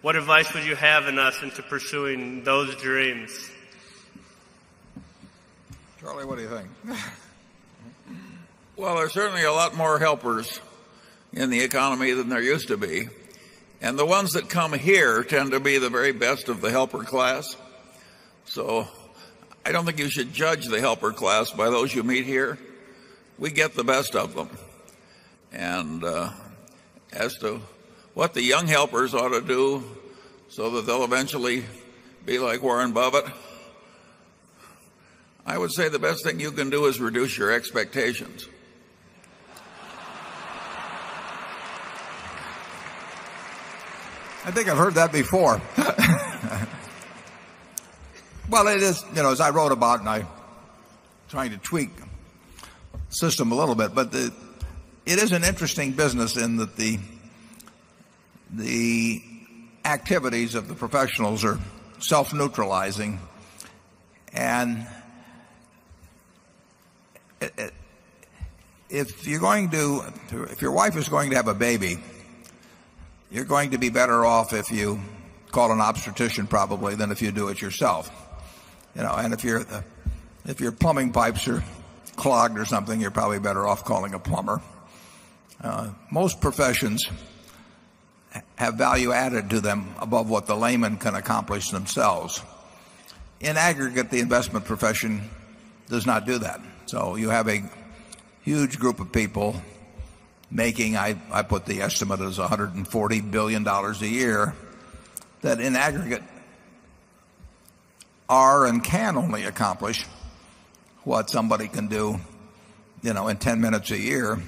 Speaker 20: What advice would you have in us into pursuing those dreams?
Speaker 1: Charlie, what do you think?
Speaker 2: Well, there's certainly a lot more helpers in the economy than there used to be. And the ones that come here tend to be the very best of the helper class. So I don't think you should judge the helper class by those you meet here. We get the best of them. And as to what the young helpers ought to do so that they'll eventually be like Warren Buffett, I would say the best thing you can do is reduce your expectations.
Speaker 1: I think I've heard that before. Well, it is as I wrote about and I tried to tweak the system a little bit, but it is an interesting business in that the activities of the professionals are self neutralizing. And if you're going to if your wife is going to have a baby, you're going to be better off if you call an obstetrician probably than if you do it yourself. And if your plumbing pipes are clogged or something, you're probably better off calling a plumber. Most professions have value added to them above what the layman can accomplish themselves. In aggregate, the investment profession does not do that. So you have a huge group of people making I put the estimate as $140,000,000,000 a year that in aggregate are and can only accomplish what somebody can do in 10 minutes a year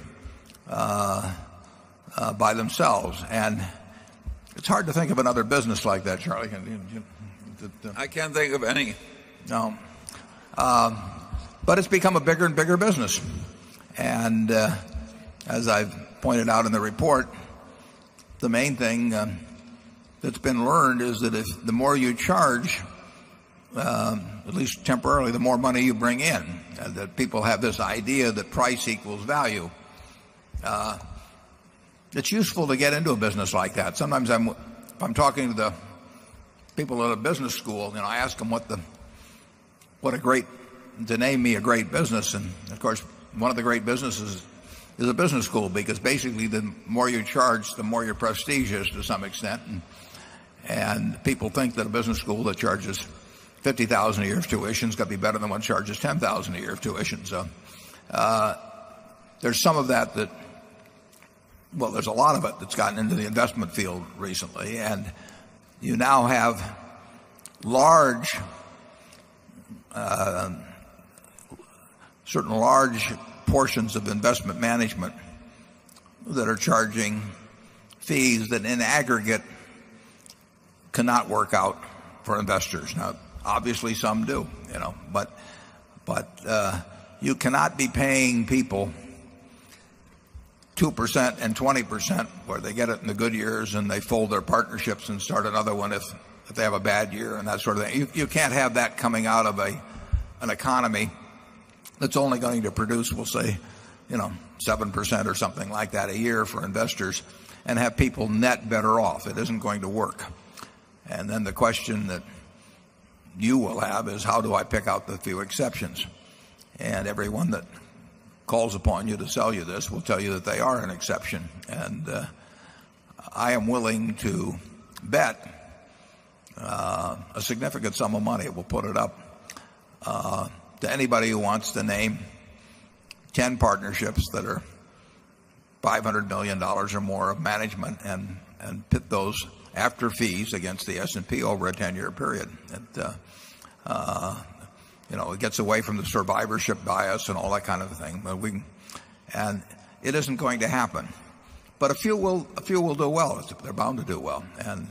Speaker 1: by themselves. And it's hard to think of another business like that, Charlie.
Speaker 2: I can't think of any. No.
Speaker 1: But it's become a bigger and bigger business. And as I've pointed out in the report, the main thing that's been learned is that if the more you charge, at least temporarily, the more money you bring in and that people have this idea that price equals value. It's useful to get into a business like that. Sometimes I'm talking to the people at a business school and I ask them what the what a great to name me a great business and, of course, one of the great businesses is a business school because basically the more you charge the more your prestige is to some extent. And people think that a business school that charges 50,000 a year of tuition is going to be better than what charges 10,000 a year of tuition. So there's some of that that well, there's a lot of it that's gotten into the investment field recently and you now have large certain large portions of investment management that are charging fees that in aggregate cannot work out for investors. Now obviously some do, but you cannot be paying people 2% 20% where they get it in the good years and they fold
Speaker 3: their partnerships and start another one if they have a bad year and that
Speaker 1: sort of thing. You can't have that's
Speaker 3: only going
Speaker 1: to produce, we'll say, 7% or something that's only going to produce we'll say 7% or something like that a year for investors and have people net better off. It isn't going to work. And then the question that you will have is how do I pick out the few exceptions? And everyone that calls upon you to sell you this will tell you that they are an exception. And I am willing to bet a significant sum of money. We'll put it up to anybody who wants to name 10 partnerships that are $500,000,000 or more of management and pit those after fees against the S and P over a 10 year period. It gets away from the survivorship bias and all that kind of thing. And it isn't going to happen. But a few will do well. They're bound to do well. And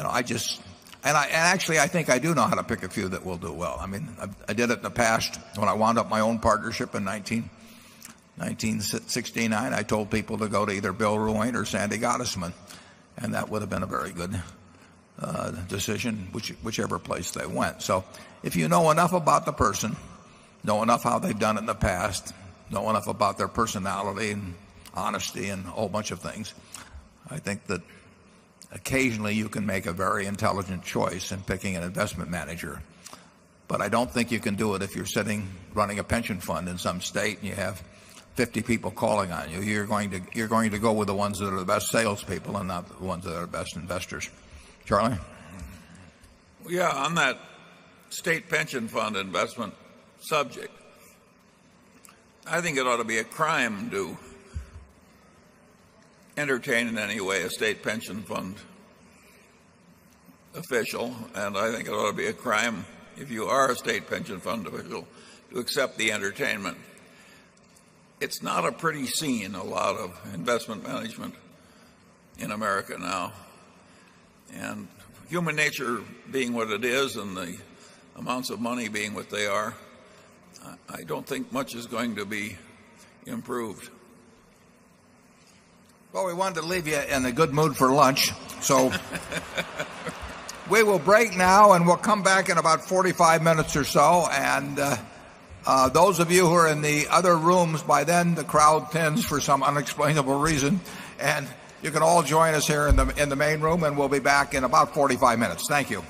Speaker 1: I just and actually I think I do know how to pick a few that will do well. I mean I did it in the past when I wound up my own partnership in 1969, I told people to go to either Bill Ruane or Sandy Gottesman and that would have been a very good decision whichever place they went. So if you know enough about the person, know enough how they've done in the past, know enough about their personality and honesty and a whole bunch of things, I think that occasionally you can make a very intelligent choice in picking an investment manager. But I don't think you can do it if you're sitting running a pension fund in some state and you have 50 people calling on you. You're going to go with the ones that are the best salespeople and not the ones that are best investors. Charlie?
Speaker 2: Yes. On that State Pension Fund Investment subject, I think it ought to be a crime to entertain in any way a state pension fund official, and I think it ought to be a crime if you are a state pension fund official to accept the entertainment. It's not a pretty scene, a lot of investment management in America now. And human nature being what it is and the amounts of money being what they are, I don't think much is going to be improved.
Speaker 1: Well, we wanted to leave you in a good mood for lunch. So we will break now, and we'll come back in about 45 minutes or so. And those of you who are in the other rooms, by then, the crowd tends for some unexplainable reason. And you can all join us here in the in the main room, and we'll be back in about 45 minutes. Thank you.